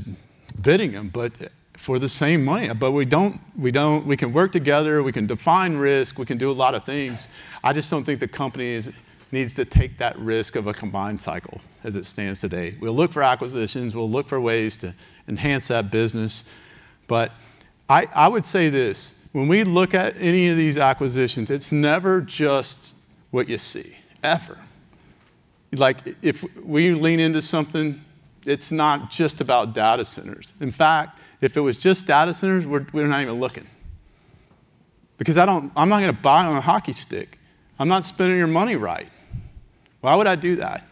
bidding them, but for the same money. We don't. We can work together, we can define risk, we can do a lot of things. I just don't think the company needs to take that risk of a combined cycle as it stands today. We'll look for acquisitions, we'll look for ways to enhance that business. I would say this, when we look at any of these acquisitions, it's never just what you see, ever. Like, if we lean into something, it's not just about data centers. In fact, if it was just data centers, we're not even looking. Because I don't—I'm not gonna buy on a hockey stick. I'm not spending your money, right? Why would I do that?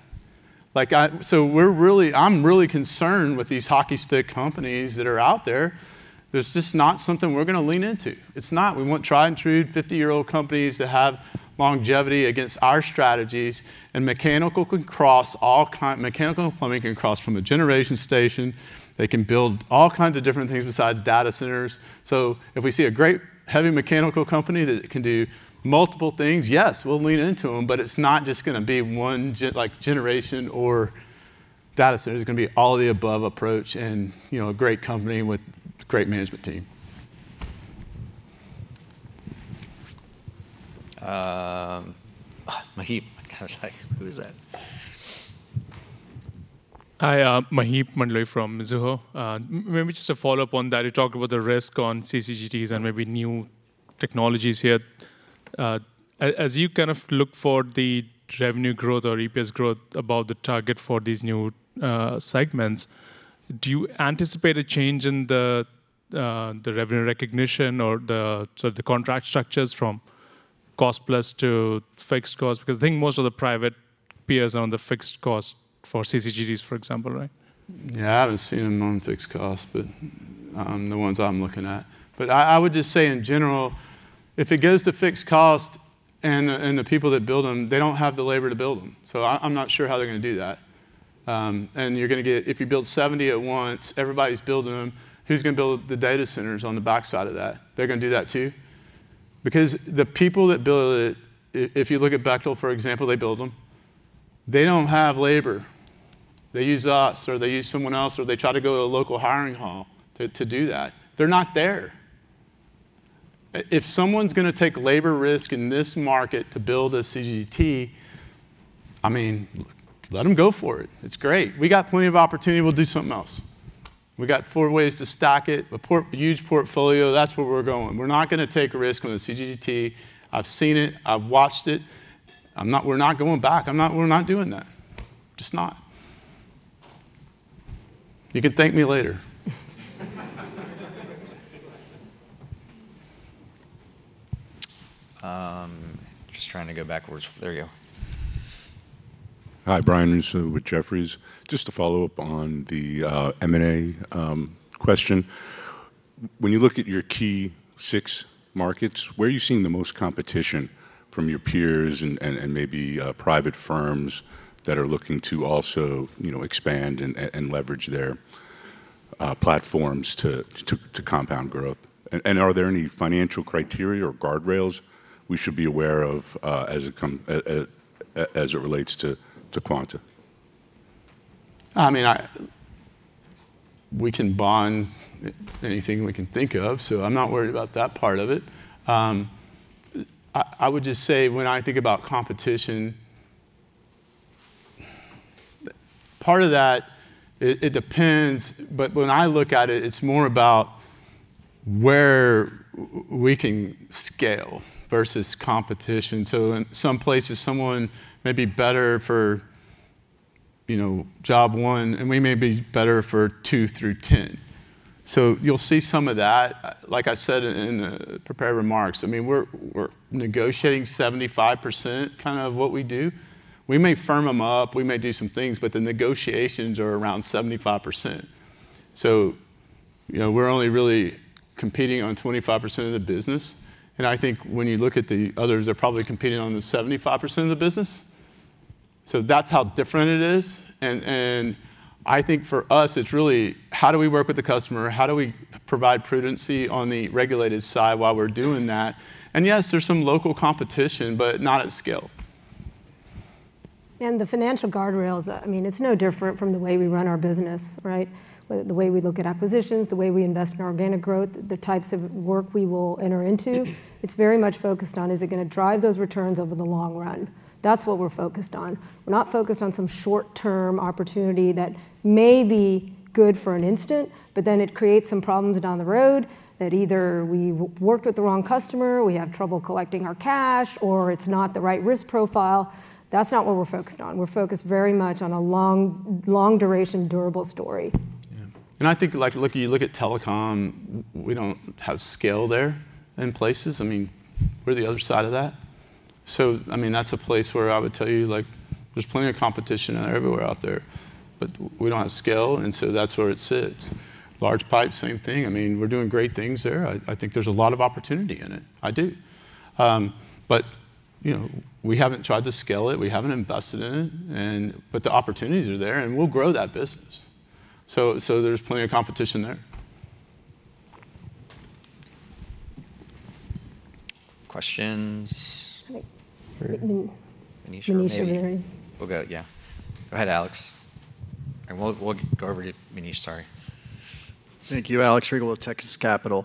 Like, we're really, I'm really concerned with these hockey stick companies that are out there. That's just not something we're gonna lean into. It's not. We want tried and true 50-year-old companies that have longevity against our strategies, and mechanical and plumbing can cross from a generation station. They can build all kinds of different things besides data centers. If we see a great heavy mechanical company that can do multiple things, yes, we'll lean into them, but it's not just gonna be like, generation or data center. It's gonna be all the above approach and, you know, a great company with great management team. Maheep. God, like, who is that? Hi. Maheep Mandloi from Mizuho. Maybe just to follow up on that, you talked about the risk on CCGTs and maybe new technologies here. As you kind of look for the revenue growth or EPS growth above the target for these new segments, do you anticipate a change in the revenue recognition or the contract structures from cost plus to fixed cost? Because I think most of the private peers are on the fixed cost for CCGTs, for example, right? Yeah. I haven't seen them on fixed cost, but on the ones I'm looking at. I would just say in general, if it goes to fixed cost and the people that build them, they don't have the labor to build them. I'm not sure how they're gonna do that. You're gonna get, if you build 70 at once, everybody's building them, who's gonna build the data centers on the backside of that? They're gonna do that too. Because the people that build it, if you look at Bechtel, for example, they build them. They don't have labor. They use us or they use someone else, or they try to go to a local hiring hall to do that. They're not there. If someone's gonna take labor risk in this market to build a CCGT, I mean, let them go for it. It's great. We got plenty of opportunity. We'll do something else. We got four ways to stack it. A huge portfolio. That's where we're going. We're not gonna take a risk on the CCGT. I've seen it. I've watched it. We're not going back. We're not doing that. Just not. You can thank me later. Just trying to go backwards. There you go. Hi, Brian Russo with Jefferies. Just to follow up on the M&A question. When you look at your key six markets, where are you seeing the most competition from your peers and maybe private firms that are looking to also, you know, expand and leverage their platforms to compound growth? And are there any financial criteria or guardrails we should be aware of as it relates to Quanta? I mean, we can bond anything we can think of, so I'm not worried about that part of it. I would just say when I think about competition, part of that, it depends, but when I look at it's more about where we can scale versus competition. In some places, someone may be better for, you know, job one, and we may be better for two through 10. You'll see some of that. Like I said in the prepared remarks, I mean, we're negotiating 75% kind of what we do. We may firm them up, we may do some things, but the negotiations are around 75%. You know, we're only really competing on 25% of the business. I think when you look at the others, they're probably competing on the 75% of the business. That's how different it is. I think for us, it's really how do we work with the customer? How do we provide prudency on the regulated side while we're doing that? Yes, there's some local competition, but not at scale. The financial guardrails, I mean, it's no different from the way we run our business, right? The way we look at acquisitions, the way we invest in organic growth, the types of work we will enter into. It's very much focused on, is it gonna drive those returns over the long run? That's what we're focused on. We're not focused on some short-term opportunity that may be good for an instant, but then it creates some problems down the road that either we worked with the wrong customer, we have trouble collecting our cash, or it's not the right risk profile. That's not what we're focused on. We're focused very much on a long, long duration, durable story. I think, like, look, you look at telecom, we don't have scale there in places. I mean, we're the other side of that. I mean, that's a place where I would tell you, like, there's plenty of competition everywhere out there, but we don't have scale, and so that's where it sits. Large pipe, same thing. I mean, we're doing great things there. I think there's a lot of opportunity in it. I do. But, you know, we haven't tried to scale it, we haven't invested in it, but the opportunities are there, and we'll grow that business. So there's plenty of competition there. Questions? I think Manisha maybe. Manish Somaiya. We'll go, yeah. Go ahead, Alex. We'll go over to Manish. Sorry. Thank you. Alex Rygiel, Texas Capital.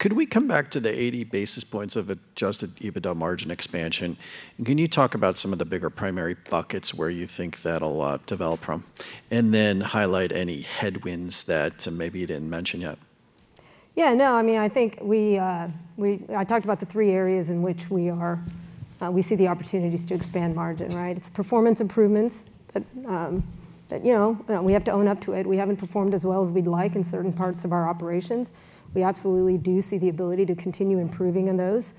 Could we come back to the 80 basis points of Adjusted EBITDA margin expansion? Can you talk about some of the bigger primary buckets where you think that'll develop from? Then highlight any headwinds that maybe you didn't mention yet. I mean, I think we talked about the three areas in which we see the opportunities to expand margin, right? It's performance improvements that you know we have to own up to it. We haven't performed as well as we'd like in certain parts of our operations. We absolutely do see the ability to continue improving in those.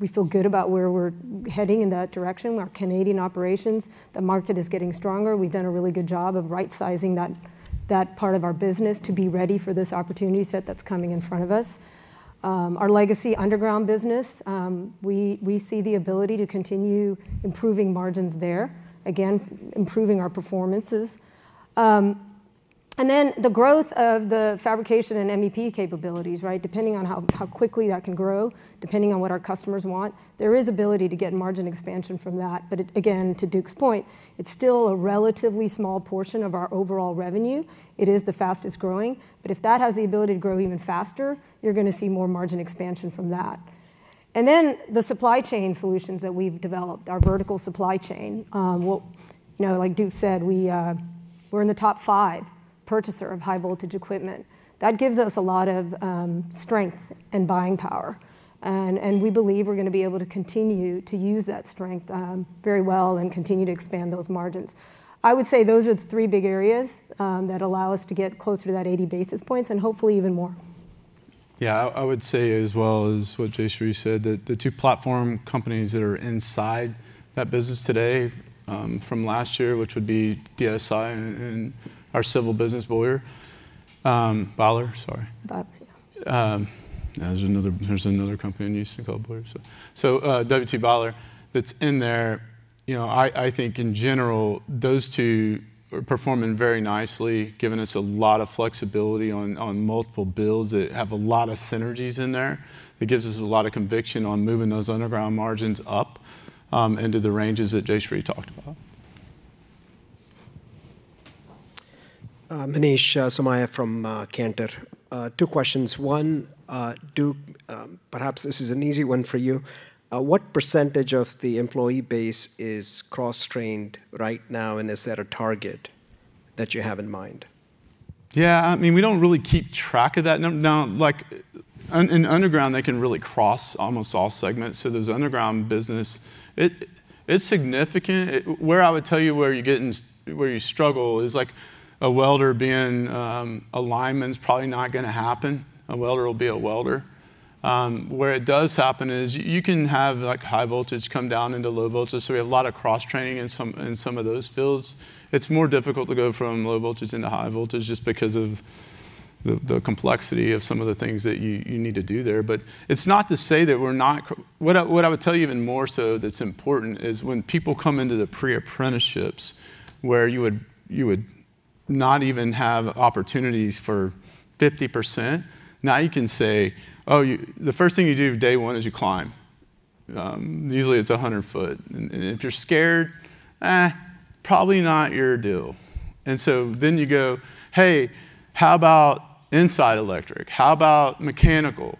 We feel good about where we're heading in that direction. Our Canadian operations, the market is getting stronger. We've done a really good job of rightsizing that part of our business to be ready for this opportunity set that's coming in front of us. Our legacy underground business, we see the ability to continue improving margins there. Again, improving our performances. And then the growth of the fabrication and MEP capabilities, right? Depending on how quickly that can grow, depending on what our customers want, there is ability to get margin expansion from that. Again, to Duke's point, it's still a relatively small portion of our overall revenue. It is the fastest growing. If that has the ability to grow even faster, you're gonna see more margin expansion from that. Then the supply chain solutions that we've developed, our vertical supply chain, will. You know, like Duke said, we're in the top five purchaser of high voltage equipment. That gives us a lot of strength and buying power. We believe we're gonna be able to continue to use that strength very well and continue to expand those margins. I would say those are the three big areas that allow us to get closer to that 80 basis points and hopefully even more. Yeah, I would say as well as what Jayshree said, the two platform companies that are inside that business today, from last year, which would be DSI and our civil business, Boyer. Butler, yeah. There's another company in Houston called Boyer. W.T. Byler that's in there. You know, I think in general, those two are performing very nicely, giving us a lot of flexibility on multiple builds that have a lot of synergies in there. That gives us a lot of conviction on moving those underground margins up into the ranges that Jayshree talked about. Manish Somaiya from Cantor. Two questions. One, Duke, perhaps this is an easy one for you. What percentage of the employee base is cross-trained right now, and is that a target that you have in mind? Yeah, I mean, we don't really keep track of that now. Like, in underground, they can really cross almost all segments. There's underground business. It's significant. Where I would tell you where you're getting is where you struggle, like, a welder being a lineman is probably not gonna happen. A welder will be a welder. Where it does happen is you can have, like, high voltage come down into low voltage, so we have a lot of cross-training in some of those fields. It's more difficult to go from low voltage into high voltage just because of the complexity of some of the things that you need to do there. It's not to say that we're not. What I would tell you even more so that's important is when people come into the pre-apprenticeships where you would not even have opportunities for 50%. Now you can say, "Oh, you. The first thing you do day one is you climb." Usually it's a 100 ft. And if you're scared, probably not your deal. And so then you go, "Hey, how about inside electric? How about mechanical?"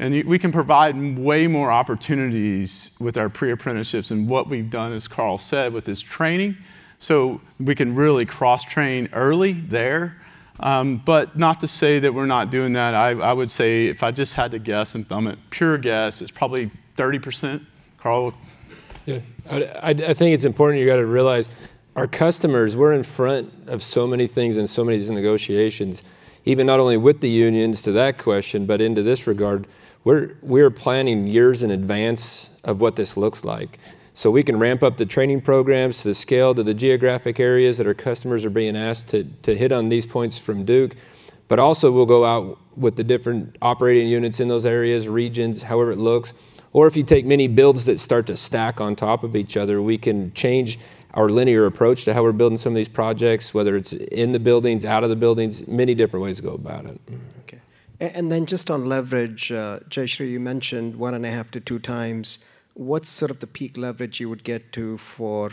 And we can provide way more opportunities with our pre-apprenticeships and what we've done, as Karl said, with his training, so we can really cross-train early there. But not to say that we're not doing that. I would say if I just had to guess and thumb it, pure guess, it's probably 30%. Karl? Yeah. I think it's important you gotta realize our customers, we're in front of so many things and so many of these negotiations, even not only with the unions to that question, but into this regard. We're planning years in advance of what this looks like, so we can ramp up the training programs to the scale, to the geographic areas that our customers are being asked to hit on these points from Duke. Also we'll go out with the different operating units in those areas, regions, however it looks. If you take many builds that start to stack on top of each other, we can change our linear approach to how we're building some of these projects, whether it's in the buildings, out of the buildings, many different ways to go about it. Okay. Just on leverage, Jayshree, you mentioned 1.5-2x. What's sort of the peak leverage you would get to for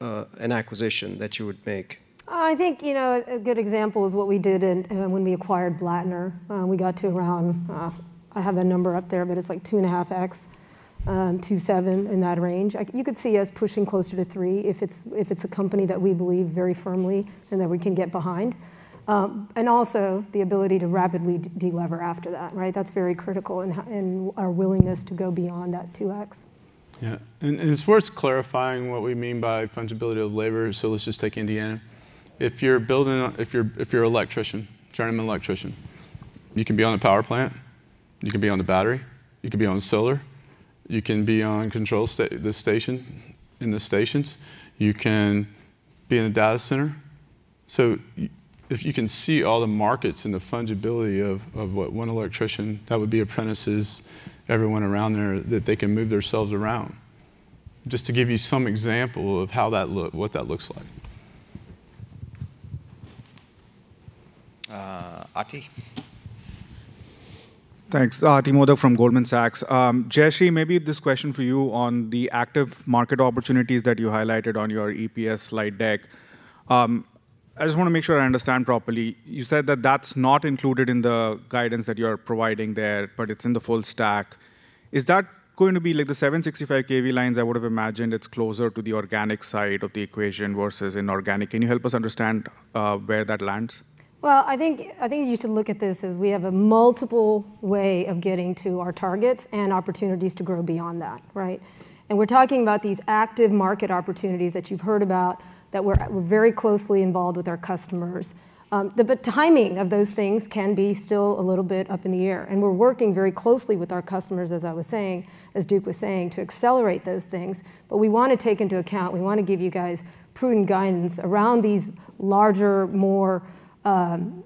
an acquisition that you would make? I think, you know, a good example is what we did when we acquired Blattner. We got to around 2.5x-2.7x in that range. I have the number up there, but it's like that. Like, you could see us pushing closer to 3x if it's a company that we believe very firmly and that we can get behind. Also the ability to rapidly delever after that, right? That's very critical in our willingness to go beyond that 2x. It's worth clarifying what we mean by fungibility of labor, so let's just take Indiana. If you're an electrician, journeyman electrician, you can be on a power plant, you can be on the battery, you can be on solar, you can be on the station, in the stations. You can be in a data center. If you can see all the markets and the fungibility of what one electrician, that would be apprentices, everyone around there, that they can move theirselves around. Just to give you some example of what that looks like. Ati. Thanks. Ati Modak from Goldman Sachs. Jayshree, maybe this question for you on the active market opportunities that you highlighted on your EPS slide deck. I just wanna make sure I understand properly. You said that that's not included in the guidance that you're providing there, but it's in the full stack. Is that going to be like the 765 kV lines? I would've imagined it's closer to the organic side of the equation versus inorganic. Can you help us understand where that lands? I think you should look at this as we have a multiple way of getting to our targets and opportunities to grow beyond that, right? We're talking about these active market opportunities that you've heard about that we're very closely involved with our customers. The timing of those things can be still a little bit up in the air, and we're working very closely with our customers, as I was saying, as Duke was saying, to accelerate those things. We wanna take into account, we wanna give you guys prudent guidance around these larger, more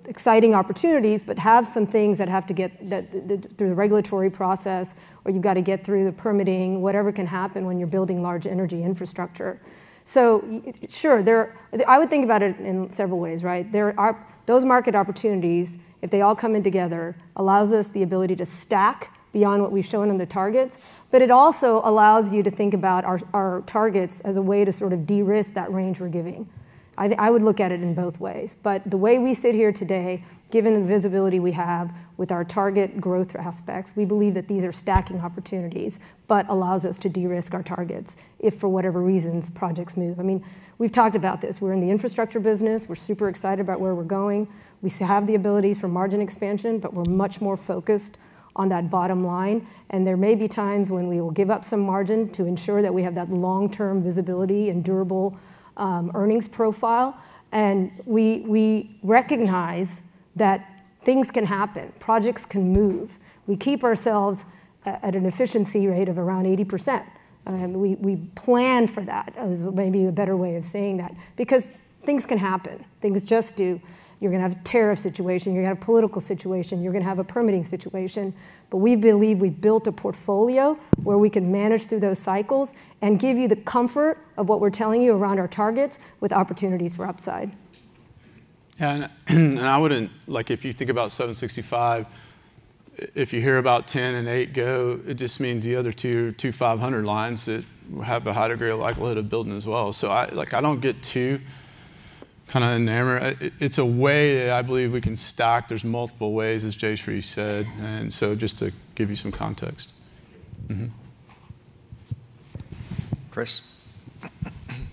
exciting opportunities, but have some things that have to get through the regulatory process or you've got to get through the permitting, whatever can happen when you're building large energy infrastructure. Sure, there I would think about it in several ways, right? There are those market opportunities, if they all come in together, allows us the ability to stack beyond what we've shown in the targets, but it also allows you to think about our targets as a way to sort of de-risk that range we're giving. I would look at it in both ways, but the way we sit here today, given the visibility we have with our target growth aspects, we believe that these are stacking opportunities, but allows us to de-risk our targets if for whatever reasons projects move. I mean, we've talked about this. We're in the infrastructure business. We're super excited about where we're going. We have the abilities for margin expansion, but we're much more focused on that bottom line, and there may be times when we will give up some margin to ensure that we have that long-term visibility and durable earnings profile, and we recognize that things can happen, projects can move. We keep ourselves at an efficiency rate of around 80%. We plan for that, is maybe a better way of saying that, because things can happen. Things just do. You're gonna have a tariff situation. You're gonna have a political situation. You're gonna have a permitting situation. But we believe we've built a portfolio where we can manage through those cycles and give you the comfort of what we're telling you around our targets with opportunities for upside. Like, if you think about 765, if you hear about 10 and 8 GW, it just means the other two 2500 lines that have a higher degree of likelihood of building as well. Like, I don't get too kind of enamored. It's a way that I believe we can stack. There's multiple ways, as Jayshree said, and so just to give you some context. Chris.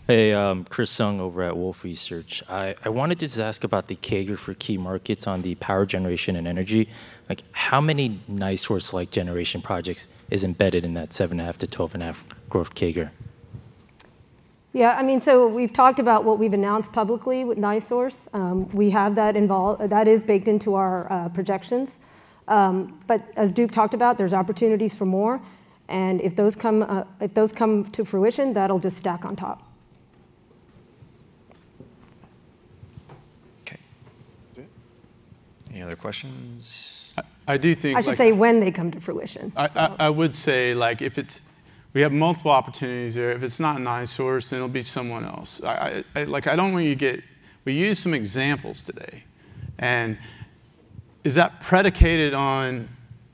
Hey. Chris Tsung over at Wolfe Research. I wanted to just ask about the CAGR for key markets on the power generation and energy. Like, how many NiSource-like generation projects is embedded in that 7.5%-12.5% growth CAGR? I mean, we've talked about what we've announced publicly with NiSource. We have that involved. That is baked into our projections. As Duke talked about, there's opportunities for more, and if those come to fruition, that'll just stack on top. Okay. That's it? Any other questions? I do think like. I should say when they come to fruition. I would say, like, if it's, we have multiple opportunities there. If it's not NiSource, then it'll be someone else. I, like, I don't want you to get, we used some examples today, and is that predicated on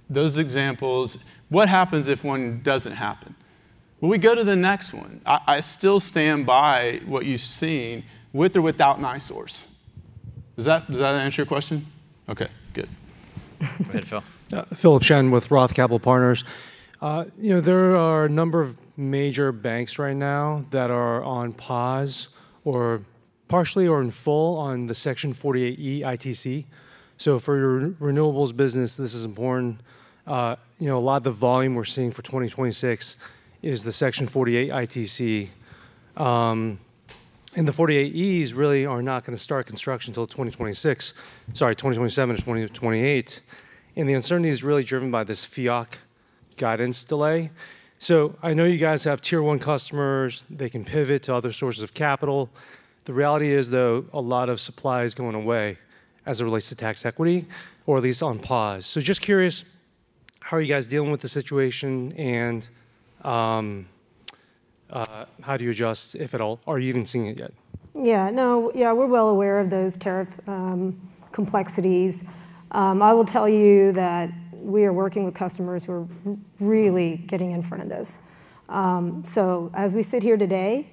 those examples? What happens if one doesn't happen? Well, we go to the next one. I still stand by what you're seeing with or without NiSource. Does that answer your question? Okay, good. Go ahead, Phil. Philip Shen with ROTH Capital Partners. You know, there are a number of major banks right now that are on pause or partially or in full on the Section 48E ITC, so for your renewables business, this is important. You know, a lot of the volume we're seeing for 2026 is the Section 48 ITC. The 48Es really are not gonna start construction till 2027-2028, and the uncertainty is really driven by this FIOC guidance delay. I know you guys have tier one customers. They can pivot to other sources of capital. The reality is, though, a lot of supply is going away as it relates to tax equity or at least on pause. Just curious, how are you guys dealing with the situation and how do you adjust, if at all? Are you even seeing it yet? Yeah, no, yeah, we're well aware of those tariff complexities. I will tell you that we are working with customers who are really getting in front of this. As we sit here today,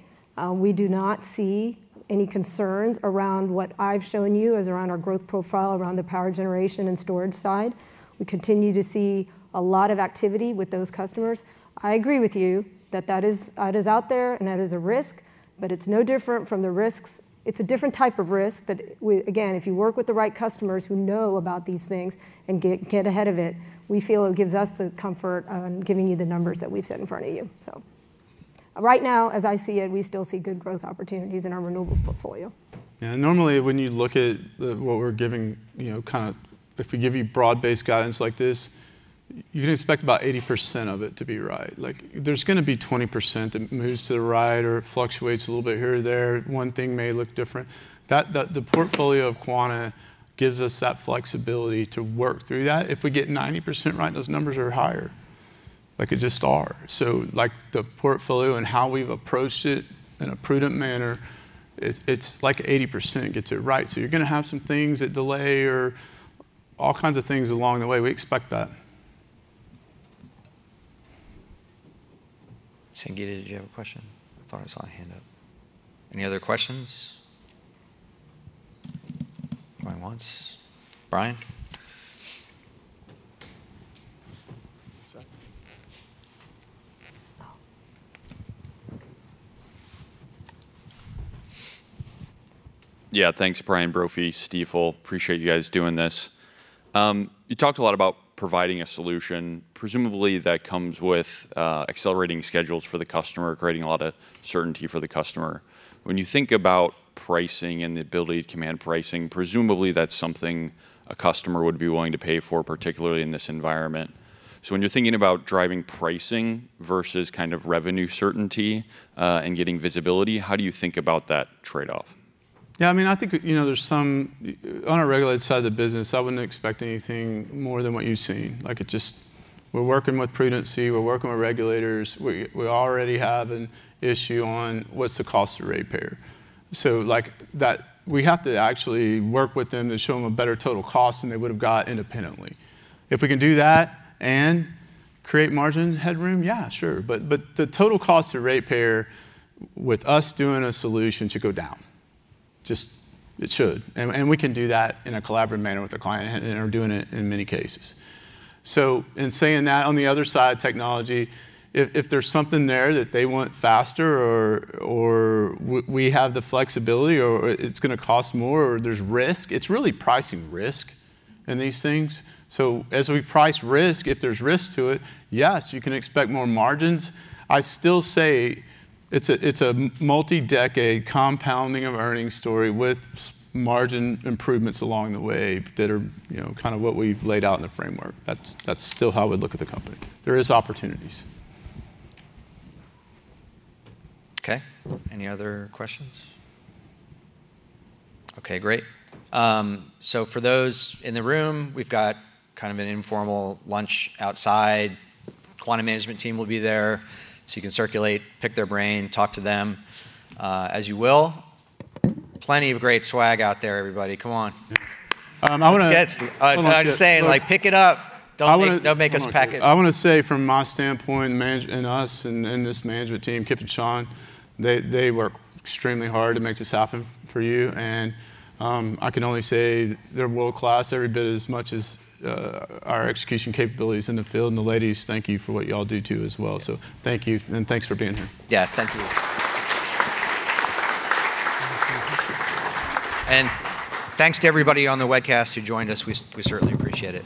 we do not see any concerns around what I've shown you as around our growth profile, around the power generation and storage side. We continue to see a lot of activity with those customers. I agree with you that that is out there and that is a risk. It's no different from the risks. It's a different type of risk, but we again if you work with the right customers who know about these things and get ahead of it, we feel it gives us the comfort on giving you the numbers that we've set in front of you. Right now, as I see it, we still see good growth opportunities in our renewables portfolio. Yeah. Normally, when you look at what we're giving, you know, kinda. If we give you broad-based guidance like this, you can expect about 80% of it to be right. Like, there's gonna be 20% that moves to the right or it fluctuates a little bit here or there. One thing may look different. That the portfolio of Quanta gives us that flexibility to work through that. If we get 90% right, those numbers are higher. Like, it just are. The portfolio and how we've approached it in a prudent manner, it's like 80% gets it right. You're gonna have some things that delay or all kinds of things along the way. We expect that. Sangeeta, did you have a question? I thought I saw a hand up. Any other questions? Going once? Brian? What's that? Oh. Yeah. Thanks, Brian Brophy, Stifel. Appreciate you guys doing this. You talked a lot about providing a solution. Presumably, that comes with accelerating schedules for the customer, creating a lot of certainty for the customer. When you think about pricing and the ability to command pricing, presumably that's something a customer would be willing to pay for, particularly in this environment. When you're thinking about driving pricing versus kind of revenue certainty and getting visibility, how do you think about that trade-off? Yeah, I mean, I think, you know, there's some on our regulated side of the business. I wouldn't expect anything more than what you've seen. Like it just. We're working with prudence. We're working with regulators. We already have an issue on what's the cost to ratepayer. Like, that we have to actually work with them to show them a better total cost than they would've got independently. If we can do that and create margin headroom, yeah, sure. But the total cost to ratepayer with us doing a solution should go down. Just it should. We can do that in a collaborative manner with a client, and are doing it in many cases. In saying that, on the other side of technology, if there's something there that they want faster or we have the flexibility, or it's gonna cost more, or there's risk, it's really pricing risk in these things. As we price risk, if there's risk to it, yes, you can expect more margins. I still say it's a multi-decade compounding of earnings story with margin improvements along the way that are, you know, kind of what we've laid out in the framework. That's still how we'd look at the company. There is opportunities. Okay. Any other questions? Okay, great. For those in the room, we've got kind of an informal lunch outside. Quanta management team will be there, so you can circulate, pick their brain, talk to them, as you will. Plenty of great swag out there, everybody. Come on. Um, I wanna- It's good. No, I'm just saying, like, pick it up. I wanna- Don't make us pack it. I wanna say from my standpoint, this management team, Kip and Sean, they work extremely hard to make this happen for you and, I can only say they're world-class, every bit as much as our execution capabilities in the field, and the ladies, thank you for what y'all do too as well. Thank you, and thanks for being here. Yeah. Thank you. Thanks to everybody on the webcast who joined us. We certainly appreciate it.